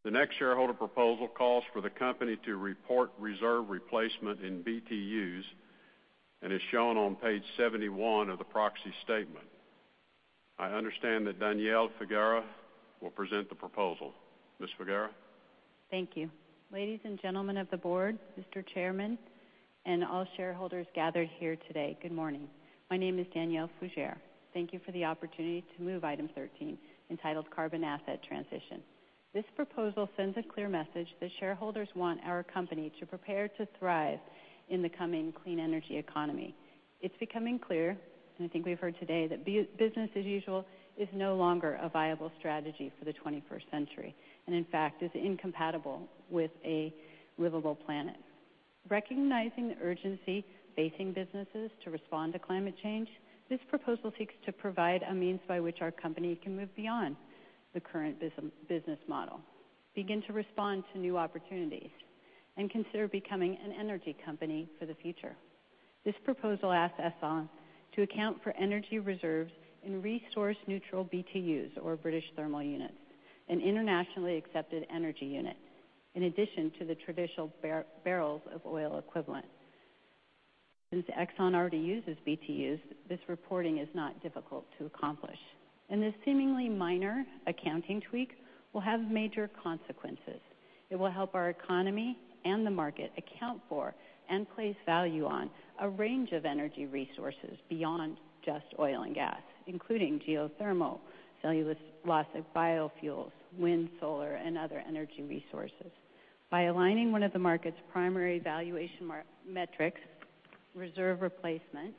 The next shareholder proposal calls for the company to report reserve replacement in BTUs and is shown on page 71 of the proxy statement. I understand that Danielle Fugere will present the proposal. Ms. Fugere? Thank you. Ladies and gentlemen of the board, Mr. Chairman, and all shareholders gathered here today, good morning. My name is Danielle Fugere. Thank you for the opportunity to move item 13, entitled Carbon Asset Transition. This proposal sends a clear message that shareholders want our company to prepare to thrive in the coming clean energy economy. It's becoming clear, and I think we've heard today, that business as usual is no longer a viable strategy for the 21st century, and in fact, is incompatible with a livable planet. Recognizing the urgency facing businesses to respond to climate change, this proposal seeks to provide a means by which our company can move beyond the current business model, begin to respond to new opportunities, and consider becoming an energy company for the future. This proposal asks Exxon to account for energy reserves in resource neutral BTUs or British thermal units, an internationally accepted energy unit, in addition to the traditional barrels of oil equivalent. Since Exxon already uses BTUs, this reporting is not difficult to accomplish, and this seemingly minor accounting tweak will have major consequences. It will help our economy and the market account for and place value on a range of energy resources beyond just oil and gas, including geothermal, cellulosic biofuels, wind, solar, and other energy resources. By aligning one of the market's primary valuation metrics, reserve replacement,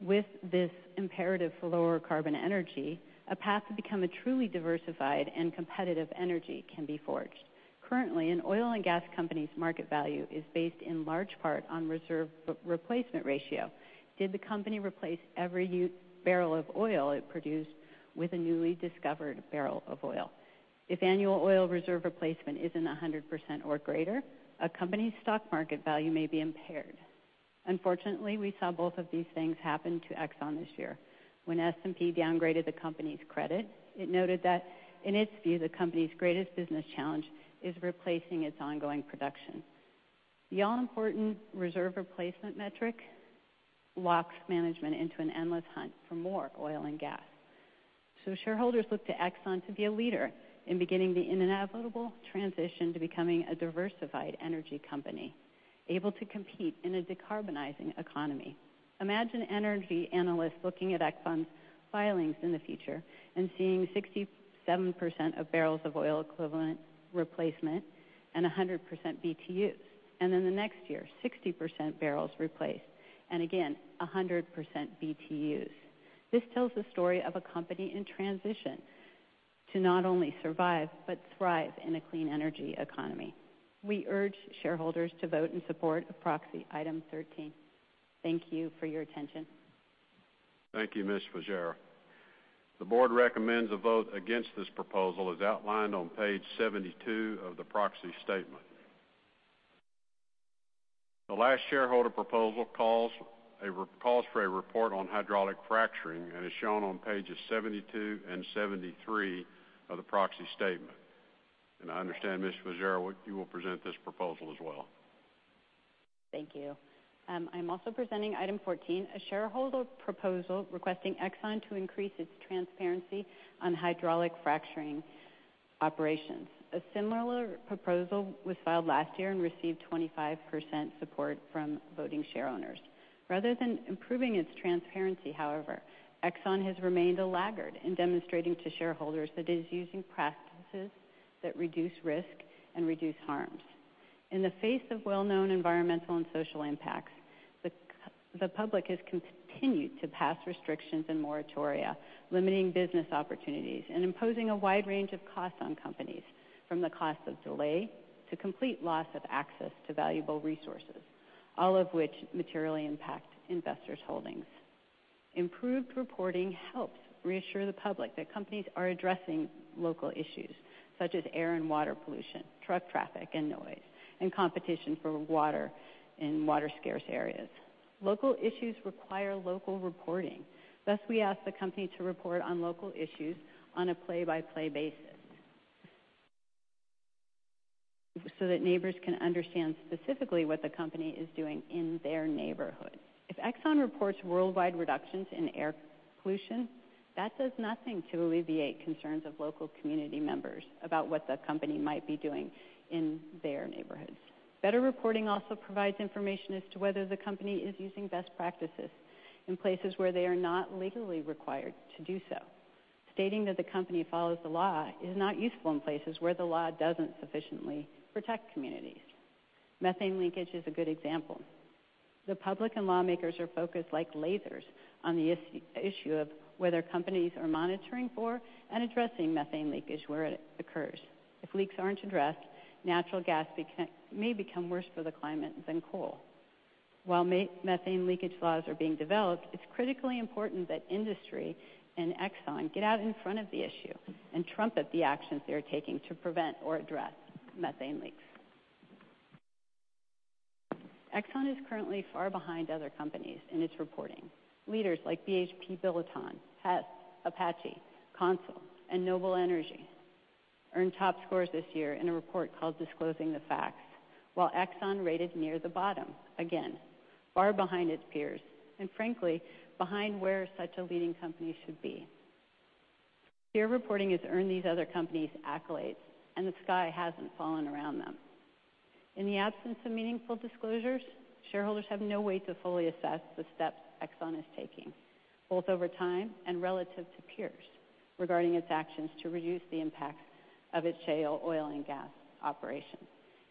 with this imperative for lower carbon energy, a path to become a truly diversified and competitive energy can be forged. Currently, an oil and gas company's market value is based in large part on reserve replacement ratio. Did the company replace every barrel of oil it produced with a newly discovered barrel of oil? If annual oil reserve replacement isn't 100% or greater, a company's stock market value may be impaired. Unfortunately, we saw both of these things happen to Exxon this year. When S&P downgraded the company's credit, it noted that in its view, the company's greatest business challenge is replacing its ongoing production. The all-important reserve replacement metric locks management into an endless hunt for more oil and gas. Shareholders look to Exxon to be a leader in beginning the inevitable transition to becoming a diversified energy company able to compete in a decarbonizing economy. Imagine energy analysts looking at Exxon's filings in the future and seeing 67% of barrels of oil equivalent replacement and 100% BTUs, then the next year, 60% barrels replaced, and again, 100% BTUs. This tells the story of a company in transition to not only survive but thrive in a clean energy economy. We urge shareholders to vote in support of proxy item 13. Thank you for your attention. Thank you, Ms. Fugere. The board recommends a vote against this proposal as outlined on page 72 of the proxy statement. The last shareholder proposal calls for a report on hydraulic fracturing and is shown on pages 72 and 73 of the proxy statement. I understand, Ms. Fugere, you will present this proposal as well. Thank you. I'm also presenting item 14, a shareholder proposal requesting Exxon to increase its transparency on hydraulic fracturing operations. A similar proposal was filed last year and received 25% support from voting share owners. Rather than improving its transparency, however, Exxon has remained a laggard in demonstrating to shareholders that it is using practices that reduce risk and reduce harms. In the face of well-known environmental and social impacts, the public has continued to pass restrictions and moratoria, limiting business opportunities and imposing a wide range of costs on companies from the cost of delay to complete loss of access to valuable resources, all of which materially impact investors' holdings. Improved reporting helps reassure the public that companies are addressing local issues such as air and water pollution, truck traffic and noise, and competition for water in water-scarce areas. Local issues require local reporting. Thus, we ask the company to report on local issues on a play-by-play basis so that neighbors can understand specifically what the company is doing in their neighborhood. If Exxon reports worldwide reductions in air pollution, that does nothing to alleviate concerns of local community members about what the company might be doing in their neighborhoods. Better reporting also provides information as to whether the company is using best practices in places where they are not legally required to do so. Stating that the company follows the law is not useful in places where the law doesn't sufficiently protect communities. Methane leakage is a good example. The public and lawmakers are focused like lasers on the issue of whether companies are monitoring for and addressing methane leakage where it occurs. If leaks aren't addressed, natural gas may become worse for the climate than coal. While methane leakage laws are being developed, it's critically important that industry and Exxon get out in front of the issue and trumpet the actions they are taking to prevent or address methane leaks. Exxon is currently far behind other companies in its reporting. Leaders like BHP Billiton, Hess, Apache, CONSOL, and Noble Energy earned top scores this year in a report called Disclosing the Facts, while Exxon rated near the bottom, again, far behind its peers, and frankly, behind where such a leading company should be. Peer reporting has earned these other companies accolades, and the sky hasn't fallen around them. In the absence of meaningful disclosures, shareholders have no way to fully assess the steps Exxon is taking, both over time and relative to peers, regarding its actions to reduce the impact of its shale oil and gas operations.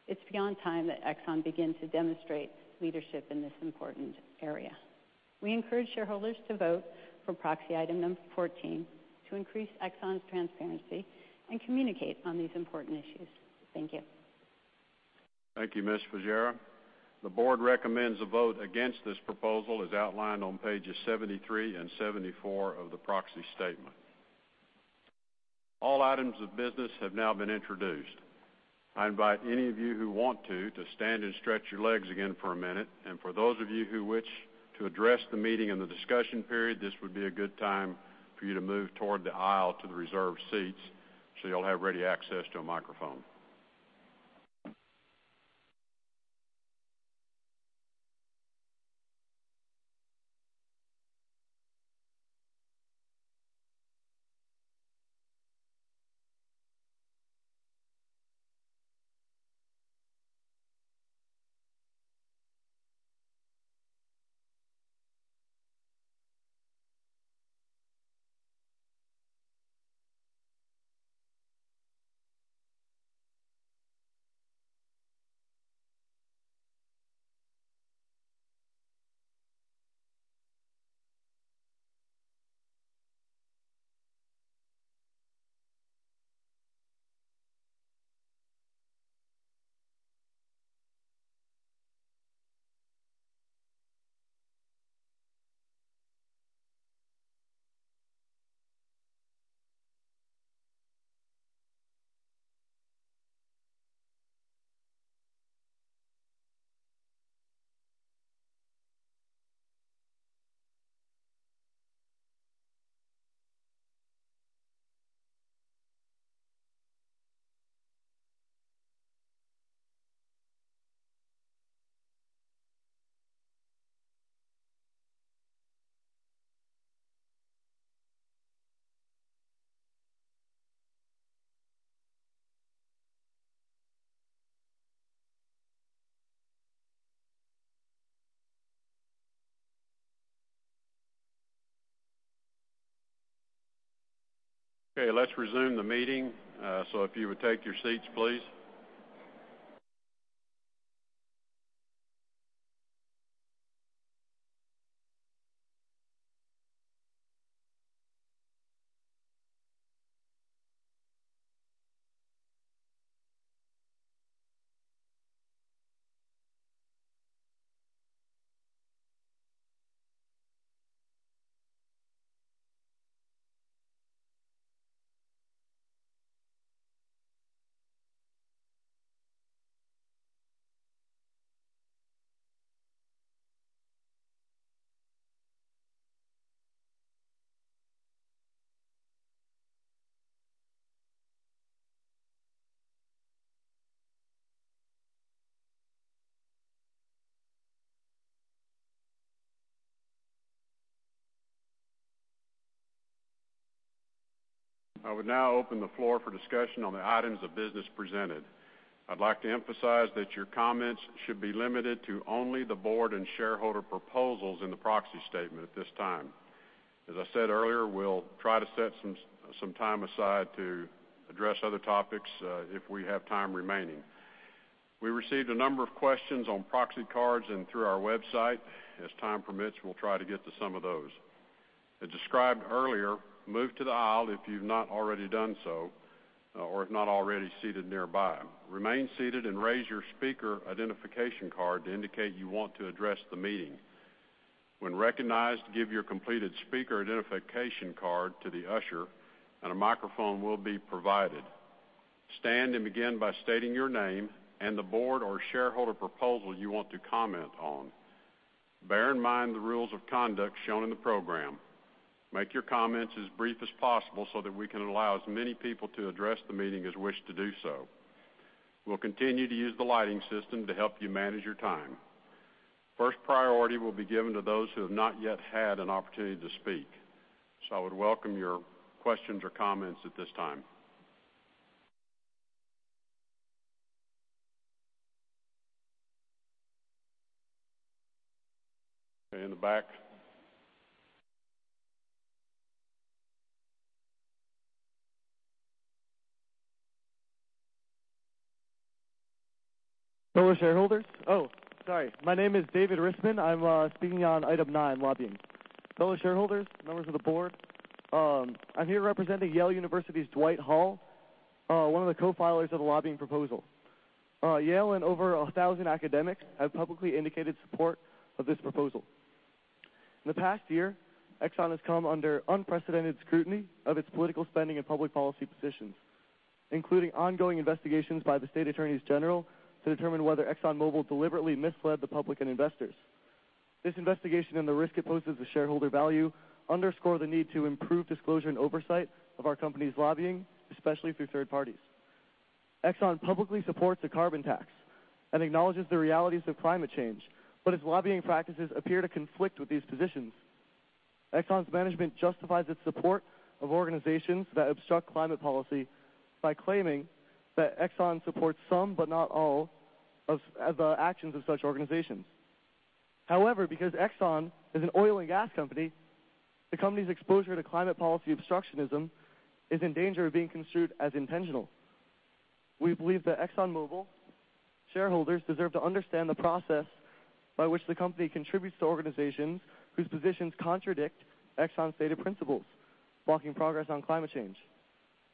It's beyond time that Exxon begin to demonstrate leadership in this important area. We encourage shareholders to vote for proxy item number 14 to increase Exxon's transparency and communicate on these important issues. Thank you. Thank you, Ms. Fugere. The board recommends a vote against this proposal as outlined on pages 73 and 74 of the proxy statement. All items of business have now been introduced. I invite any of you who want to stand and stretch your legs again for a minute, and for those of you who wish to address the meeting in the discussion period, this would be a good time for you to move toward the aisle to the reserved seats so you'll have ready access to a microphone. Okay, let's resume the meeting. If you would take your seats, please. I would now open the floor for discussion on the items of business presented. I'd like to emphasize that your comments should be limited to only the board and shareholder proposals in the proxy statement at this time. As I said earlier, we'll try to set some time aside to address other topics if we have time remaining. We received a number of questions on proxy cards and through our website. As time permits, we'll try to get to some of those. As described earlier, move to the aisle if you've not already done so or if not already seated nearby. Remain seated and raise your speaker identification card to indicate you want to address the meeting. When recognized, give your completed speaker identification card to the usher, and a microphone will be provided. Stand and begin by stating your name and the board or shareholder proposal you want to comment on. Bear in mind the rules of conduct shown in the program. Make your comments as brief as possible so that we can allow as many people to address the meeting as wish to do so. We'll continue to use the lighting system to help you manage your time. First priority will be given to those who have not yet had an opportunity to speak. I would welcome your questions or comments at this time. Okay, in the back. Fellow shareholders. Oh, sorry. My name is David Richmond. I'm speaking on item nine, lobbying. Fellow shareholders, members of the board, I'm here representing Yale University's Dwight Hall, one of the co-filers of the lobbying proposal. Yale and over 1,000 academics have publicly indicated support of this proposal. In the past year, Exxon has come under unprecedented scrutiny of its political spending and public policy positions, including ongoing investigations by the state attorneys general to determine whether ExxonMobil deliberately misled the public and investors. This investigation and the risk it poses to shareholder value underscore the need to improve disclosure and oversight of our company's lobbying, especially through third parties. Exxon publicly supports a carbon tax and acknowledges the realities of climate change, its lobbying practices appear to conflict with these positions. Exxon's management justifies its support of organizations that obstruct climate policy by claiming that Exxon supports some, but not all, of the actions of such organizations. Because Exxon is an oil and gas company, the company's exposure to climate policy obstructionism is in danger of being construed as intentional. We believe that ExxonMobil shareholders deserve to understand the process by which the company contributes to organizations whose positions contradict Exxon's stated principles, blocking progress on climate change.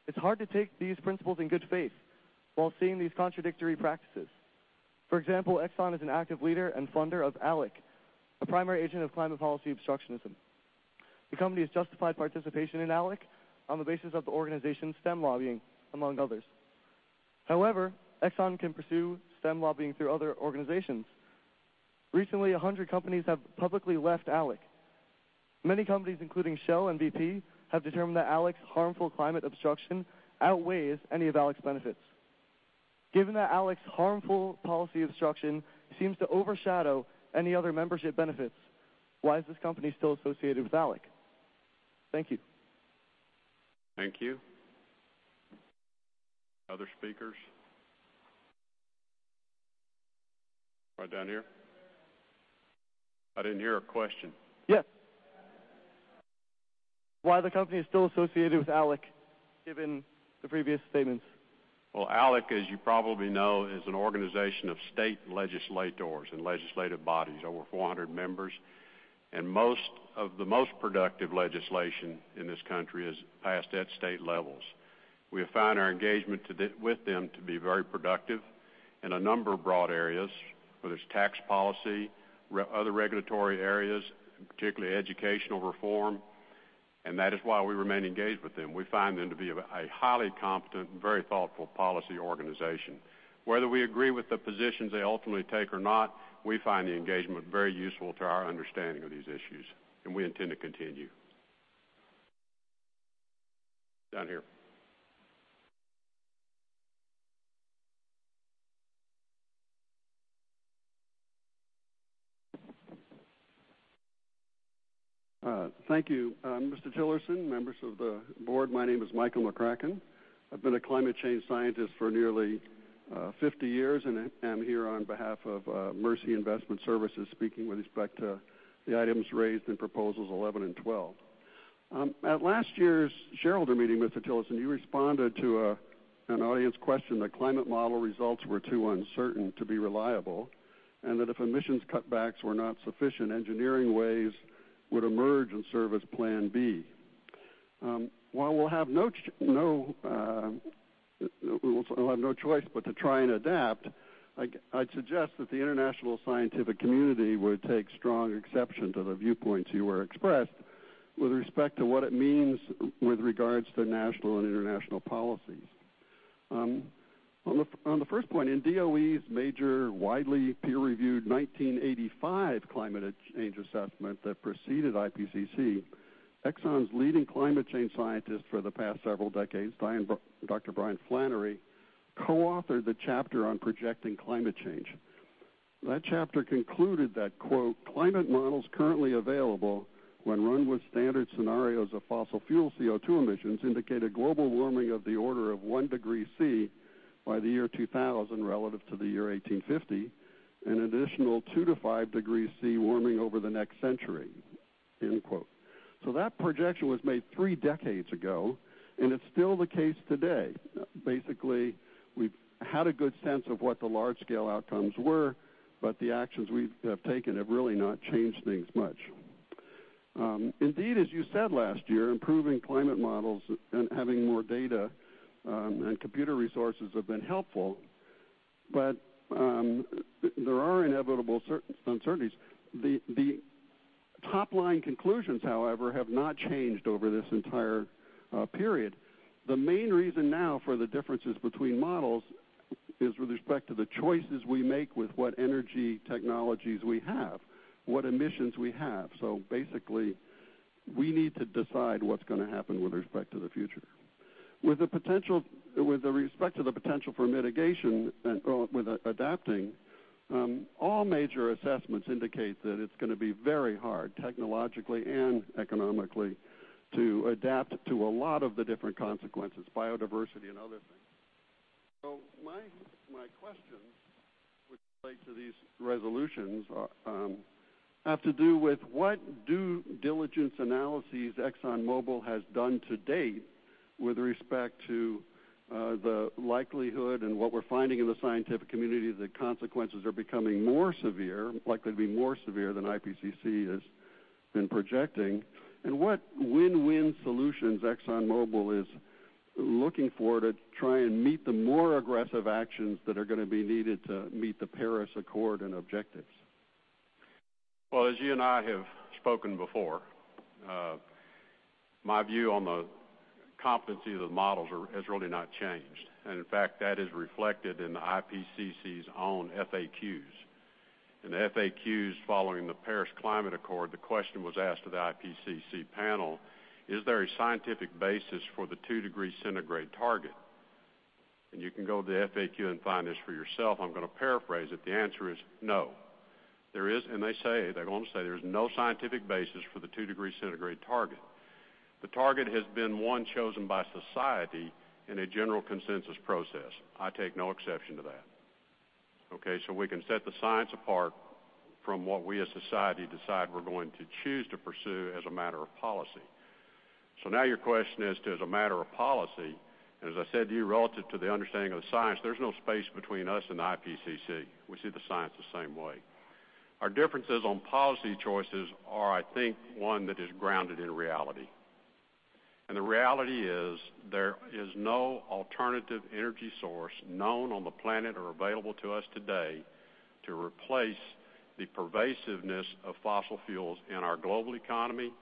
It's hard to take these principles in good faith while seeing these contradictory practices. For example, Exxon is an active leader and funder of ALEC, a primary agent of climate policy obstructionism. The company has justified participation in ALEC on the basis of the organization's STEM lobbying, among others. Exxon can pursue STEM lobbying through other organizations. Recently, 100 companies have publicly left ALEC. Many companies, including Shell and BP, have determined that ALEC's harmful climate obstruction outweighs any of ALEC's benefits. Given that ALEC's harmful policy obstruction seems to overshadow any other membership benefits, why is this company still associated with ALEC? Thank you. Thank you. Other speakers? Right down here. I didn't hear a question. Yes. Why the company is still associated with ALEC, given the previous statements. Well, ALEC, as you probably know, is an organization of state legislators and legislative bodies, over 400 members, and most of the most productive legislation in this country is passed at state levels. We have found our engagement with them to be very productive in a number of broad areas, whether it's tax policy, other regulatory areas, particularly educational reform, and that is why we remain engaged with them. We find them to be a highly competent and very thoughtful policy organization. Whether we agree with the positions they ultimately take or not, we find the engagement very useful to our understanding of these issues, and we intend to continue. Down here. Thank you, Mr. Tillerson, members of the board. My name is Michael MacCracken. I've been a climate change scientist for nearly 50 years, and I'm here on behalf of Mercy Investment Services, speaking with respect to the items raised in proposals 11 and 12. At last year's shareholder meeting, Mr. Tillerson, you responded to an audience question that climate model results were too uncertain to be reliable and that if emissions cutbacks were not sufficient, engineering ways would emerge and serve as plan B. While we'll have no choice but to try and adapt, I'd suggest that the international scientific community would take strong exception to the viewpoints you were expressed with respect to what it means with regards to national and international policies. On the first point, in DOE's major, widely peer-reviewed 1985 climate change assessment that preceded IPCC, Exxon's leading climate change scientist for the past several decades, Dr. Brian Flannery, co-authored the chapter on projecting climate change. That chapter concluded that, quote, "Climate models currently available when run with standard scenarios of fossil fuel CO2 emissions indicate a global warming of the order of one degree C by the year 2000 relative to the year 1850, an additional two to five degrees C warming over the next century." End quote. That projection was made three decades ago, and it's still the case today. Basically, we've had a good sense of what the large-scale outcomes were. The actions we have taken have really not changed things much. Indeed, as you said last year, improving climate models and having more data and computer resources have been helpful. There are inevitable uncertainties. The top-line conclusions, however, have not changed over this entire period. The main reason now for the differences between models is with respect to the choices we make with what energy technologies we have, what emissions we have. Basically, we need to decide what's going to happen with respect to the future. With the respect to the potential for mitigation with adapting, all major assessments indicate that it's going to be very hard technologically and economically to adapt to a lot of the different consequences, biodiversity and other things. My questions, which relate to these resolutions, have to do with what due diligence analyses ExxonMobil has done to date with respect to the likelihood and what we're finding in the scientific community that consequences are becoming more severe, likely to be more severe than IPCC has been projecting, and what win-win solutions ExxonMobil is looking for to try and meet the more aggressive actions that are going to be needed to meet the Paris Agreement and objectives. Well, as you and I have spoken before, my view on the competency of the models has really not changed. In fact, that is reflected in the IPCC's own FAQs. In the FAQs following the Paris Agreement, the question was asked to the IPCC panel, "Is there a scientific basis for the 2 degrees Celsius target?" You can go to the FAQ and find this for yourself. I'm going to paraphrase it. The answer is no. There is, and they go on to say, there's no scientific basis for the 2 degrees Celsius target. The target has been one chosen by society in a general consensus process. I take no exception to that. We can set the science apart from what we as society decide we're going to choose to pursue as a matter of policy. Your question is to, as a matter of policy, as I said to you, relative to the understanding of the science, there's no space between us and the IPCC. We see the science the same way. Our differences on policy choices are, I think, one that is grounded in reality, and the reality is there is no alternative energy source known on the planet or available to us today to replace the pervasiveness of fossil fuels in our global economy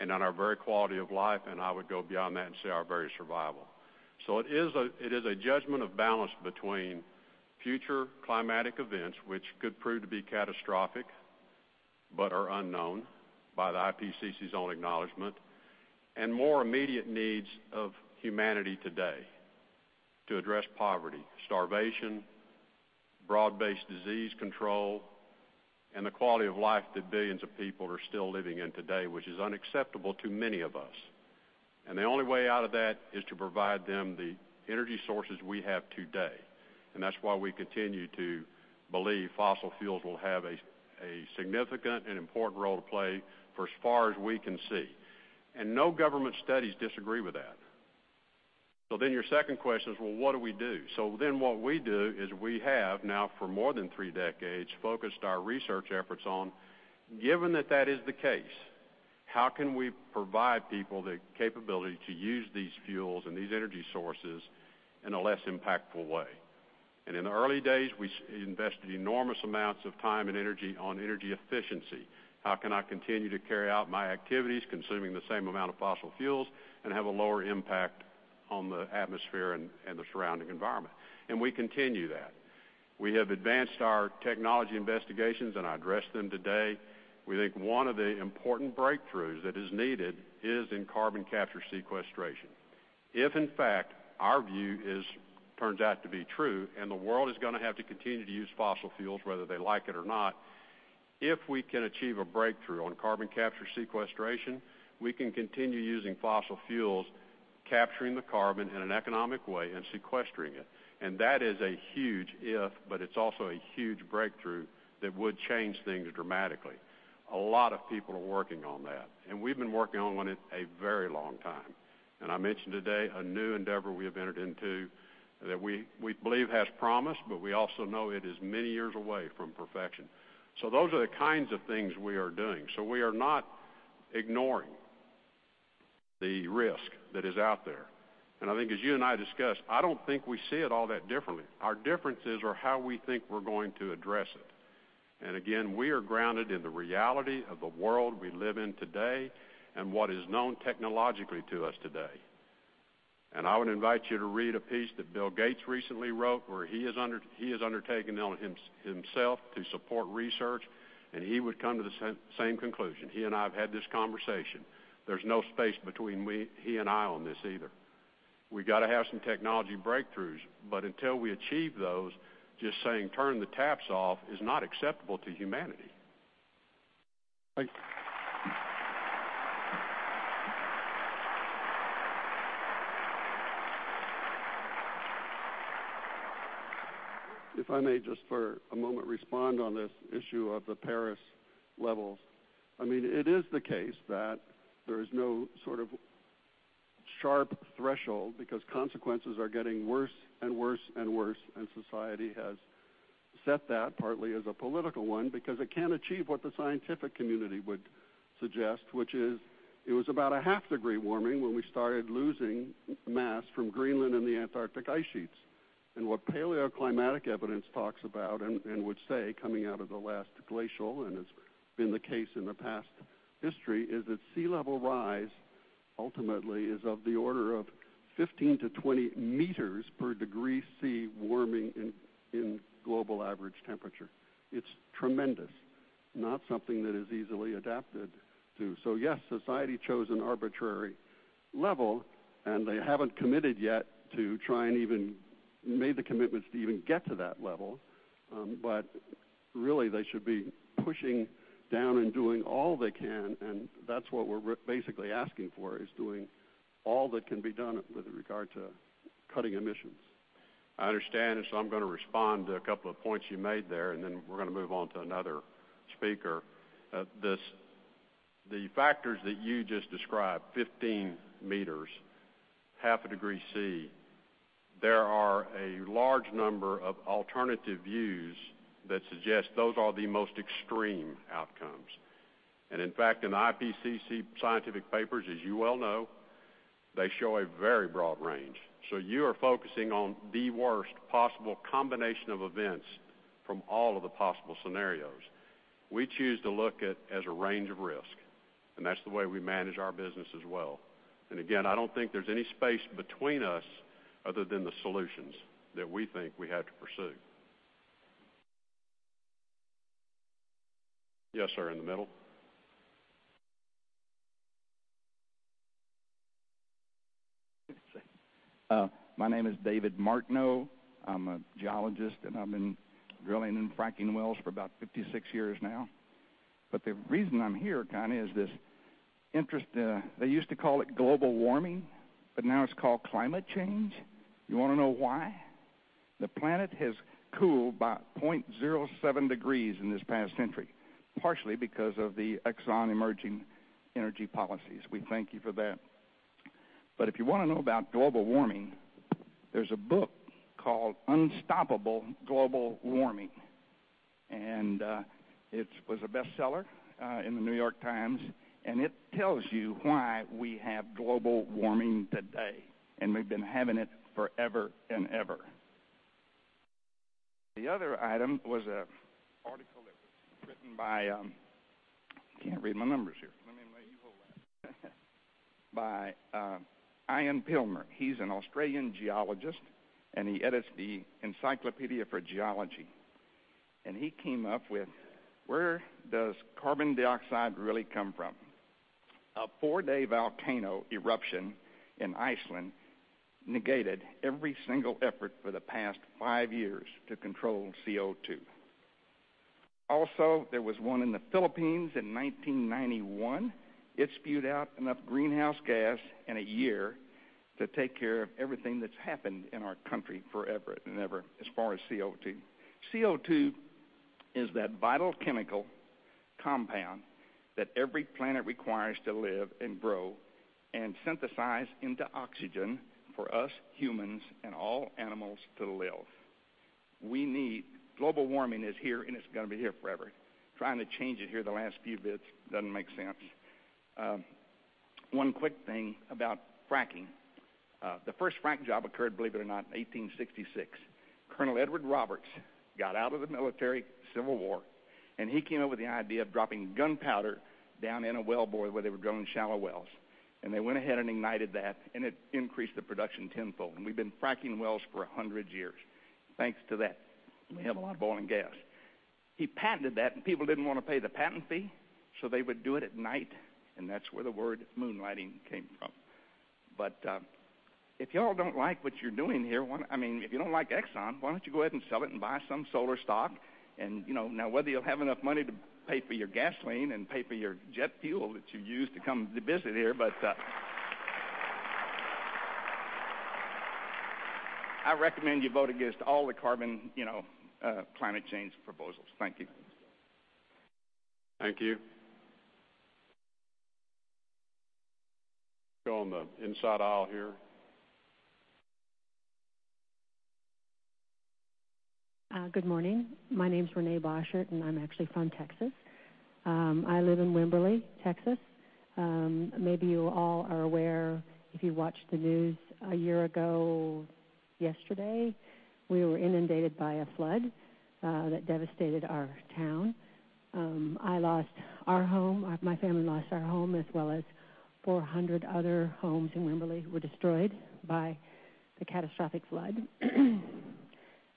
and in our very quality of life, and I would go beyond that and say our very survival. It is a judgment of balance between future climatic events, which could prove to be catastrophic, but are unknown by the IPCC's own acknowledgment, and more immediate needs of humanity today to address poverty, starvation, broad-based disease control, and the quality of life that billions of people are still living in today, which is unacceptable to many of us. The only way out of that is to provide them the energy sources we have today, that's why we continue to believe fossil fuels will have a significant and important role to play for as far as we can see. No government studies disagree with that. Your second question is, well, what do we do? What we do is we have, now for more than three decades, focused our research efforts on, given that that is the case, how can we provide people the capability to use these fuels and these energy sources in a less impactful way? In the early days, we invested enormous amounts of time and energy on energy efficiency. How can I continue to carry out my activities, consuming the same amount of fossil fuels, and have a lower impact on the atmosphere and the surrounding environment? We continue that. We have advanced our technology investigations, I addressed them today. We think one of the important breakthroughs that is needed is in carbon capture sequestration. If, in fact, our view turns out to be true and the world is going to have to continue to use fossil fuels, whether they like it or not, if we can achieve a breakthrough on carbon capture sequestration, we can continue using fossil fuels, capturing the carbon in an economic way, and sequestering it. That is a huge if, but it's also a huge breakthrough that would change things dramatically. A lot of people are working on that, and we've been working on one a very long time. I mentioned today a new endeavor we have entered into that we believe has promise, but we also know it is many years away from perfection. Those are the kinds of things we are doing. We are not ignoring the risk that is out there. I think as you and I discussed, I don't think we see it all that differently. Our differences are how we think we're going to address it. Again, we are grounded in the reality of the world we live in today and what is known technologically to us today. I would invite you to read a piece that Bill Gates recently wrote where he has undertaken himself to support research, and he would come to the same conclusion. He and I have had this conversation. There's no space between he and I on this either. We've got to have some technology breakthroughs, but until we achieve those, just saying, "Turn the taps off" is not acceptable to humanity. Thank you. If I may just for a moment respond on this issue of the Paris levels. It is the case that there is no sort of sharp threshold because consequences are getting worse and worse and worse, and society has set that partly as a political one because it can't achieve what the scientific community would suggest, which is it was about a half-degree warming when we started losing mass from Greenland and the Antarctic ice sheets. What paleoclimatic evidence talks about and would say, coming out of the last glacial and has been the case in the past history, is that sea level rise ultimately is of the order of 15-20 meters per degree C warming in global average temperature. It's tremendous. Not something that is easily adapted to. Yes, society chose an arbitrary level, and they haven't committed yet to try and even make the commitments to even get to that level. Really, they should be pushing down and doing all they can, and that's what we're basically asking for, is doing all that can be done with regard to cutting emissions. I understand. I'm going to respond to a couple of points you made there. We're going to move on to another speaker. The factors that you just described, 15 meters, half a degree C, there are a large number of alternative views that suggest those are the most extreme outcomes. In fact, in IPCC scientific papers, as you well know, they show a very broad range. You are focusing on the worst possible combination of events from all of the possible scenarios. We choose to look at it as a range of risk, and that's the way we manage our business as well. Again, I don't think there's any space between us other than the solutions that we think we have to pursue. Yes, sir, in the middle. My name is David Martineau. I'm a geologist, and I've been drilling and fracking wells for about 56 years now. The reason I'm here, kind of, is this. They used to call it global warming, but now it's called climate change. You want to know why? The planet has cooled by 0.07 degrees in this past century, partially because of the Exxon emerging energy policies. We thank you for that. If you want to know about global warming, there's a book called "Unstoppable Global Warming", and it was a bestseller in The New York Times. It tells you why we have global warming today. We've been having it forever and ever. The other item was an article that was written by, I can't read my numbers here. Let me hold that. By Ian Plimer. He's an Australian geologist. He edits the encyclopedia for geology. He came up with where does carbon dioxide really come from? A four-day volcano eruption in Iceland negated every single effort for the past five years to control CO2. Also, there was one in the Philippines in 1991. It spewed out enough greenhouse gas in a year to take care of everything that's happened in our country forever and ever as far as CO2. CO2 is that vital chemical compound that every planet requires to live and grow and synthesize into oxygen for us humans and all animals to live. Global warming is here. It's going to be here forever. Trying to change it here the last few bits doesn't make sense. One quick thing about fracking. The first fracking job occurred, believe it or not, in 1866. Colonel Edward Roberts got out of the military, Civil War. He came up with the idea of dropping gunpowder down in a well bore where they were drilling shallow wells. They went ahead and ignited that. It increased the production tenfold. We've been fracking wells for 100 years. Thanks to that. We have a lot of oil and gas. He patented that. People didn't want to pay the patent fee, so they would do it at night. That's where the word moonlighting came from. If you all don't like what you're doing here, if you don't like Exxon, why don't you go ahead and sell it and buy some solar stock? Whether you'll have enough money to pay for your gasoline and pay for your jet fuel that you use to come to visit here, I recommend you vote against all the carbon climate change proposals. Thank you. Thank you. Go on the inside aisle here. Good morning. My name's Renee Boschert, and I'm actually from Texas. I live in Wimberley, Texas. Maybe you all are aware if you watched the news a year ago yesterday, we were inundated by a flood that devastated our town. I lost our home. My family lost our home, as well as 400 other homes in Wimberley were destroyed by the catastrophic flood.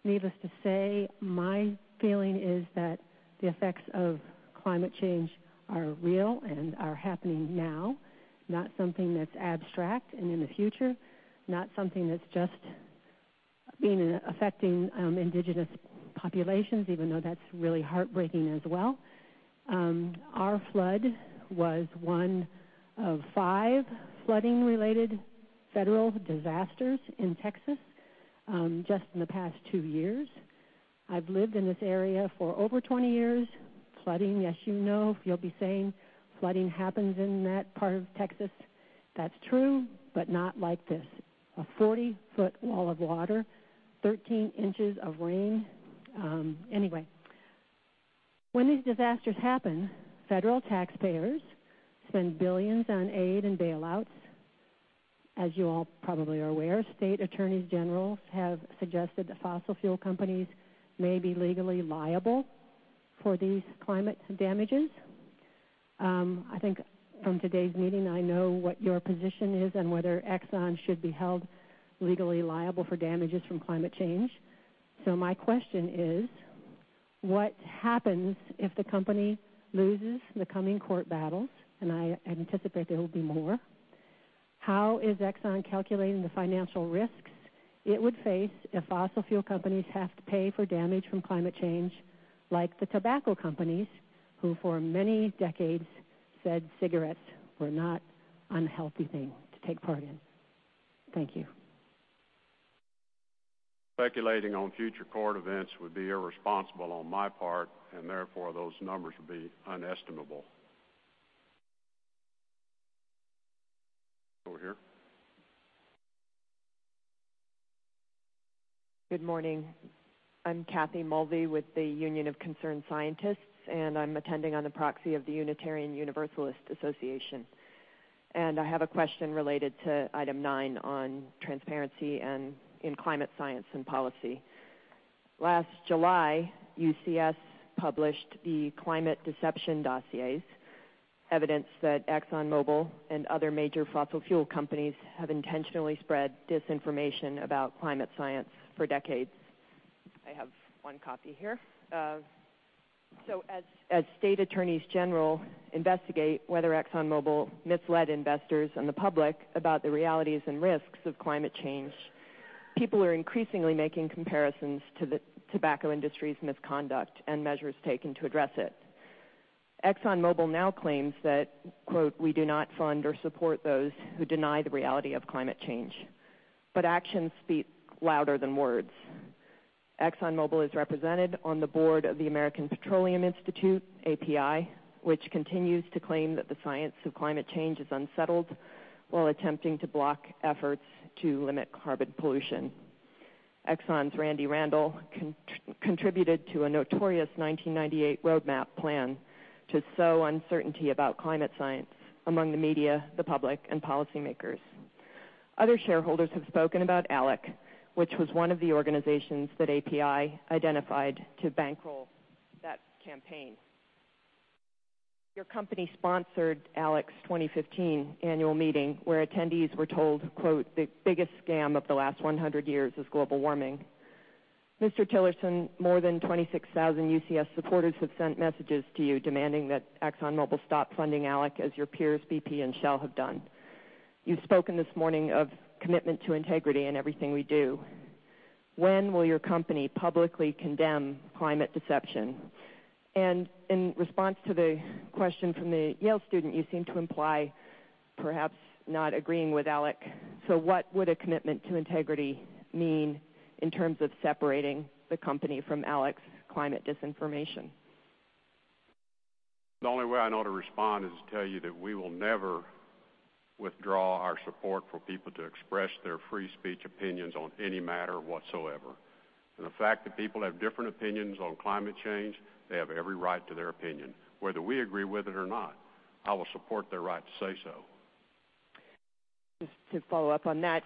Needless to say, my feeling is that the effects of climate change are real and are happening now, not something that's abstract and in the future, not something that's just affecting indigenous populations, even though that's really heartbreaking as well. Our flood was one of five flooding-related federal disasters in Texas just in the past two years. I've lived in this area for over 20 years. Flooding, as you know, you'll be saying flooding happens in that part of Texas. That's true, not like this. A 40-foot wall of water, 13 inches of rain. Anyway, when these disasters happen, federal taxpayers spend billions on aid and bailouts. As you all probably are aware, state attorneys general have suggested that fossil fuel companies may be legally liable for these climate damages. I think from today's meeting, I know what your position is and whether Exxon should be held legally liable for damages from climate change. My question is, what happens if the company loses the coming court battles? I anticipate there will be more. How is Exxon calculating the financial risks it would face if fossil fuel companies have to pay for damage from climate change, like the tobacco companies, who for many decades said cigarettes were not unhealthy thing to take part in? Thank you. Speculating on future court events would be irresponsible on my part, and therefore those numbers would be unestimable. Over here. Good morning. I'm Kathy Mulvey with the Union of Concerned Scientists, and I'm attending on the proxy of the Unitarian Universalist Association. I have a question related to item nine on transparency in climate science and policy. Last July, UCS published "The Climate Deception Dossiers", evidence that ExxonMobil and other major fossil fuel companies have intentionally spread disinformation about climate science for decades. I have one copy here. As state attorneys general investigate whether ExxonMobil misled investors and the public about the realities and risks of climate change, people are increasingly making comparisons to the tobacco industry's misconduct and measures taken to address it. ExxonMobil now claims that, quote, "We do not fund or support those who deny the reality of climate change." Actions speak louder than words. ExxonMobil is represented on the board of the American Petroleum Institute, API, which continues to claim that the science of climate change is unsettled while attempting to block efforts to limit carbon pollution. Exxon's Randy Randol contributed to a notorious 1998 roadmap plan to sow uncertainty about climate science among the media, the public, and policymakers. Other shareholders have spoken about ALEC, which was one of the organizations that API identified to bankroll that campaign. Your company sponsored ALEC's 2015 annual meeting, where attendees were told, quote, "The biggest scam of the last 100 years is global warming." Mr. Tillerson, more than 26,000 UCS supporters have sent messages to you demanding that ExxonMobil stop funding ALEC as your peers BP and Shell have done. You've spoken this morning of commitment to integrity in everything we do. When will your company publicly condemn climate deception? In response to the question from the Yale student, you seem to imply perhaps not agreeing with ALEC. What would a commitment to integrity mean in terms of separating the company from ALEC's climate disinformation? The only way I know to respond is to tell you that we will never withdraw our support for people to express their free speech opinions on any matter whatsoever. The fact that people have different opinions on climate change, they have every right to their opinion. Whether we agree with it or not, I will support their right to say so. Just to follow up on that.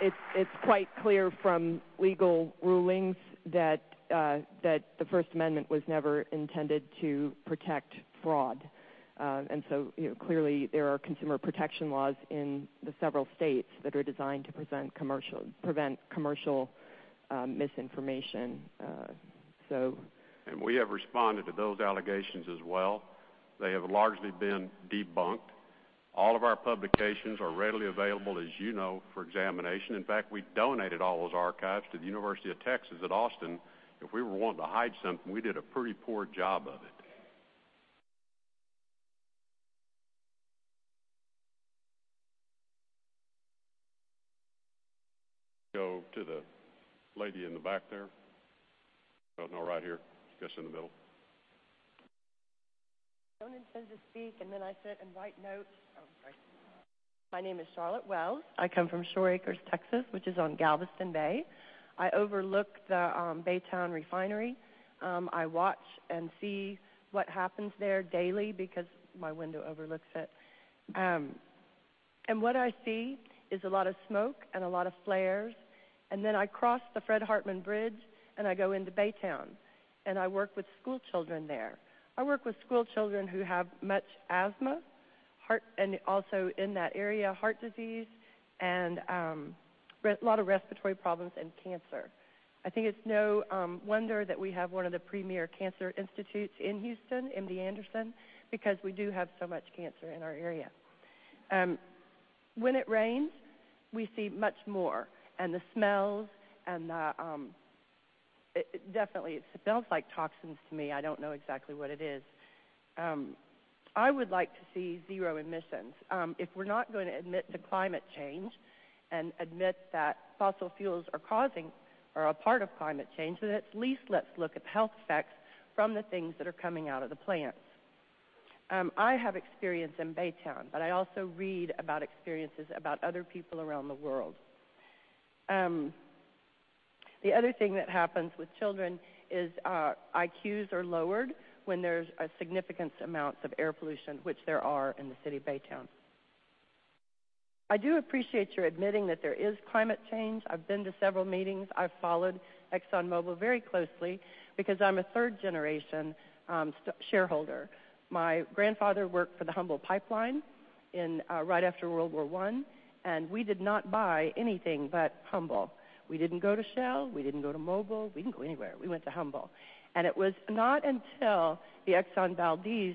It's quite clear from legal rulings that the First Amendment was never intended to protect fraud. Clearly there are consumer protection laws in the several states that are designed to prevent commercial misinformation. We have responded to those allegations as well. They have largely been debunked. All of our publications are readily available, as you know, for examination. In fact, we donated all those archives to the University of Texas at Austin. If we were wanting to hide something, we did a pretty poor job of it. Go to the lady in the back there. Oh, no, right here. Guess in the middle. No one intends to speak, then I sit and write notes. Oh, sorry. My name is Charlotte Wells. I come from Shore Acres, Texas, which is on Galveston Bay. I overlook the Baytown Refinery. I watch and see what happens there daily because my window overlooks it. What I see is a lot of smoke and a lot of flares. Then I cross the Fred Hartman Bridge, and I go into Baytown, and I work with schoolchildren there. I work with schoolchildren who have much asthma, and also in that area, heart disease and a lot of respiratory problems and cancer. I think it's no wonder that we have one of the premier cancer institutes in Houston, MD Anderson, because we do have so much cancer in our area. When it rains, we see much more, and the smells, definitely, it smells like toxins to me. I don't know exactly what it is. I would like to see zero emissions. If we're not going to admit to climate change and admit that fossil fuels are a part of climate change, at least let's look at the health effects from the things that are coming out of the plants. I have experience in Baytown, I also read about experiences about other people around the world. The other thing that happens with children is IQs are lowered when there's significant amounts of air pollution, which there are in the city of Baytown. I do appreciate your admitting that there is climate change. I've been to several meetings. I've followed ExxonMobil very closely because I'm a third-generation shareholder. My grandfather worked for the Humble Pipe Line right after World War I, we did not buy anything but Humble. We didn't go to Shell. We didn't go to Mobil. We didn't go anywhere. We went to Humble. It was not until the Exxon Valdez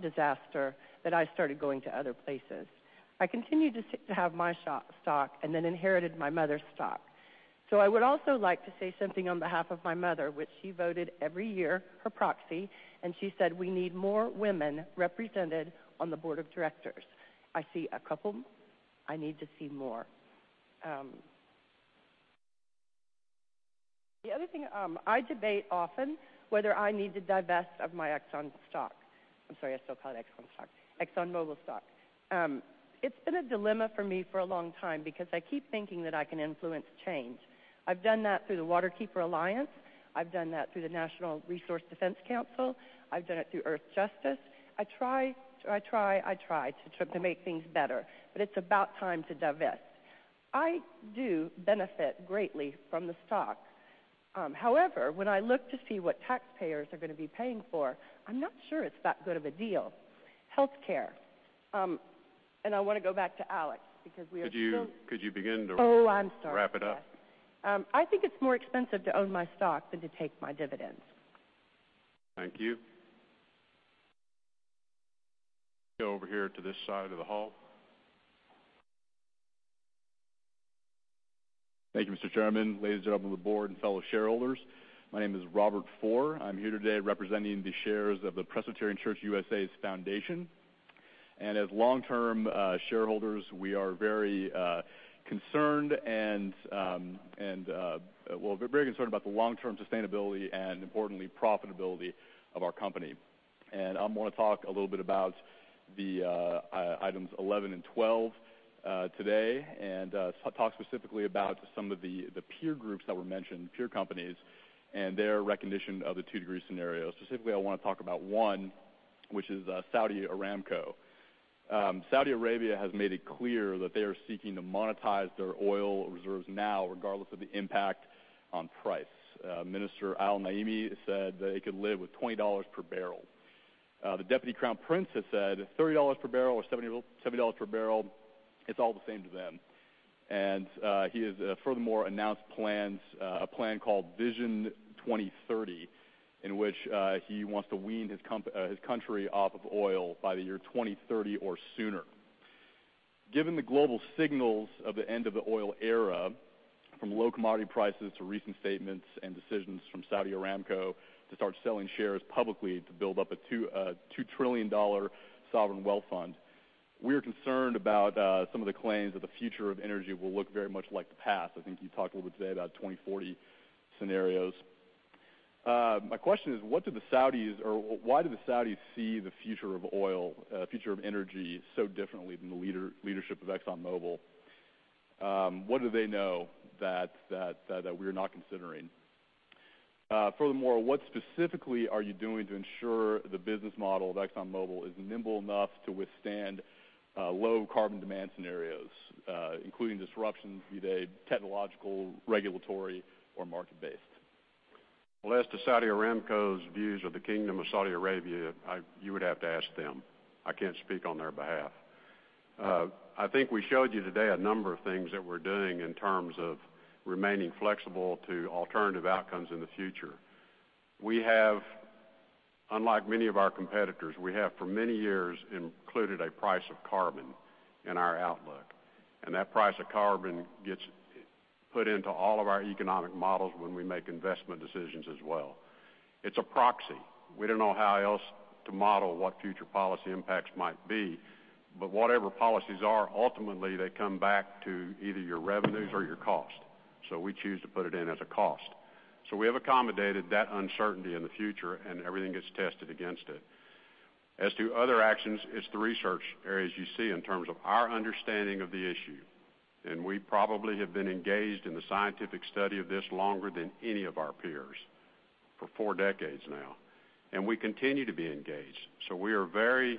disaster that I started going to other places. I continued to have my stock then inherited my mother's stock. I would also like to say something on behalf of my mother, which she voted every year, her proxy, she said we need more women represented on the board of directors. I see a couple. I need to see more. The other thing, I debate often whether I need to divest of my Exxon stock. I'm sorry, I still call it Exxon stock. ExxonMobil stock. It's been a dilemma for me for a long time because I keep thinking that I can influence change. I've done that through the Waterkeeper Alliance. I've done that through the Natural Resources Defense Council. I've done it through Earthjustice. I try to make things better. It's about time to divest. I do benefit greatly from the stock. However, when I look to see what taxpayers are going to be paying for, I'm not sure it's that good of a deal. Healthcare. I want to go back to ALEC because we are so- Could you begin to- Oh, I'm sorry Wrap it up? Yes. I think it's more expensive to own my stock than to take my dividends. Thank you. Go over here to this side of the hall. Thank you, Mr. Chairman, ladies and gentlemen of the board, and fellow shareholders. My name is Robert Foor. I am here today representing the shares of the Presbyterian Church (U.S.A.)'s foundation. As long-term shareholders, we are very concerned about the long-term sustainability, and importantly, profitability of our company. I want to talk a little bit about items 11 and 12 today, and talk specifically about some of the peer groups that were mentioned, peer companies, and their recognition of the two-degree scenario. Specifically, I want to talk about one, which is Saudi Aramco. Saudi Arabia has made it clear that they are seeking to monetize their oil reserves now, regardless of the impact on price. Minister Ali Al-Naimi said that it could live with $20 per barrel. The deputy crown prince has said $30 per barrel or $70 per barrel, it is all the same to them. He has furthermore announced a plan called Saudi Vision 2030, in which he wants to wean his country off of oil by the year 2030 or sooner. Given the global signals of the end of the oil era, from low commodity prices to recent statements and decisions from Saudi Aramco to start selling shares publicly to build up a $2 trillion sovereign wealth fund, we're concerned about some of the claims that the future of energy will look very much like the past. I think you talked a little bit today about 2040 scenarios. My question is, why do the Saudis see the future of oil, future of energy so differently than the leadership of ExxonMobil? What do they know that we're not considering? Furthermore, what specifically are you doing to ensure the business model of ExxonMobil is nimble enough to withstand low carbon demand scenarios, including disruptions, be they technological, regulatory, or market-based? Well, as to Saudi Aramco's views or the Kingdom of Saudi Arabia, you would have to ask them. I can't speak on their behalf. I think we showed you today a number of things that we're doing in terms of remaining flexible to alternative outcomes in the future. Unlike many of our competitors, we have for many years included a price of carbon in our outlook, and that price of carbon gets put into all of our economic models when we make investment decisions as well. It's a proxy. We don't know how else to model what future policy impacts might be. Whatever policies are, ultimately, they come back to either your revenues or your cost. We choose to put it in as a cost. We have accommodated that uncertainty in the future, and everything gets tested against it. As to other actions, it's the research areas you see in terms of our understanding of the issue, we probably have been engaged in the scientific study of this longer than any of our peers, for 4 decades now. We continue to be engaged. We are very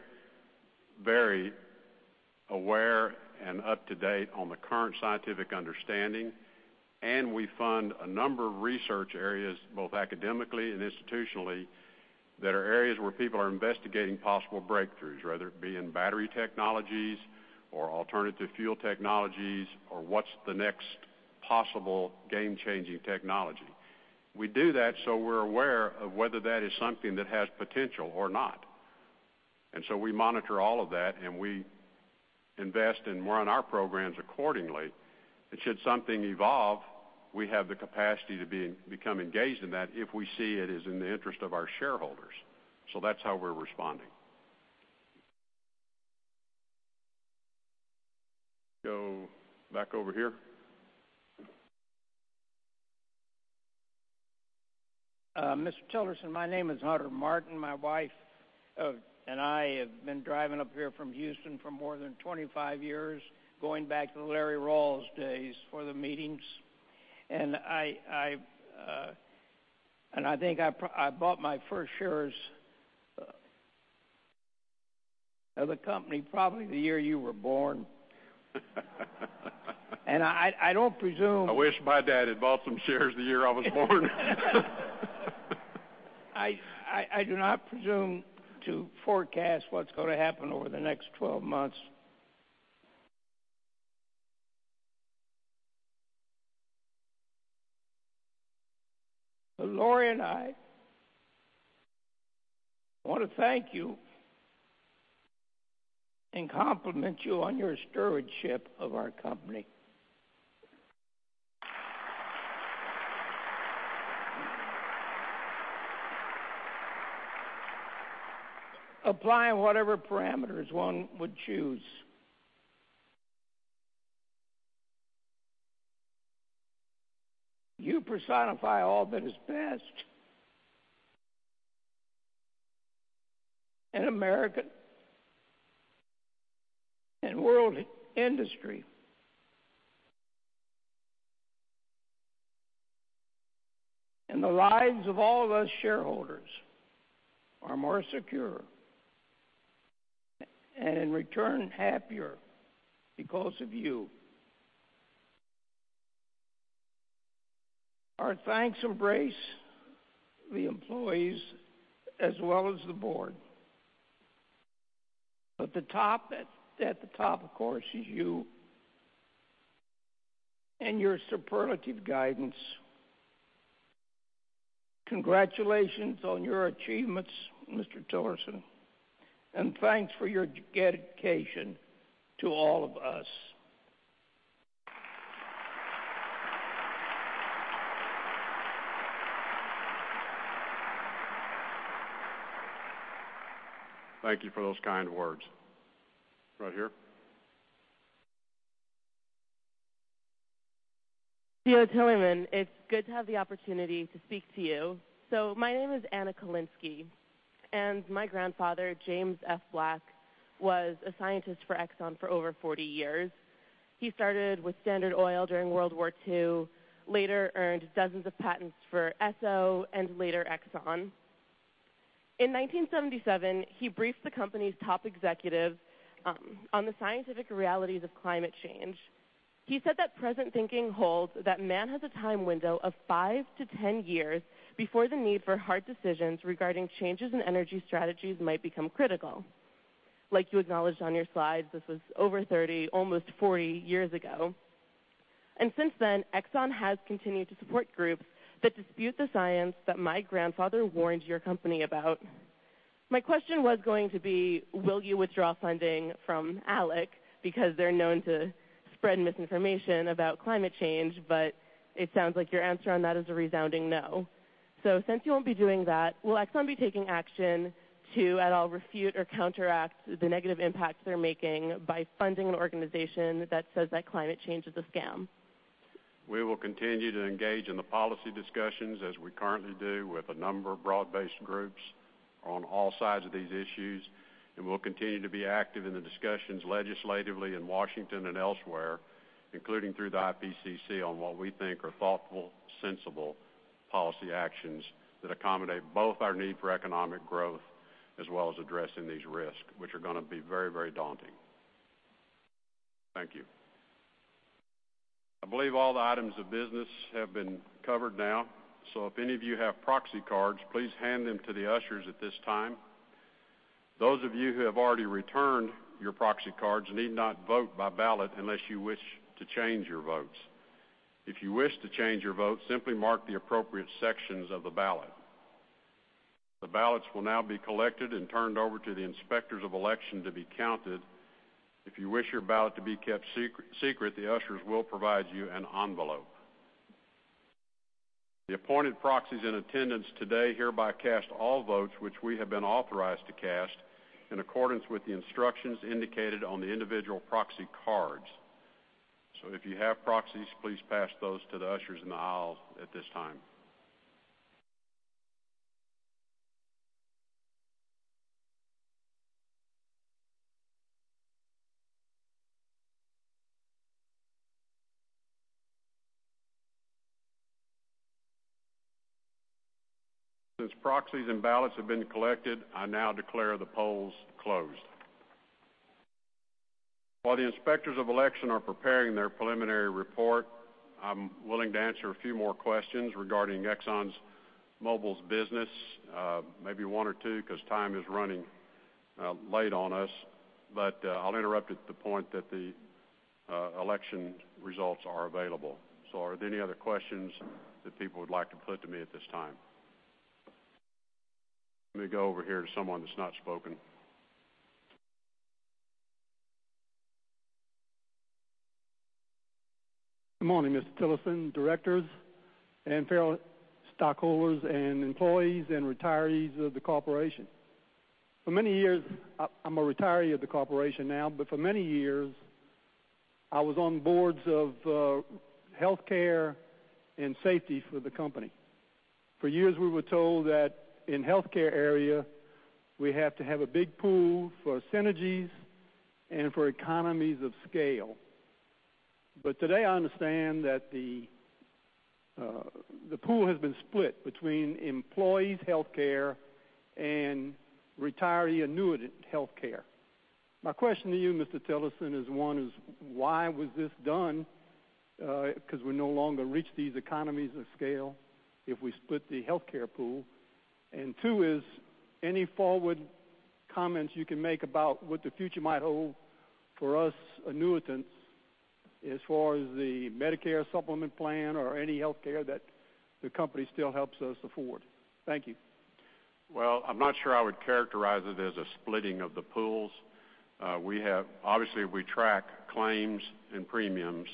aware and up to date on the current scientific understanding, we fund a number of research areas, both academically and institutionally, that are areas where people are investigating possible breakthroughs, whether it be in battery technologies or alternative fuel technologies or what's the next possible game-changing technology. We do that so we're aware of whether that is something that has potential or not. We monitor all of that and we invest and run our programs accordingly. Should something evolve, we have the capacity to become engaged in that if we see it is in the interest of our shareholders. That's how we're responding. Go back over here. Mr. Tillerson, my name is Hunter Martin. My wife and I have been driving up here from Houston for more than 25 years, going back to the Lee Rawls days for the meetings. I think I bought my first shares of the company probably the year you were born. I don't presume- I wish my dad had bought some shares the year I was born. I do not presume to forecast what's going to happen over the next 12 months. Lori and I want to thank you and compliment you on your stewardship of our company. Apply whatever parameters one would choose. You personify all that is best in American and world industry. The lives of all us shareholders are more secure and in return, happier because of you. Our thanks embrace the employees as well as the board. At the top, of course, is you and your superlative guidance. Congratulations on your achievements, Mr. Tillerson, and thanks for your dedication to all of us. Thank you for those kind words. Right here. CEO Tillerson, it's good to have the opportunity to speak to you. My name is Anna Kolinski, and my grandfather, James F. Black, was a scientist for Exxon for over 40 years. He started with Standard Oil during World War II, later earned dozens of patents for Esso and later Exxon. In 1977, he briefed the company's top executives on the scientific realities of climate change. He said that present thinking holds that man has a time window of five to 10 years before the need for hard decisions regarding changes in energy strategies might become critical. Like you acknowledged on your slides, this was over 30, almost 40 years ago. Since then, Exxon has continued to support groups that dispute the science that my grandfather warned your company about. My question was going to be, will you withdraw funding from ALEC because they're known to spread misinformation about climate change, it sounds like your answer on that is a resounding no. Since you won't be doing that, will Exxon be taking action to at all refute or counteract the negative impact they're making by funding an organization that says that climate change is a scam? We will continue to engage in the policy discussions as we currently do with a number of broad-based groups on all sides of these issues. We'll continue to be active in the discussions legislatively in Washington and elsewhere, including through the IPCC, on what we think are thoughtful, sensible policy actions that accommodate both our need for economic growth as well as addressing these risks, which are going to be very, very daunting. Thank you. I believe all the items of business have been covered now. If any of you have proxy cards, please hand them to the ushers at this time. Those of you who have already returned your proxy cards need not vote by ballot unless you wish to change your votes. If you wish to change your vote, simply mark the appropriate sections of the ballot. The ballots will now be collected and turned over to the inspectors of election to be counted. If you wish your ballot to be kept secret, the ushers will provide you an envelope. The appointed proxies in attendance today hereby cast all votes which we have been authorized to cast in accordance with the instructions indicated on the individual proxy cards. If you have proxies, please pass those to the ushers in the aisles at this time. Since proxies and ballots have been collected, I now declare the polls closed. While the inspectors of election are preparing their preliminary report, I'm willing to answer a few more questions regarding ExxonMobil's business. Maybe one or two, because time is running late on us. I'll interrupt at the point that the election results are available. Are there any other questions that people would like to put to me at this time? Let me go over here to someone that's not spoken. Good morning, Mr. Tillerson, directors, and fellow stockholders and employees and retirees of the corporation. I'm a retiree of the corporation now, for many years, I was on boards of healthcare and safety for the company. For years, we were told that in healthcare area, we have to have a big pool for synergies and for economies of scale. Today, I understand that the pool has been split between employees' healthcare and retiree annuitant healthcare. My question to you, Mr. Tillerson, is one is why was this done? Because we no longer reach these economies of scale if we split the healthcare pool. Two is any forward comments you can make about what the future might hold for us annuitants as far as the Medicare supplement plan or any healthcare that the company still helps us afford. Thank you. I'm not sure I would characterize it as a splitting of the pools. We track claims and premiums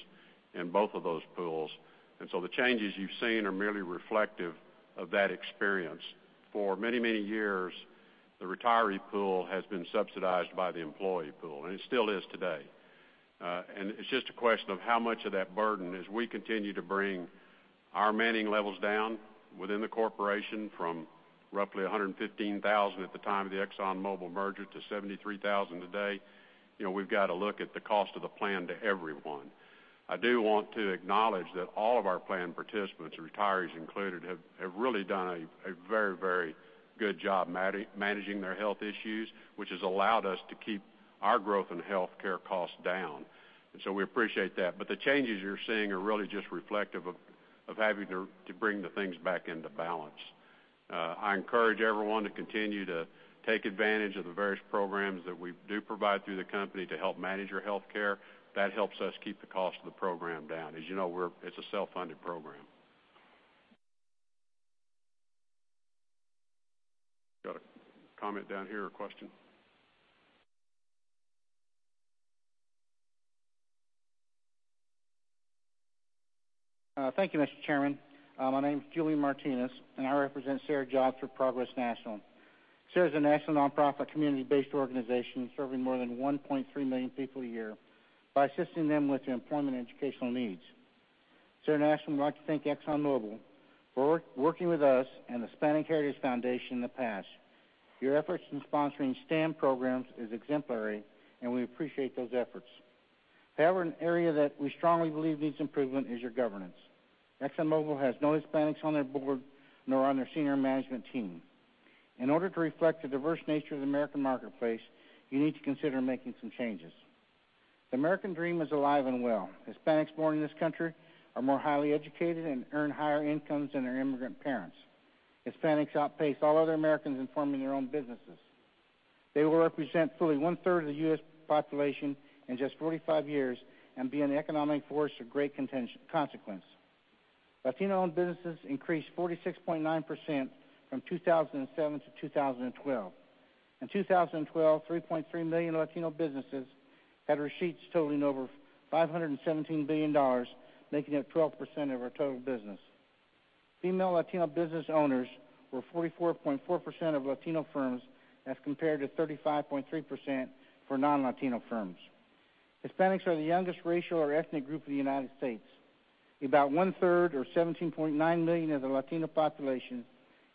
in both of those pools. The changes you've seen are merely reflective of that experience. For many, many years, the retiree pool has been subsidized by the employee pool. It still is today. It's just a question of how much of that burden, as we continue to bring our manning levels down within the corporation from roughly 115,000 at the time of the ExxonMobil merger to 73,000 today. We've got to look at the cost of the plan to everyone. I do want to acknowledge that all of our plan participants, retirees included, have really done a very, very good job managing their health issues, which has allowed us to keep our growth in healthcare costs down. We appreciate that. The changes you're seeing are really just reflective of having to bring the things back into balance. I encourage everyone to continue to take advantage of the various programs that we do provide through the company to help manage your healthcare. That helps us keep the cost of the program down. As you know, it's a self-funded program. Got a comment down here, a question. Thank you, Mr. Chairman. My name's Julian Martinez. I represent SER Jobs for Progress National. SER is a national nonprofit community-based organization serving more than 1.3 million people a year by assisting them with their employment and educational needs. SER National would like to thank ExxonMobil for working with us and the Hispanic Heritage Foundation in the past. Your efforts in sponsoring STEM programs is exemplary. We appreciate those efforts. An area that we strongly believe needs improvement is your governance. ExxonMobil has no Hispanics on their board, nor on their senior management team. In order to reflect the diverse nature of the American marketplace, you need to consider making some changes. The American dream is alive and well. Hispanics born in this country are more highly educated and earn higher incomes than their immigrant parents. Hispanics outpace all other Americans in forming their own businesses. They will represent fully one-third of the U.S. population in just 45 years and be an economic force of great consequence. Latino-owned businesses increased 46.9% from 2007 to 2012. In 2012, 3.3 million Latino businesses had receipts totaling over $517 billion, making up 12% of our total business. Female Latino business owners were 44.4% of Latino firms as compared to 35.3% for non-Latino firms. Hispanics are the youngest racial or ethnic group in the United States. About one-third or 17.9 million of the Latino population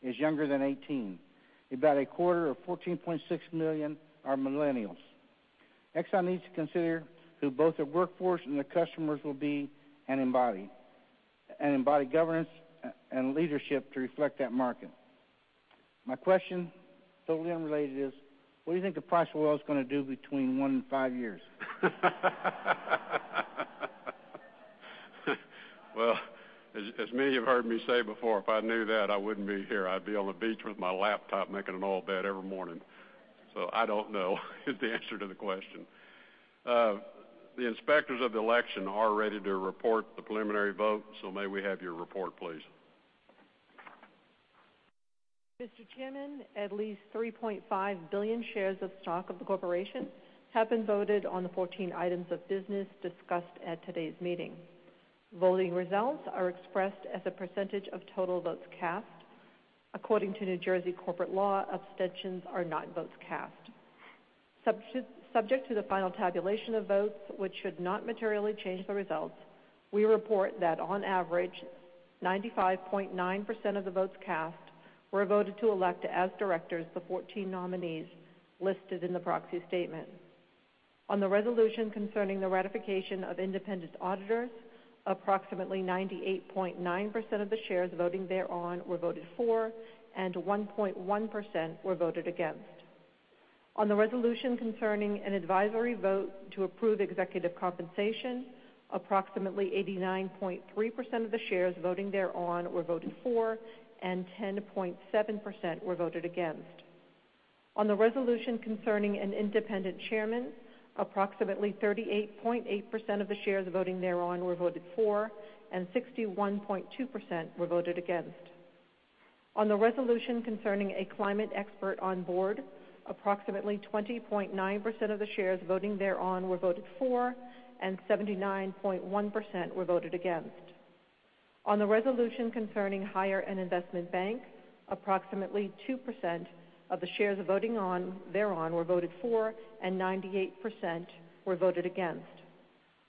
is younger than 18. About a quarter or 14.6 million are millennials. Exxon needs to consider who both the workforce and the customers will be and embody governance and leadership to reflect that market. My question, totally unrelated, is what do you think the price of oil is going to do between one and five years? As many have heard me say before, if I knew that I wouldn't be here, I'd be on the beach with my laptop making an oil bet every morning. I don't know is the answer to the question. The inspectors of the election are ready to report the preliminary vote. May we have your report, please? Mr. Chairman, at least 3.5 billion shares of stock of the corporation have been voted on the 14 items of business discussed at today's meeting. Voting results are expressed as a percentage of total votes cast. According to New Jersey corporate law, abstentions are not votes cast. Subject to the final tabulation of votes, which should not materially change the results, we report that on average, 95.9% of the votes cast were voted to elect as directors the 14 nominees listed in the proxy statement. On the resolution concerning the ratification of independent auditors, approximately 98.9% of the shares voting thereon were voted for, and 1.1% were voted against. On the resolution concerning an advisory vote to approve executive compensation, approximately 89.3% of the shares voting thereon were voted for, and 10.7% were voted against. On the resolution concerning an independent chairman, approximately 38.8% of the shares voting thereon were voted for, and 61.2% were voted against. On the resolution concerning a climate expert on board, approximately 20.9% of the shares voting thereon were voted for, and 79.1% were voted against. On the resolution concerning hire an investment bank, approximately 2% of the shares voting thereon were voted for, and 98% were voted against.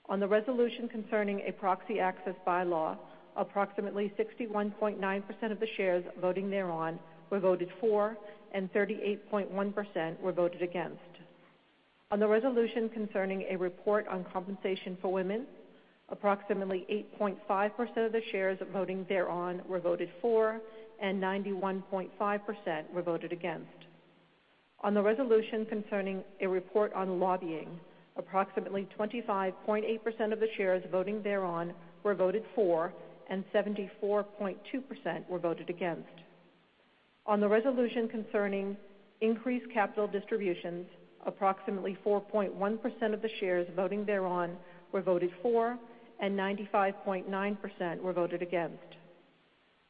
On the resolution concerning a proxy access bylaw, approximately 61.9% of the shares voting thereon were voted for, and 38.1% were voted against. On the resolution concerning a report on compensation for women, approximately 8.5% of the shares voting thereon were voted for, and 91.5% were voted against. On the resolution concerning a report on lobbying, approximately 25.8% of the shares voting thereon were voted for, and 74.2% were voted against. On the resolution concerning increased capital distributions, approximately 4.1% of the shares voting thereon were voted for, and 95.9% were voted against.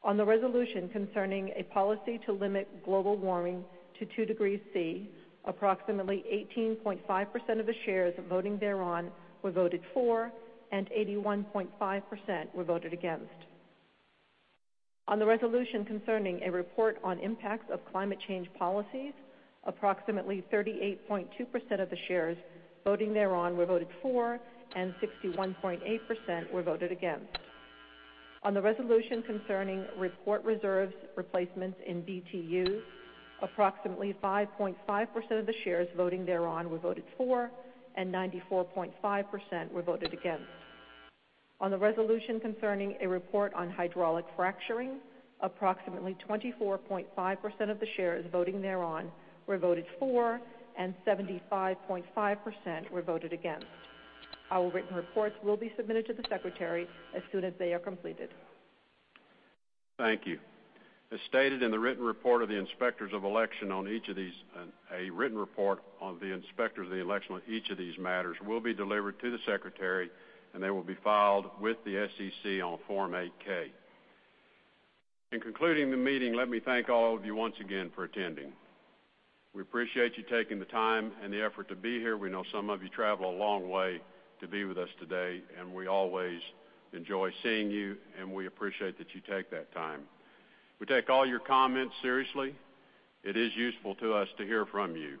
On the resolution concerning a policy to limit global warming to 2 degrees Celsius, approximately 18.5% of the shares voting thereon were voted for, and 81.5% were voted against. On the resolution concerning a report on impacts of climate change policies, approximately 38.2% of the shares voting thereon were voted for, and 61.8% were voted against. On the resolution concerning report reserves replacements in BTU, approximately 5.5% of the shares voting thereon were voted for, and 94.5% were voted against. On the resolution concerning a report on hydraulic fracturing, approximately 24.5% of the shares voting thereon were voted for, and 75.5% were voted against. Our written reports will be submitted to the Secretary as soon as they are completed. Thank you. As stated in the written report of the inspectors of the election on each of these matters will be delivered to the Secretary, they will be filed with the SEC on Form 8-K. In concluding the meeting, let me thank all of you once again for attending. We appreciate you taking the time and the effort to be here. We know some of you travel a long way to be with us today, we always enjoy seeing you, we appreciate that you take that time. We take all your comments seriously. It is useful to us to hear from you.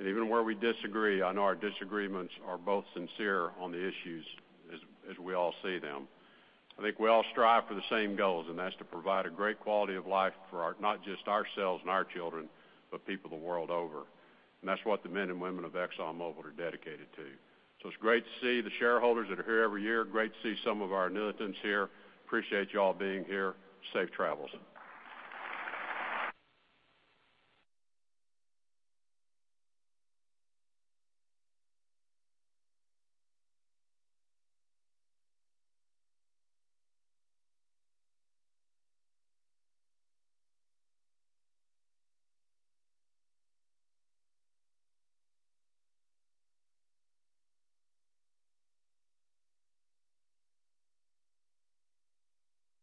Even where we disagree, I know our disagreements are both sincere on the issues as we all see them. I think we all strive for the same goals, that's to provide a great quality of life for not just ourselves and our children, but people the world over. That's what the men and women of ExxonMobil are dedicated to. It's great to see the shareholders that are here every year, great to see some of our dissidents here. Appreciate you all being here. Safe travels.